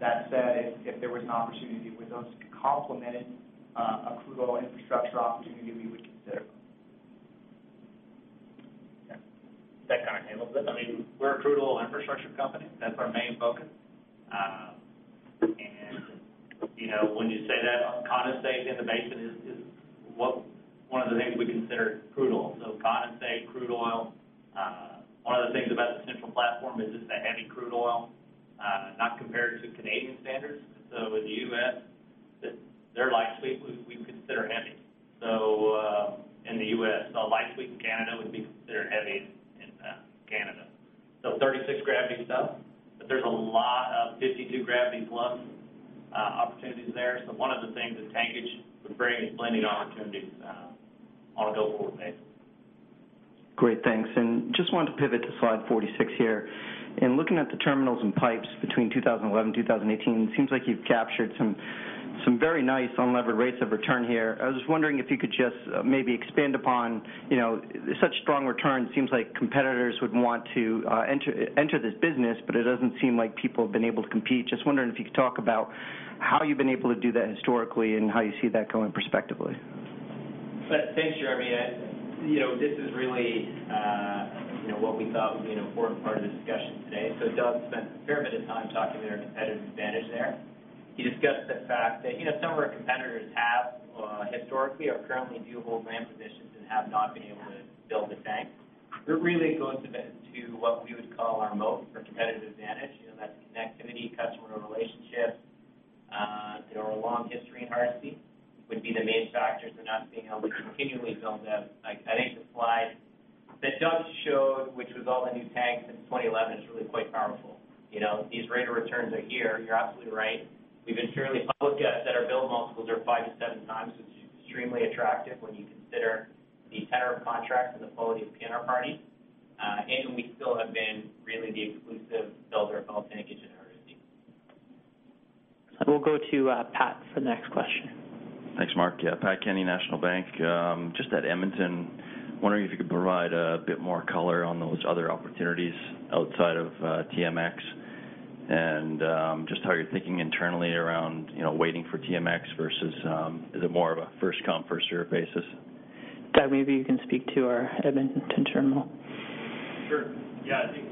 That said, if there was an opportunity with those to complement a crude oil infrastructure opportunity, we would consider. That kind of handles it. We're a crude oil infrastructure company. That's our main focus. When you say that, condensate in the basin is one of the things we consider crude oil. Condensate, crude oil. One of the things about the Central Platform is it's a heavy crude oil. In the U.S., their light sweet we would consider heavy. In the U.S., a light sweet in Canada would be considered heavy in Canada. 36 gravity and stuff. There's a lot of 52 gravity plus opportunities there. One of the things that tankage would bring is blending opportunities on a go-forward basis. Just wanted to pivot to slide 46 here. In looking at the terminals and pipes between 2011 and 2018, it seems like you've captured some very nice unlevered rates of return here. I was wondering if you could just maybe expand upon such strong returns. Seems like competitors would want to enter this business, but it doesn't seem like people have been able to compete. Just wondering if you could talk about how you've been able to do that historically and how you see that going perspectively. Thanks, Jeremy. This is really what we thought would be an important part of the discussion today. Doug spent a fair bit of time talking to their competitive advantage there. He discussed the fact that some of our competitors have historically are currently viewable land positions and have not been able to build a tank. It really goes a bit to what we would call our moat for competitive advantage, and that's connectivity, customer relationships. Our long history in Hardisty would be the main factors in us being able to continually build out. I think the slide that Doug showed, which was all the new tanks since 2011, is really quite powerful. These rate of returns are here. You're absolutely right. We've been fairly public that our build multiples are five to seven times, which is extremely attractive when you consider the tenor of contracts and the quality of counterparty. We still have been really the exclusive builder of all tankage in Hardisty. We'll go to Pat for the next question. Thanks, Mark. Yeah, Pat Kenny, National Bank, just at Edmonton. Wondering if you could provide a bit more color on those other opportunities outside of TMX, just how you're thinking internally around waiting for TMX versus is it more of a first come, first serve basis? Doug, maybe you can speak to our Edmonton Terminal. Sure. Yeah. I think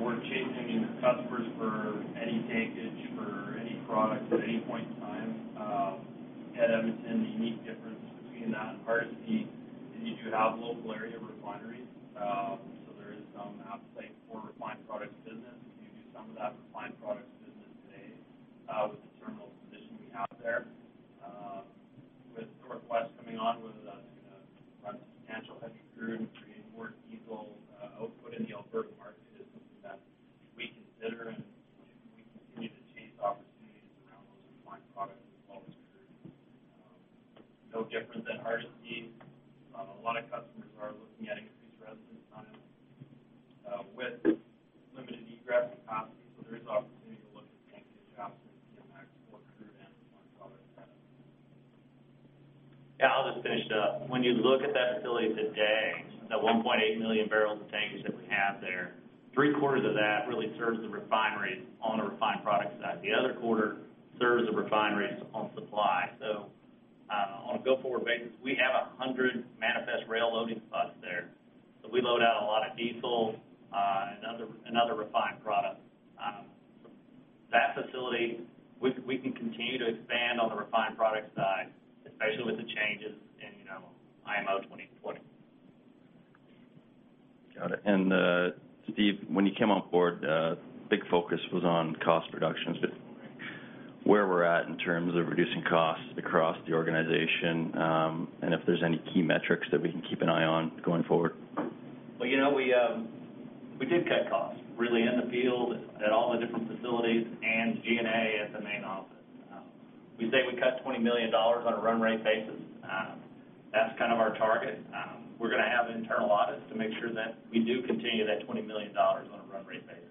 we're chasing customers for any tankage for any product at any point in time. At Edmonton, the unique difference between that and Hardisty is you do have a local area refinery. There is some outplay for refined products business. We do some of that refined products business today with the terminal position we have there. With North West coming on, whether that's going to run substantial heavy crude, creating more diesel output in the Alberta market is something that we consider, we continue to chase opportunities around those refined products as well as crude. No different than Hardisty. A lot of customers are looking at increased residence time with limited egress capacity. There is opportunity to look at tankage at TMX for crude and refined products. Yeah, I'll just finish it up. When you look at that facility today, that 1.8 million barrels of tankage that we have there, three-quarters of that really serves the refineries on the refined products side. The other quarter serves the refineries on supply. On a go-forward basis, we have 100 manifest rail loading spots there. We load out a lot of diesel and other refined product. That facility, we can continue to expand on the refined products side, especially with the changes in IMO 2020. Got it. Steve, when you came on board, a big focus was on cost reductions, where we're at in terms of reducing costs across the organization, and if there's any key metrics that we can keep an eye on going forward? We did cut costs, really in the field at all the different facilities and G&A at the main office. We say we cut 20 million dollars on a run rate basis. That's kind of our target. We're going to have internal audits to make sure that we do continue that 20 million dollars on a run rate basis.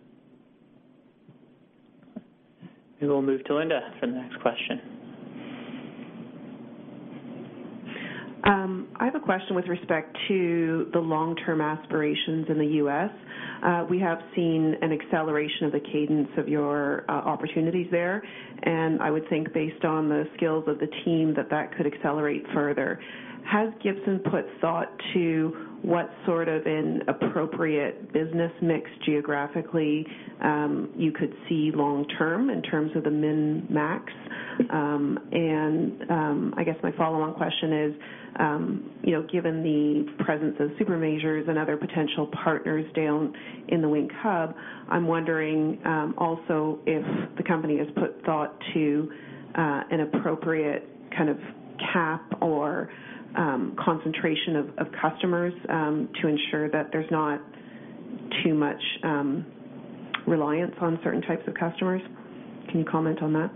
We will move to Linda for the next question. I have a question with respect to the long-term aspirations in the U.S. We have seen an acceleration of the cadence of your opportunities there, I would think based on the skills of the team, that that could accelerate further. Has Gibson put thought to what sort of an appropriate business mix geographically you could see long term in terms of the min-max? I guess my follow-on question is given the presence of super majors and other potential partners down in the Wink Hub, I'm wondering also if the company has put thought to an appropriate kind of cap or concentration of customers to ensure that there's not too much reliance on certain types of customers. Can you comment on that?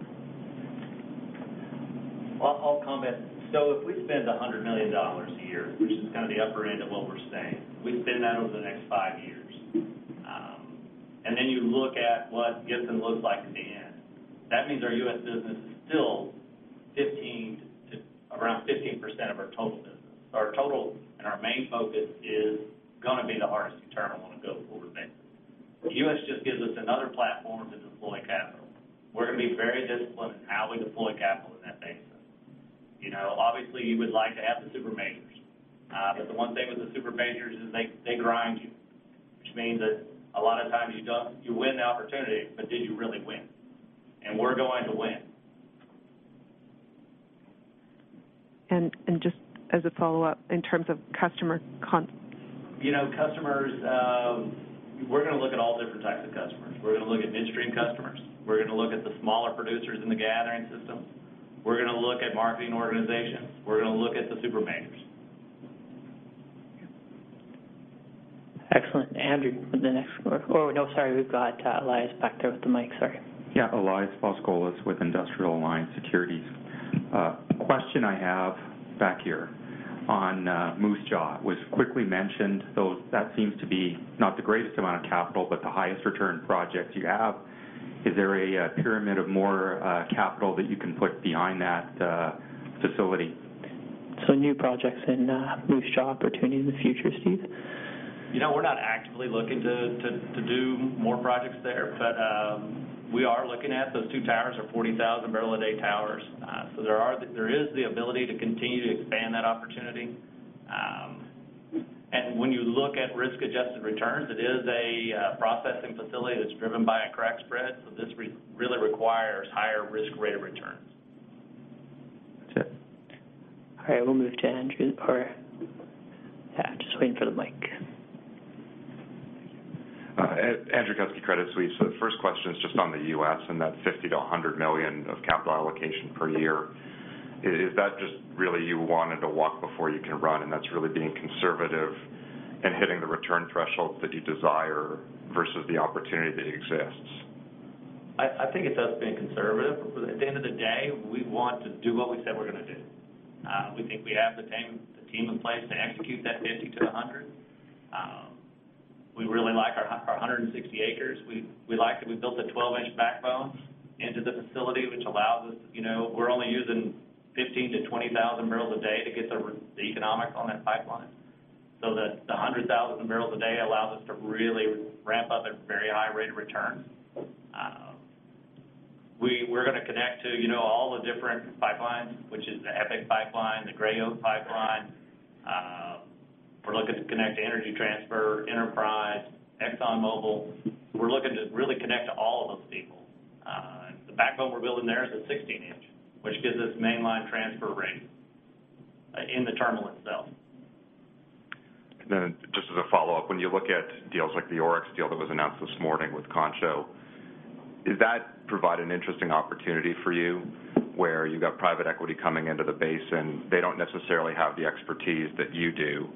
I'll comment. If we spend 100 million dollars a year, which is kind of the upper end of what we're saying, we spend that over the next 5 years. You look at what Gibson looks like at the end. That means our U.S. business is still around 15% of our total business. Our total and our main focus is going to be the Hardisty Terminal on a go-forward basis. The U.S. just gives us another platform to deploy capital. We're going to be very disciplined in how we deploy capital in that basin. Obviously, you would like to have the super majors. The one thing with the super majors is they grind you, which means that a lot of times you win the opportunity, but did you really win? We're going to win. Just as a follow-up, in terms of customer con Customers, we're going to look at all different types of customers. We're going to look at midstream customers. We're going to look at the smaller producers in the gathering system. We're going to look at marketing organizations. We're going to look at the super majors. Excellent. Andrew, sorry. We've got Elias back there with the mic. Sorry. Yeah. Elias Foscolos with Industrial Alliance Securities. Question I have, back here, on Moose Jaw. Was quickly mentioned, though, that seems to be not the greatest amount of capital, but the highest return projects you have. Is there a pyramid of more capital that you can put behind that facility? New projects in Moose Jaw opportunity in the future, Steve? We're not actively looking to do more projects there. We are looking at those two towers are 40,000-barrel-a-day towers. There is the ability to continue to expand that opportunity. When you look at risk-adjusted returns, it is a processing facility that's driven by a crack spread, so this really requires higher risk-rated returns. That's it. All right, we'll move to Andrew. Just waiting for the mic. Andrew Kuske, Credit Suisse. The first question is just on the U.S. and that 50 million to 100 million of capital allocation per year. Is that just really you wanted to walk before you can run, and that's really being conservative and hitting the return thresholds that you desire versus the opportunity that exists? I think it's us being conservative. At the end of the day, we want to do what we say we're going to do. We think we have the team in place to execute that 50 million to 100 million. We really like our 160 acres. We built a 12-inch backbone into the facility, which allows us. We're only using 15,000 to 20,000 barrels a day to get the economics on that pipeline. The 100,000 barrels a day allows us to really ramp up a very high rate of return. We're going to connect to all the different pipelines, which is the EPIC pipeline, the Gray Oak pipeline. We're looking to connect to Energy Transfer, Enterprise, ExxonMobil. We're looking to really connect to all of those people. The backbone we're building there is a 16-inch, which gives us mainline transfer [rate] in the terminal itself. Just as a follow-up, when you look at deals like the Oryx deal that was announced this morning with Concho, does that provide an interesting opportunity for you where you've got private equity coming into the basin? They don't necessarily have the expertise that you do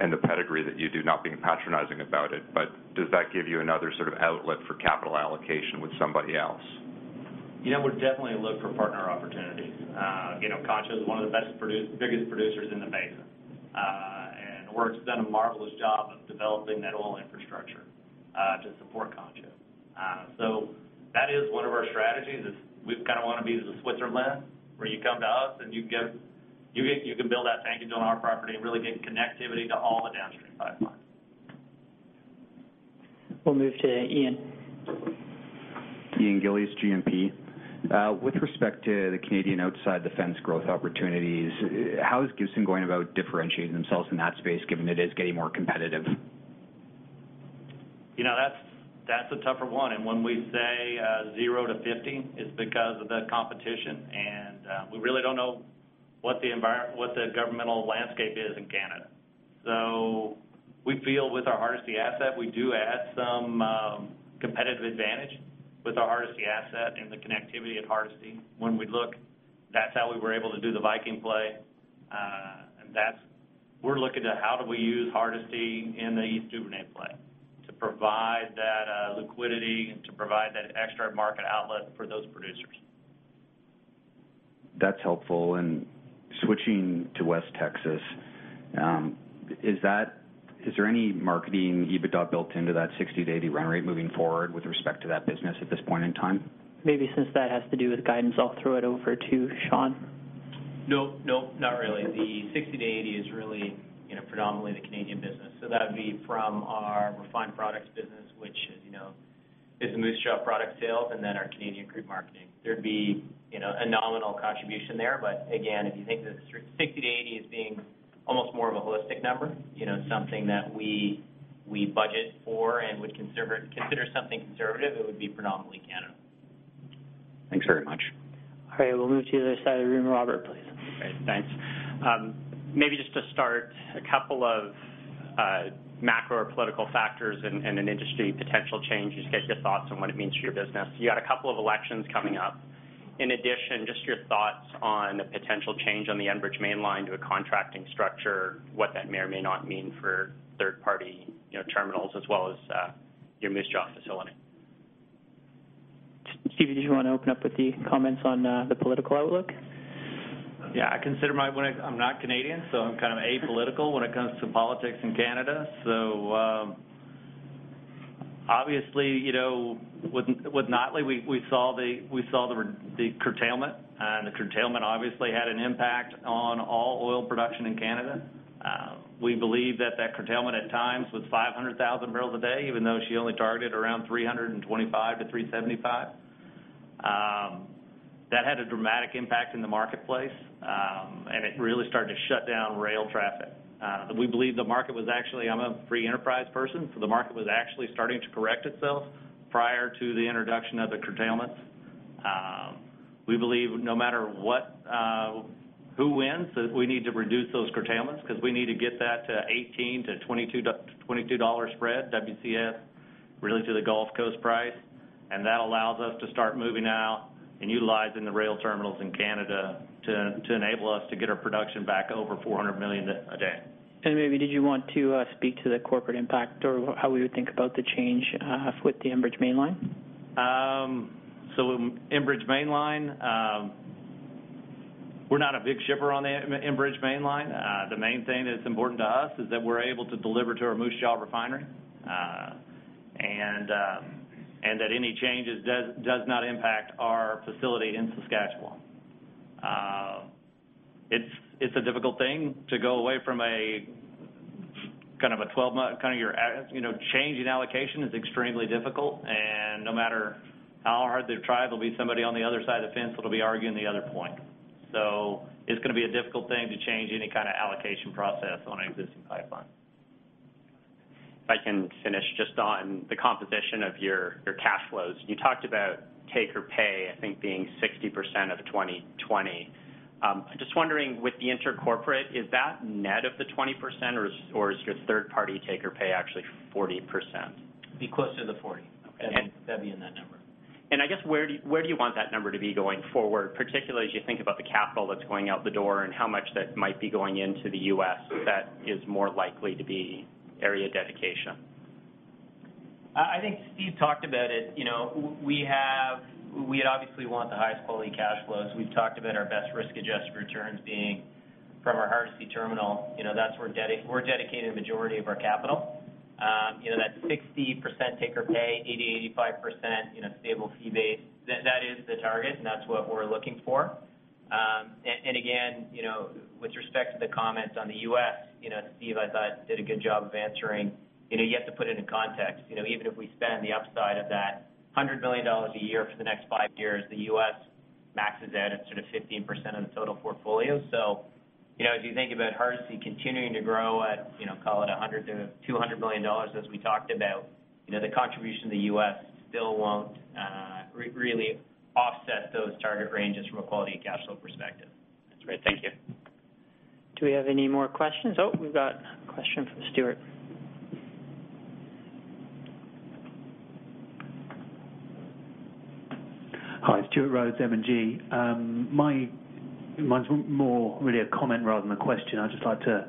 and the pedigree that you do, not being patronizing about it, but does that give you another sort of outlet for capital allocation with somebody else? We'll definitely look for partner opportunities. Concho is one of the biggest producers in the basin. Oryx has done a marvelous job of developing that oil infrastructure to support Concho. That is one of our strategies, is we kind of want to be the Switzerland where you come to us, and you can build that tankage on our property and really get connectivity to all the downstream pipelines. We'll move to Ian. Ian Gillies, GMP. With respect to the Canadian outside the fence growth opportunities, how is Gibson going about differentiating themselves in that space, given it is getting more competitive? That's a tougher one. When we say 0 to 15, it's because of the competition, and we really don't know what the governmental landscape is in Canada. We feel with our Hardisty asset, we do add some competitive advantage with our Hardisty asset and the connectivity at Hardisty. When we look, that's how we were able to do the Viking play. We're looking to how do we use Hardisty in the East Duvernay play to provide that liquidity and to provide that extra market outlet for those producers. That's helpful. Switching to West Texas, is there any marketing EBITDA built into that 60 to 80 run rate moving forward with respect to that business at this point in time? Maybe since that has to do with guidance, I'll throw it over to Sean. Nope. Not really. The 60 to 80 is really predominantly the Canadian business. That would be from our refined products business, which is the Moose Jaw product sales, and then our Canadian crude marketing. There'd be a nominal contribution there, but again, if you think of the 60 to 80 as being almost more of a holistic number, something that we budget for and would consider something conservative, it would be predominantly Canada. Thanks very much. All right, we'll move to the other side of the room. Robert, please. Great. Thanks. Maybe just to start, a couple of macro political factors and industry potential changes, get your thoughts on what it means for your business. You got a couple of elections coming up. In addition, just your thoughts on a potential change on the Enbridge Mainline to a contracting structure, what that may or may not mean for third-party terminals, as well as your Moose Jaw facility. Steve, did you want to open up with the comments on the political outlook? Yeah. I'm not Canadian, so I'm kind of apolitical when it comes to politics in Canada. Obviously, with Notley, we saw the curtailment, and the curtailment obviously had an impact on all oil production in Canada. We believe that that curtailment at times was 500,000 barrels a day, even though she only targeted around 325-375. That had a dramatic impact in the marketplace, and it really started to shut down rail traffic. We believe the market was actually I'm a free enterprise person, so the market was actually starting to correct itself prior to the introduction of the curtailments. We believe no matter who wins, we need to reduce those curtailments because we need to get that to 18-22 dollars spread, WCS related to the Gulf Coast price. That allows us to start moving out and utilizing the rail terminals in Canada to enable us to get our production back over $400 million a day. Maybe did you want to speak to the corporate impact or how we would think about the change with the Enbridge Mainline? Enbridge Mainline, we're not a big shipper on the Enbridge Mainline. The main thing that's important to us is that we're able to deliver to our Moose Jaw refinery, and that any changes does not impact our facility in Saskatchewan. It's a difficult thing to go away from a 12-month Changing allocation is extremely difficult. No matter how hard they try, there'll be somebody on the other side of the fence that'll be arguing the other point. It's going to be a difficult thing to change any kind of allocation process on an existing pipeline. If I can finish just on the composition of your cash flows. You talked about take-or-pay, I think being 60% of 2020. I'm just wondering with the inter-corporate, is that net of the 20% or is your third party take-or-pay actually 40%? Be closer to the 40. Okay. That'd be in that number. Where do you want that number to be going forward? Particularly as you think about the capital that's going out the door and how much that might be going into the U.S. that is more likely to be area dedication. I think Steve talked about it. We obviously want the highest quality cash flows. We've talked about our best risk-adjusted returns being from our Hardisty Terminal. We're dedicating a majority of our capital. That 60% take-or-pay, 80%-85% stable fee base, that is the target and that's what we're looking for. Again, with respect to the comments on the U.S., Steve I thought did a good job of answering. You have to put it in context. Even if we spend the upside of that 100 million dollars a year for the next five years, the U.S. maxes out at sort of 15% of the total portfolio. As you think about Hardisty continuing to grow at, call it 100 million-200 million dollars, as we talked about, the contribution to the U.S. still won't really offset those target ranges from a quality of capital perspective. That's great. Thank you. Do we have any more questions? We've got a question from Stuart. Hi, Stuart Rhodes, M&G. Mine's more really a comment rather than a question. I'd just like to,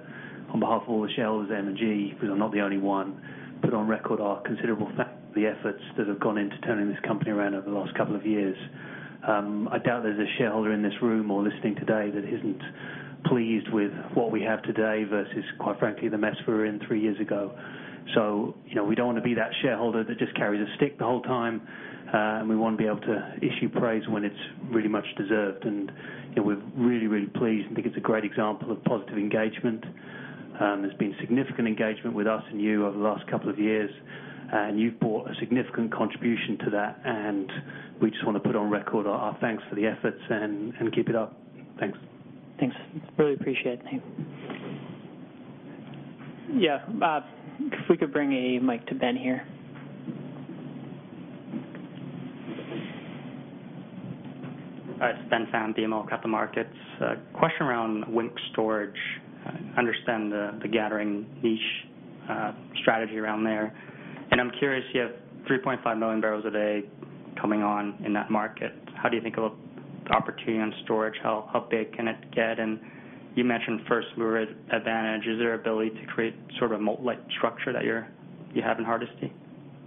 on behalf of all the shareholders of M&G, because I'm not the only one, put on record our considerable thanks for the efforts that have gone into turning this company around over the last couple of years. I doubt there's a shareholder in this room or listening today that isn't pleased with what we have today versus, quite frankly, the mess we were in three years ago. We don't want to be that shareholder that just carries a stick the whole time. We want to be able to issue praise when it's really much deserved, and we're really, really pleased and think it's a great example of positive engagement. There's been significant engagement with us and you over the last couple of years, and you've brought a significant contribution to that, and we just want to put on record our thanks for the efforts, and keep it up. Thanks. Thanks. Really appreciate it. If we could bring a mic to Ben here. It's Ben Pham, BMO Capital Markets. A question around Wink storage. Understand the gathering niche, strategy around there. I'm curious, you have 3.5 million barrels a day coming on in that market. How do you think of opportunity on storage? How big can it get? You mentioned first mover advantage. Is there ability to create a moat-like structure that you have in Hardisty?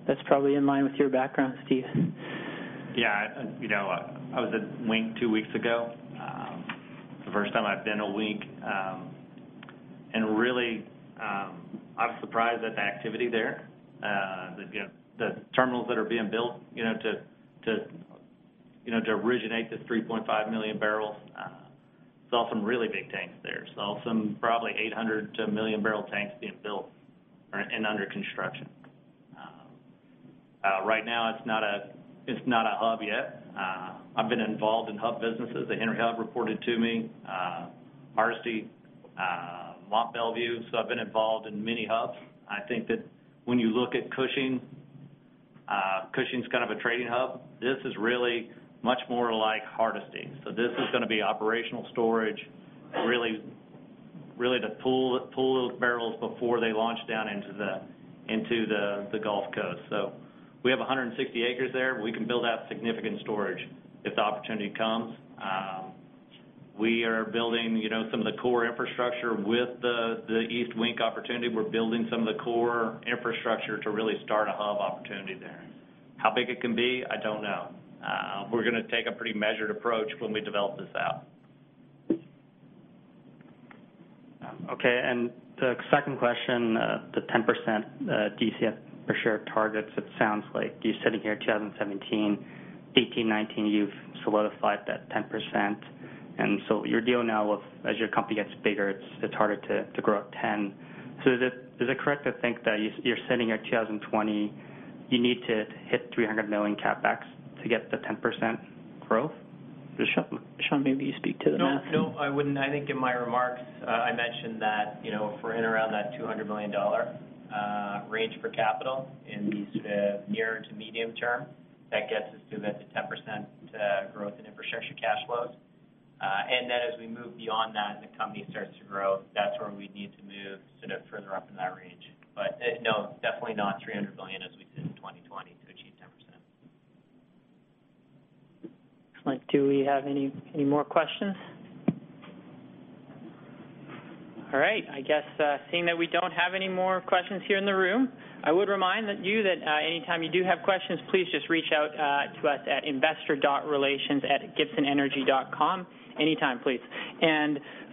That's probably in line with your background, Steve. Yeah. I was at Wink 2 weeks ago. The first time I've been to Wink. Really, I was surprised at the activity there. The terminals that are being built to originate the 3.5 million barrels. Saw some really big tanks there. Saw some probably 800-1,000,000 barrel tanks being built and under construction. Right now, it's not a hub yet. I've been involved in hub businesses. The Henry Hub reported to me, Hardisty, Mont Belvieu. I've been involved in many hubs. I think that when you look at Cushing's kind of a trading hub. This is really much more like Hardisty. This is going to be operational storage, really to pool those barrels before they launch down into the Gulf Coast. We have 160 acres there. We can build out significant storage if the opportunity comes. We are building some of the core infrastructure with the East Wink opportunity. We're building some of the core infrastructure to really start a hub opportunity there. How big it can be, I don't know. We're going to take a pretty measured approach when we develop this out. Okay, the second question, the 10% DCF per share targets, it sounds like you're sitting here 2017, 2018, 2019, you've solidified that 10%. Your deal now, as your company gets bigger, it's harder to grow at 10%. Is it correct to think that you're sitting at 2020, you need to hit 300 million CapEx to get the 10% growth? Sean, maybe you speak to the math? No, I wouldn't. I think in my remarks, I mentioned that if we're in around that 200 million dollar range for capital in the near to medium term, that gets us to that to 10% growth in infrastructure cash flows. As we move beyond that and the company starts to grow, that's where we need to move further up into that range. No, it's definitely not 300 million, as we said, in 2020 to achieve 10%. Looks like do we have any more questions? All right. I guess, seeing that we don't have any more questions here in the room, I would remind you that anytime you do have questions, please just reach out to us at investor.relations@gibsonenergy.com anytime, please.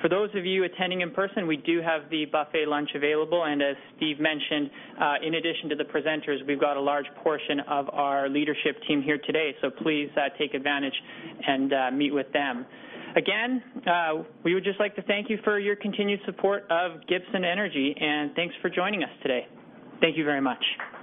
For those of you attending in person, we do have the buffet lunch available, as Steve mentioned, in addition to the presenters, we've got a large portion of our leadership team here today, so please take advantage and meet with them. Again, we would just like to thank you for your continued support of Gibson Energy, and thanks for joining us today. Thank you very much.